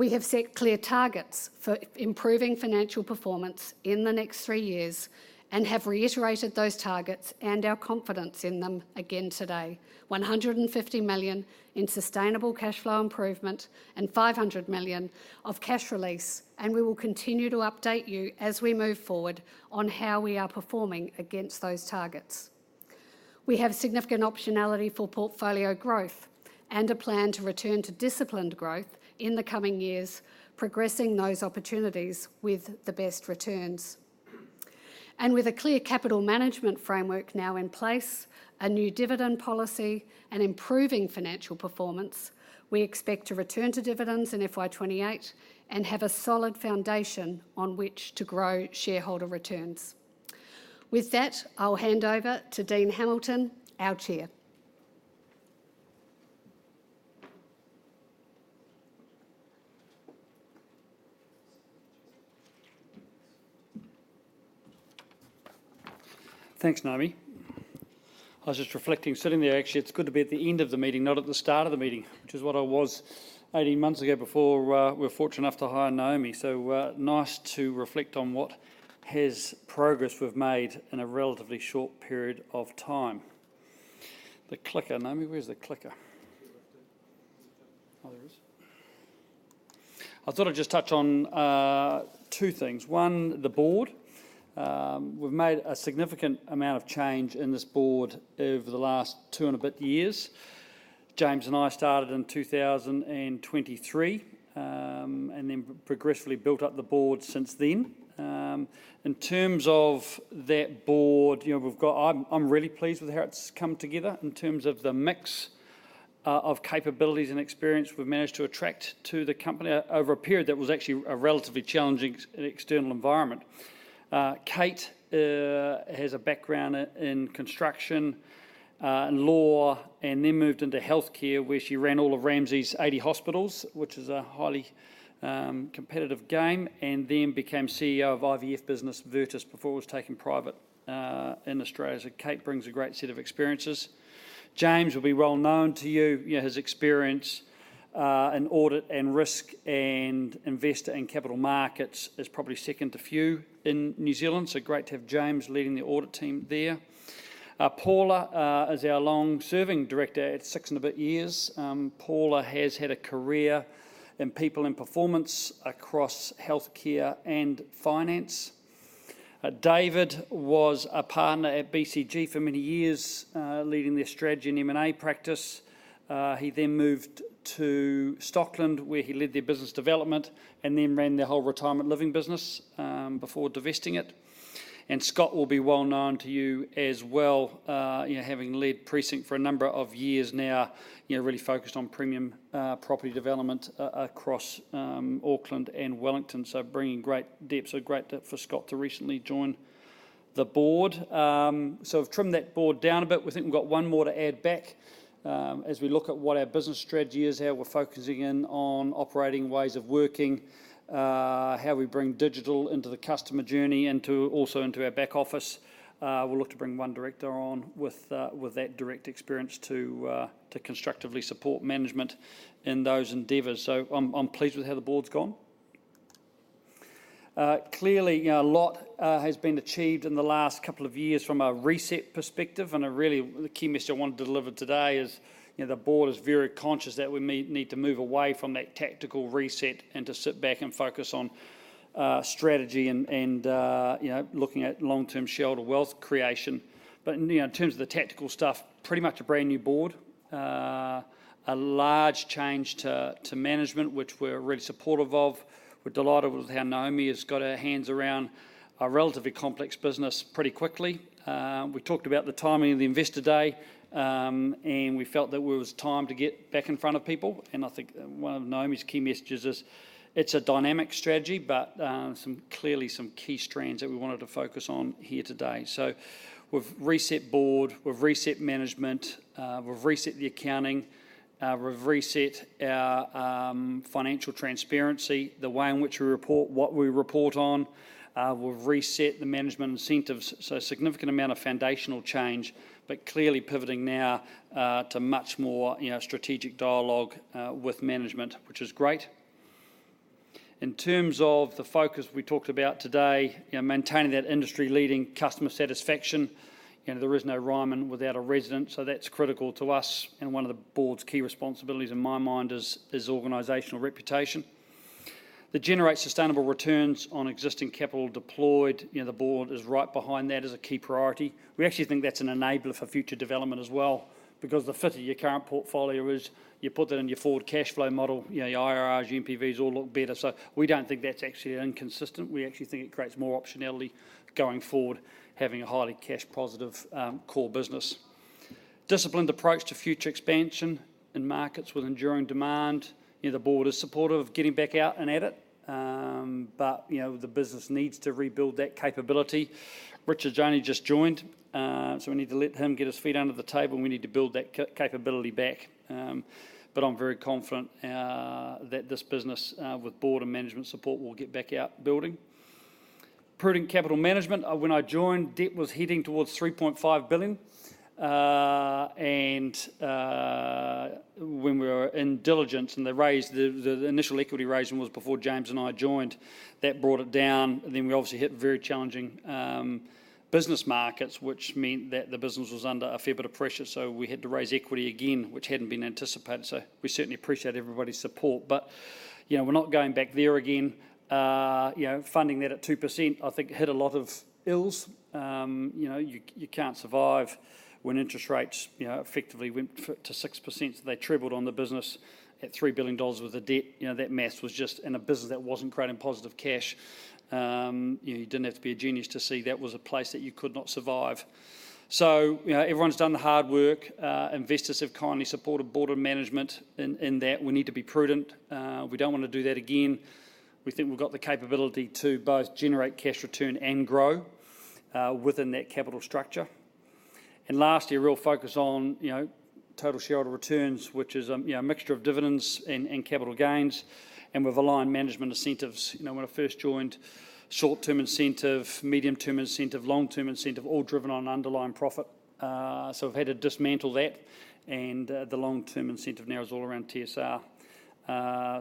We have set clear targets for improving financial performance in the next three years and have reiterated those targets and our confidence in them again today: 150 million in sustainable cash flow improvement and 500 million of cash release, and we will continue to update you as we move forward on how we are performing against those targets. We have significant optionality for portfolio growth and a plan to return to disciplined growth in the coming years, progressing those opportunities with the best returns. With a clear capital management framework now in place, a new dividend policy, and improving financial performance, we expect to return to dividends in FY 2028 and have a solid foundation on which to grow shareholder returns. With that, I'll hand over to Dean Hamilton, our Chair. Thanks, Naomi. I was just reflecting, sitting there, actually, it's good to be at the end of the meeting, not at the start of the meeting, which is what I was 18 months ago before, we were fortunate enough to hire Naomi. So, nice to reflect on what has progress we've made in a relatively short period of time. The clicker, Naomi, where's the clicker? Oh, there it is. I thought I'd just touch on two things. One, the board. We've made a significant amount of change in this board over the last two and a bit years. James and I started in 2023, and then progressively built up the board since then. In terms of that board, you know, I'm really pleased with how it's come together in terms of the mix of capabilities and experience we've managed to attract to the company over a period that was actually a relatively challenging external environment. Kate has a background in construction and law, and then moved into healthcare, where she ran all of Ramsay's 80 hospitals, which is a highly competitive game, and then became CEO of IVF business Virtus before it was taken private in Australia. So Kate brings a great set of experiences. James will be well known to you. You know, his experience in audit and risk and investor and capital markets is probably second to few in New Zealand, so great to have James leading the audit team there. Paula is our long-serving director at six and a bit years. Paula has had a career in people and performance across healthcare and finance. David was a partner at BCG for many years, leading their strategy and M&A practice. He then moved to Stockland, where he led their business development, and then ran their whole retirement living business before divesting it. And Scott will be well known to you as well, you know, having led Precinct for a number of years now, you know, really focused on premium property development across Auckland and Wellington, so bringing great depth, so great for Scott to recently join the board. So we've trimmed that board down a bit. We think we've got one more to add back. As we look at what our business strategy is, how we're focusing in on operating ways of working, how we bring digital into the customer journey and also into our back office, we'll look to bring one director on with that direct experience to constructively support management in those endeavors. So I'm, I'm pleased with how the board's gone. Clearly, a lot has been achieved in the last couple of years from a reset perspective, and really, the key message I wanted to deliver today is, you know, the board is very conscious that we may need to move away from that tactical reset and to sit back and focus on strategy and you know, looking at long-term shareholder wealth creation. But, you know, in terms of the tactical stuff, pretty much a brand-new board. A large change to management, which we're really supportive of. We're delighted with how Naomi has got her hands around a relatively complex business pretty quickly. We talked about the timing of the investor day, and we felt that it was time to get back in front of people, and I think one of Naomi's key messages is, it's a dynamic strategy, but clearly some key strands that we wanted to focus on here today. So we've reset board, we've reset management, we've reset the accounting, we've reset our financial transparency, the way in which we report, what we report on. We've reset the management incentives, so a significant amount of foundational change, but clearly pivoting now to much more, you know, strategic dialogue with management, which is great. In terms of the focus we talked about today, you know, maintaining that industry-leading customer satisfaction, you know, there is no Ryman without a resident, so that's critical to us, and one of the board's key responsibilities, in my mind, is organizational reputation. To generate sustainable returns on existing capital deployed, you know, the board is right behind that as a key priority. We actually think that's an enabler for future development as well, because the fit of your current portfolio is, you put that in your forward cashflow model, you know, your IRRs, NPVs all look better. So we don't think that's actually inconsistent. We actually think it creates more optionality going forward, having a highly cash-positive core business. Disciplined approach to future expansion in markets with enduring demand. You know, the board is supportive of getting back out and at it. But, you know, the business needs to rebuild that capability. Richard's only just joined, so we need to let him get his feet under the table, and we need to build that capability back. But I'm very confident that this business, with board and management support, will get back out building. Prudent capital management. When I joined, debt was heading towards 3.5 billion. And when we were in diligence, and the raise, the initial equity raising was before James and I joined, that brought it down, and then we obviously hit very challenging business markets, which meant that the business was under a fair bit of pressure, so we had to raise equity again, which hadn't been anticipated. So we certainly appreciate everybody's support. But, you know, we're not going back there again. You know, funding that at 2% I think hit a lot of ills. You know, you can't survive when interest rates, you know, effectively went to 6%, so they trebled on the business at 3 billion dollars worth of debt. You know, that maths was just... In a business that wasn't creating positive cash, you know, you didn't have to be a genius to see that was a place that you could not survive. So, you know, everyone's done the hard work. Investors have kindly supported board and management in that we need to be prudent. We don't want to do that again. We think we've got the capability to both generate cash return and grow within that capital structure. And lastly, a real focus on, you know, total shareholder returns, which is, you know, a mixture of dividends and capital gains, and we've aligned management incentives. You know, when I first joined, short-term incentive, medium-term incentive, long-term incentive, all driven on underlying profit. So we've had to dismantle that, and the long-term incentive now is all around TSR.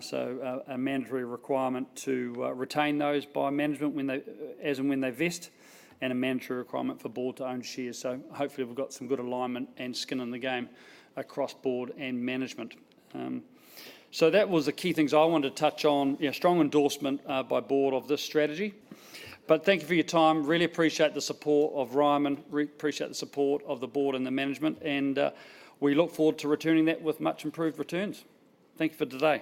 So, a mandatory requirement to retain those by management when they, as and when they vest, and a mandatory requirement for board to own shares. So hopefully, we've got some good alignment and skin in the game across board and management. So that was the key things I wanted to touch on. You know, strong endorsement by board of this strategy. But thank you for your time. Really appreciate the support of Ryman, appreciate the support of the board and the management, and we look forward to returning that with much improved returns. Thank you for today.